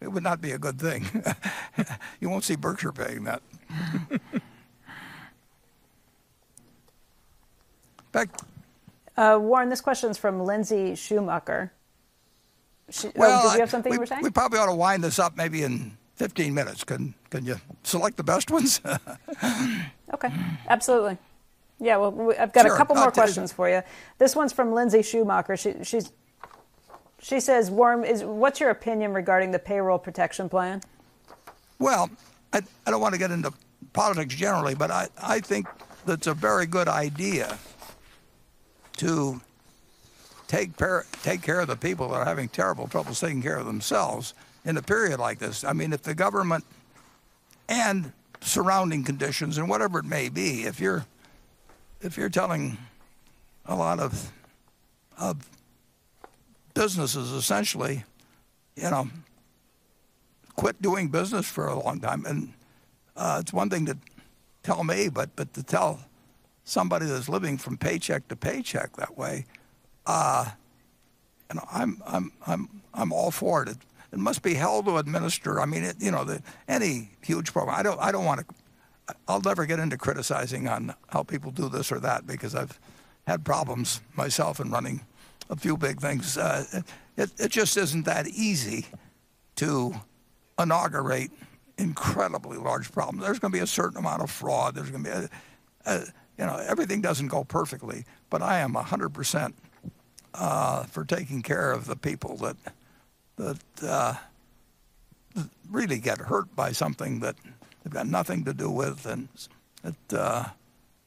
it would not be a good thing. You won't see Berkshire paying that. Becky Quick? Warren, this question's from Lindsay Schumacher. Well. Did you have something you were saying? We probably ought to wind this up maybe in 15 minutes. Couldn't you select the best ones? Okay. Absolutely. Yeah, well, I've got a couple more questions for you. Sure. I'll do that. This one's from Lindsay Schumacher. She says, Warren, what's your opinion regarding the Paycheck Protection Program? Well, I don't wanna get into politics generally, but I think that it's a very good idea to take care of the people that are having terrible trouble taking care of themselves in a period like this. I mean, if the government and surrounding conditions and whatever it may be, if you're telling a lot of businesses essentially, you know, quit doing business for a long time, and it's one thing to tell me, but to tell somebody that's living from paycheck to paycheck that way, you know, I'm all for it. It must be hell to administer, I mean, it, you know, any huge program. I'll never get into criticizing on how people do this or that, because I've had problems myself in running a few big things. It just isn't that easy to inaugurate incredibly large problems. There's gonna be a certain amount of fraud. There's gonna be You know, everything doesn't go perfectly. I am 100% for taking care of the people that really get hurt by something that they've got nothing to do with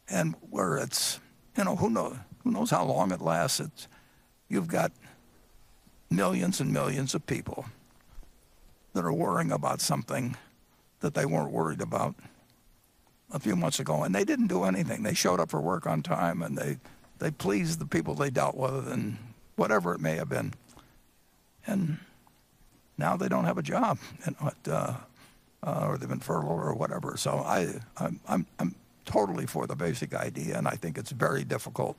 and where it's You know, who knows how long it lasts? You've got millions and millions of people that are worrying about something that they weren't worried about a few months ago. They didn't do anything. They showed up for work on time, they pleased the people they dealt with and whatever it may have been. Now they don't have a job or they've been furloughed or whatever. I'm totally for the basic idea. I think it's very difficult.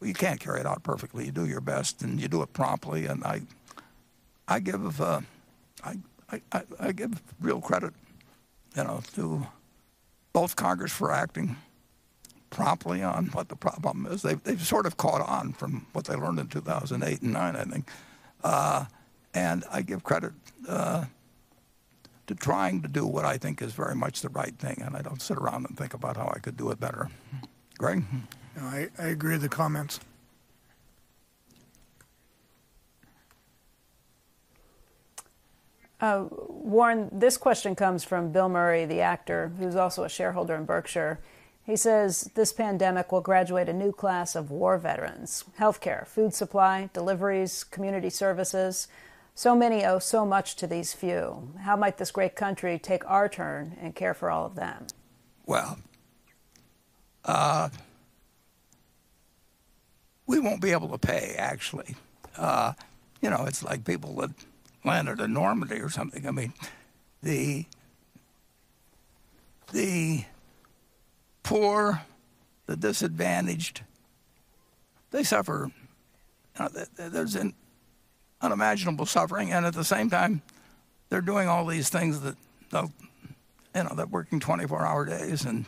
You can't carry it out perfectly. You do your best and you do it promptly. I give real credit, you know, to both Congress for acting promptly on what the problem is. They've sort of caught on from what they learned in 2008 and 2009, I think. I give credit to trying to do what I think is very much the right thing. I don't sit around and think about how I could do it better. Greg? No, I agree with the comments. Warren, this question comes from Bill Murray, the actor, who's also a shareholder in Berkshire. He says, this pandemic will graduate a new class of war veterans, healthcare, food supply, deliveries, community services. So many owe so much to these few. How might this great country take our turn and care for all of them? Well, we won't be able to pay actually. You know, it's like people that landed at Normandy or something. I mean, the poor, the disadvantaged, they suffer. There's an unimaginable suffering, and at the same time, they're doing all these things that, you know, they're working 24-hour days and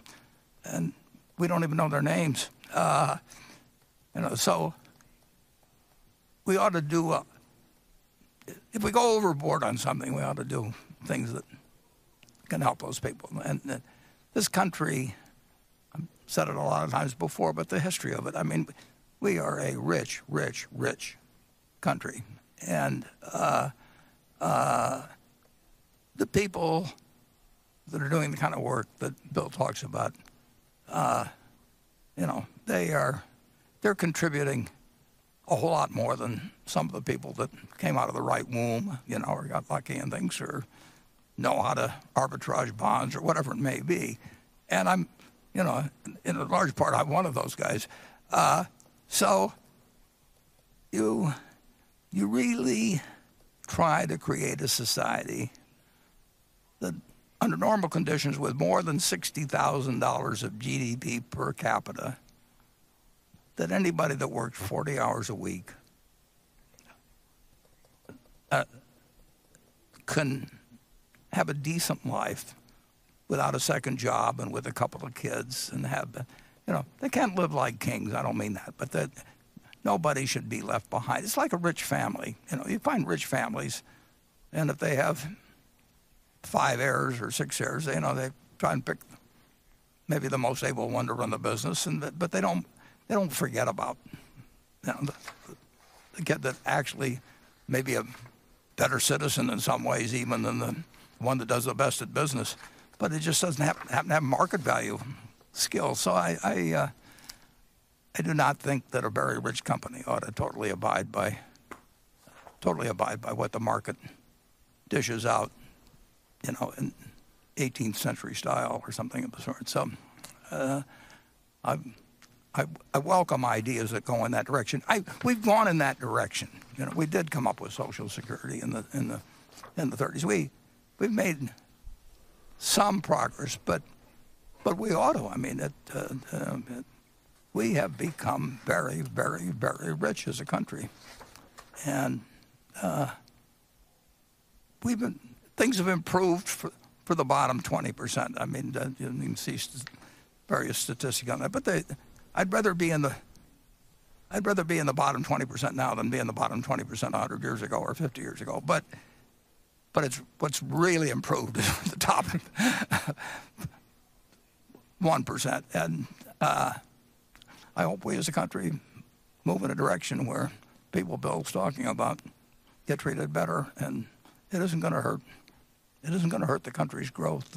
we don't even know their names. You know, so we ought to do, if we go overboard on something, we ought to do things that can help those people. This country, I've said it a lot of times before, but the history of it, I mean, we are a rich, rich country. The people that are doing the kind of work that Bill talks about, you know, they're contributing a whole lot more than some of the people that came out of the right womb, you know, or got lucky in things or know how to arbitrage bonds or whatever it may be. I'm, you know, in a large part, I'm one of those guys. You, you really try to create a society that under normal conditions with more than $60,000 of GDP per capita, that anybody that worked 40 hours a week can have a decent life without a second job and with a couple of kids and have, you know. They can't live like kings. I don't mean that nobody should be left behind. It's like a rich family. You know, you find rich families, and if they have five heirs or six heirs, you know, they try and pick maybe the most able one to run the business, but they don't forget about, you know, they get that actually maybe a better citizen in some ways even than the one that does the best at business, but it just doesn't happen to have market value skills. I do not think that a very rich company ought to totally abide by what the market dishes out, you know, in 18th century style or something of the sort. I welcome ideas that go in that direction. We've gone in that direction. You know, we did come up with Social Security in the 1930s. We've made some progress, but we ought to. I mean, it, we have become very, very, very rich as a country. Things have improved for the bottom 20%. I mean, you know, you can see various statistics on that. I'd rather be in the bottom 20% now than be in the bottom 20% 100 years ago or 50 years ago. What's really improved is the top 1%. I hope we as a country move in a direction where people Bill's talking about get treated better, and it isn't gonna hurt the country's growth.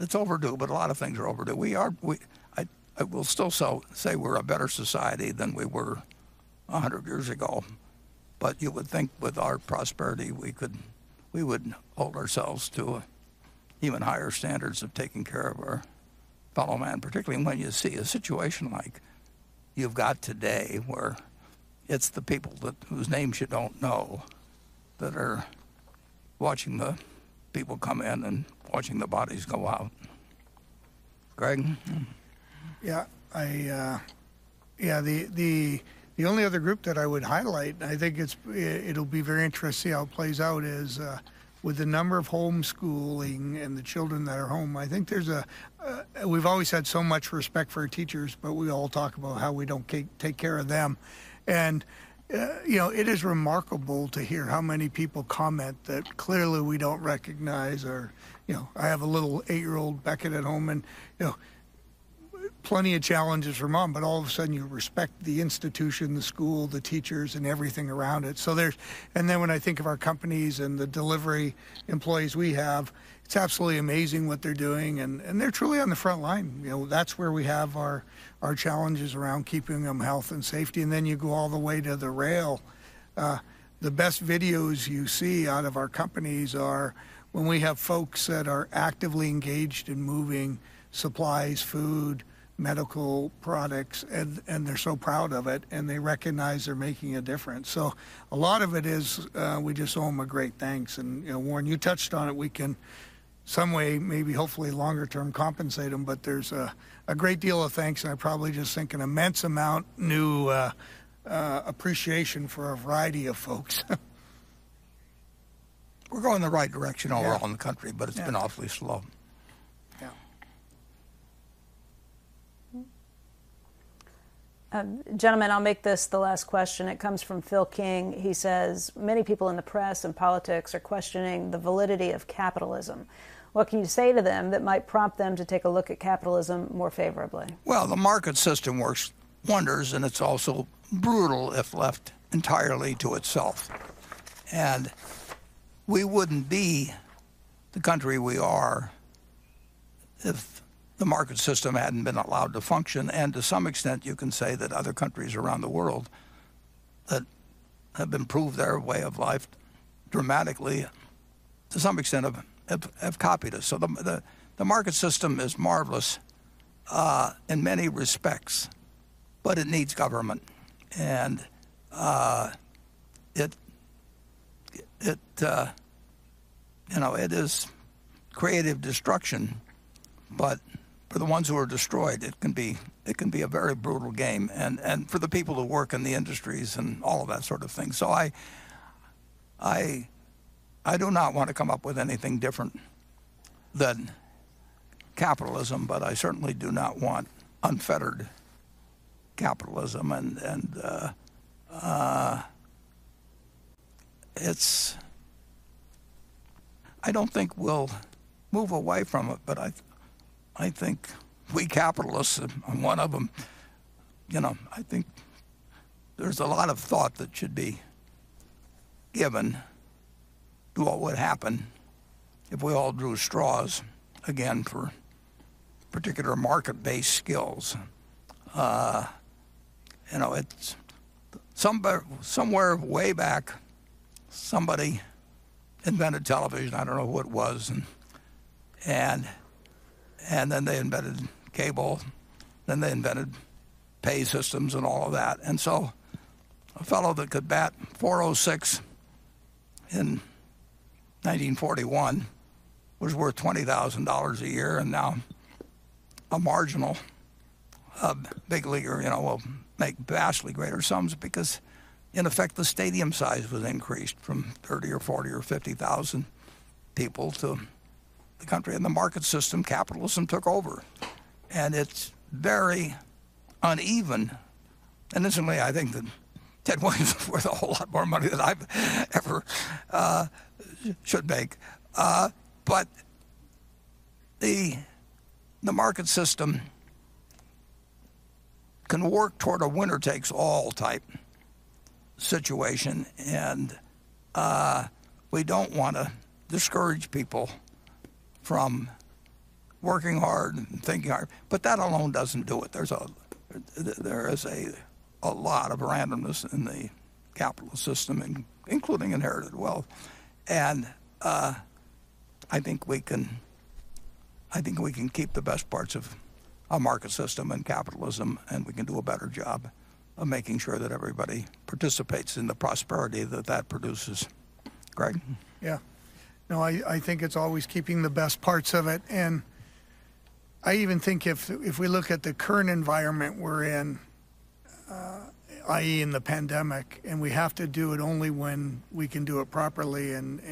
It's overdue, a lot of things are overdue. I will still say we're a better society than we were 100 years ago. You would think with our prosperity, we would hold ourselves to even higher standards of taking care of our fellow man, particularly when you see a situation like you've got today, where it's the people whose names you don't know that are watching the people come in and watching the bodies go out. Greg? Yeah. The only other group that I would highlight, and I think it'll be very interesting how it plays out, is with the number of homeschooling and the children that are home, I think there's a, we've always had so much respect for our teachers, but we all talk about how we don't take care of them. You know, it is remarkable to hear how many people comment that clearly we don't recognize or, you know, I have a little eight-year-old, Beckett, at home, and, you know. Plenty of challenges for mom, but all of a sudden you respect the institution, the school, the teachers, and everything around it. When I think of our companies and the delivery employees we have, it's absolutely amazing what they're doing, and they're truly on the front line. You know, that's where we have our challenges around keeping them health and safety. Then you go all the way to the rail. The best videos you see out of our companies are when we have folks that are actively engaged in moving supplies, food, medical products, and they're so proud of it, and they recognize they're making a difference. A lot of it is, we just owe them a great thanks. You know, Warren, you touched on it. We can some way, maybe hopefully longer term compensate them, but there's a great deal of thanks, and I probably just think an immense amount new appreciation for a variety of folks around the country Yeah. It's been awfully slow. Yeah. Gentlemen, I'll make this the last question. It comes from Phil King. He says, many people in the press and politics are questioning the validity of capitalism. What can you say to them that might prompt them to take a look at capitalism more favorably? The market system works wonders, and it's also brutal if left entirely to itself. We wouldn't be the country we are if the market system hadn't been allowed to function. To some extent you can say that other countries around the world that have improved their way of life dramatically to some extent have copied us. The market system is marvelous in many respects, but it needs government. It, you know, it is creative destruction. For the ones who are destroyed, it can be a very brutal game, and for the people who work in the industries and all of that sort of thing. I do not want to come up with anything different than capitalism, but I certainly do not want unfettered capitalism. I don't think we'll move away from it, but I think we capitalists, and I'm one of them, you know, I think there's a lot of thought that should be given to what would happen if we all drew straws again for particular market-based skills. You know, somewhere way back, somebody invented television. I don't know who it was. Then they invented cable, then they invented pay systems and all of that. A fellow that could bat .406 in 1941 was worth $20,000 a year. Now a marginal big leaguer, you know, will make vastly greater sums because in effect the stadium size was increased from 30,000 or 40,000 or 50,000 people to the country. The market system, capitalism took over, and it's very uneven. Incidentally, I think that Ted Williams's worth a whole lot more money than I ever should make. The market system can work toward a winner-takes-all type situation. We don't wanna discourage people from working hard and thinking hard, but that alone doesn't do it. There is a lot of randomness in the capitalist system including inherited wealth. I think we can keep the best parts of our market system and capitalism, and we can do a better job of making sure that everybody participates in the prosperity that that produces. Greg? I think it's always keeping the best parts of it. I even think if we look at the current environment we're in, i.e., in the pandemic, and we have to do it only when we can do it properly and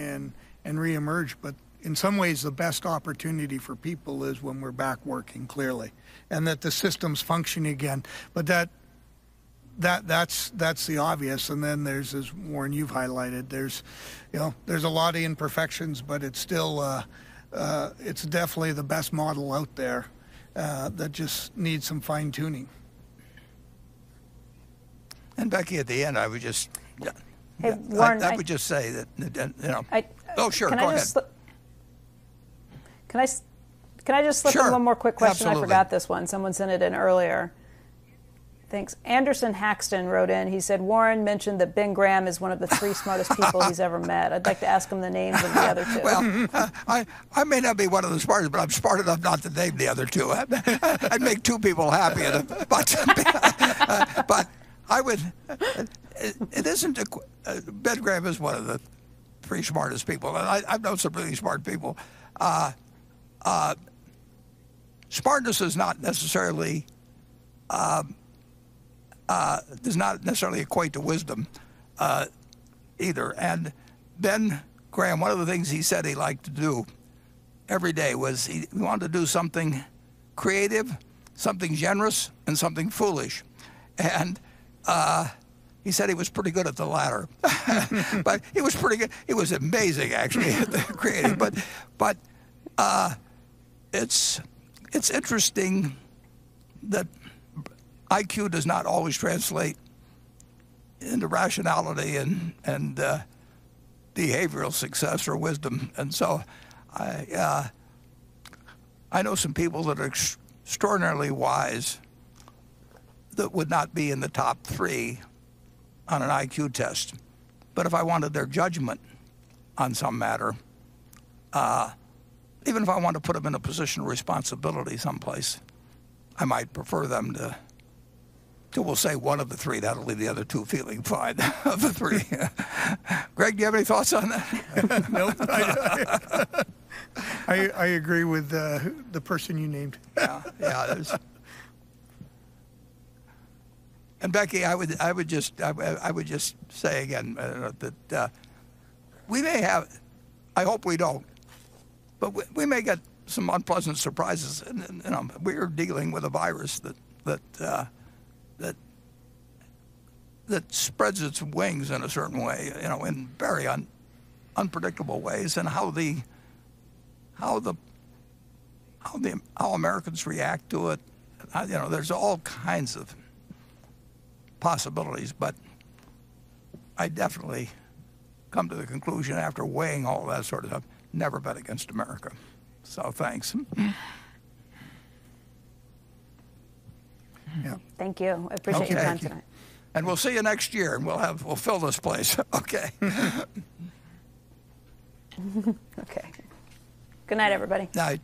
reemerge. In some ways the best opportunity for people is when we're back working clearly, and that the systems function again. That's the obvious. Then there's, as Warren you've highlighted, there's, you know, there's a lot of imperfections, but it's still, it's definitely the best model out there that just needs some fine-tuning. Becky, at the end I would just. Hey, Warren. I would just say that it you know. I. Oh, sure. Go ahead. Can I just slip in? Sure. One more quick question? Absolutely. I forgot this one. Someone sent it in earlier. Thanks. Anderson Haxton wrote in. He said, Warren mentioned that Ben Graham is one of the three smartest people he's ever met. I'd like to ask him the names of the other two. Well, I may not be one of the smartest, I'm smart enough not to name the other two. I'd make two people happy and a bunch of. Ben Graham is one of the three smartest people. I've known some pretty smart people. Smartness is not necessarily, does not necessarily equate to wisdom, either. Ben Graham, one of the things he said he liked to do every day was he wanted to do something creative, something generous, and something foolish. He said he was pretty good at the latter. He was amazing actually at the creative. It's interesting that IQ does not always translate into rationality and behavioral success or wisdom. I know some people that are extraordinarily wise that would not be in the top three on an IQ test. If I wanted their judgment on some matter, even if I wanted to put them in a position of responsibility someplace, I might prefer them to, we'll say one of the three. That'll leave the other two feeling fine of the three. Greg, do you have any thoughts on that? Nope. I don't. I agree with, who? The person you named. Yeah. It was. Becky, I would just say again that I hope we don't, but we may get some unpleasant surprises. You know, we are dealing with a virus that spreads its wings in a certain way, you know, in very unpredictable ways. How Americans react to it, you know, there's all kinds of possibilities. I definitely come to the conclusion after weighing all that sort of stuff, never bet against America. Thanks. Yeah. Thank you. Okay. Thank you. Your time tonight. We'll see you next year, we'll fill this place. Okay. Okay. Good night, everybody. Night.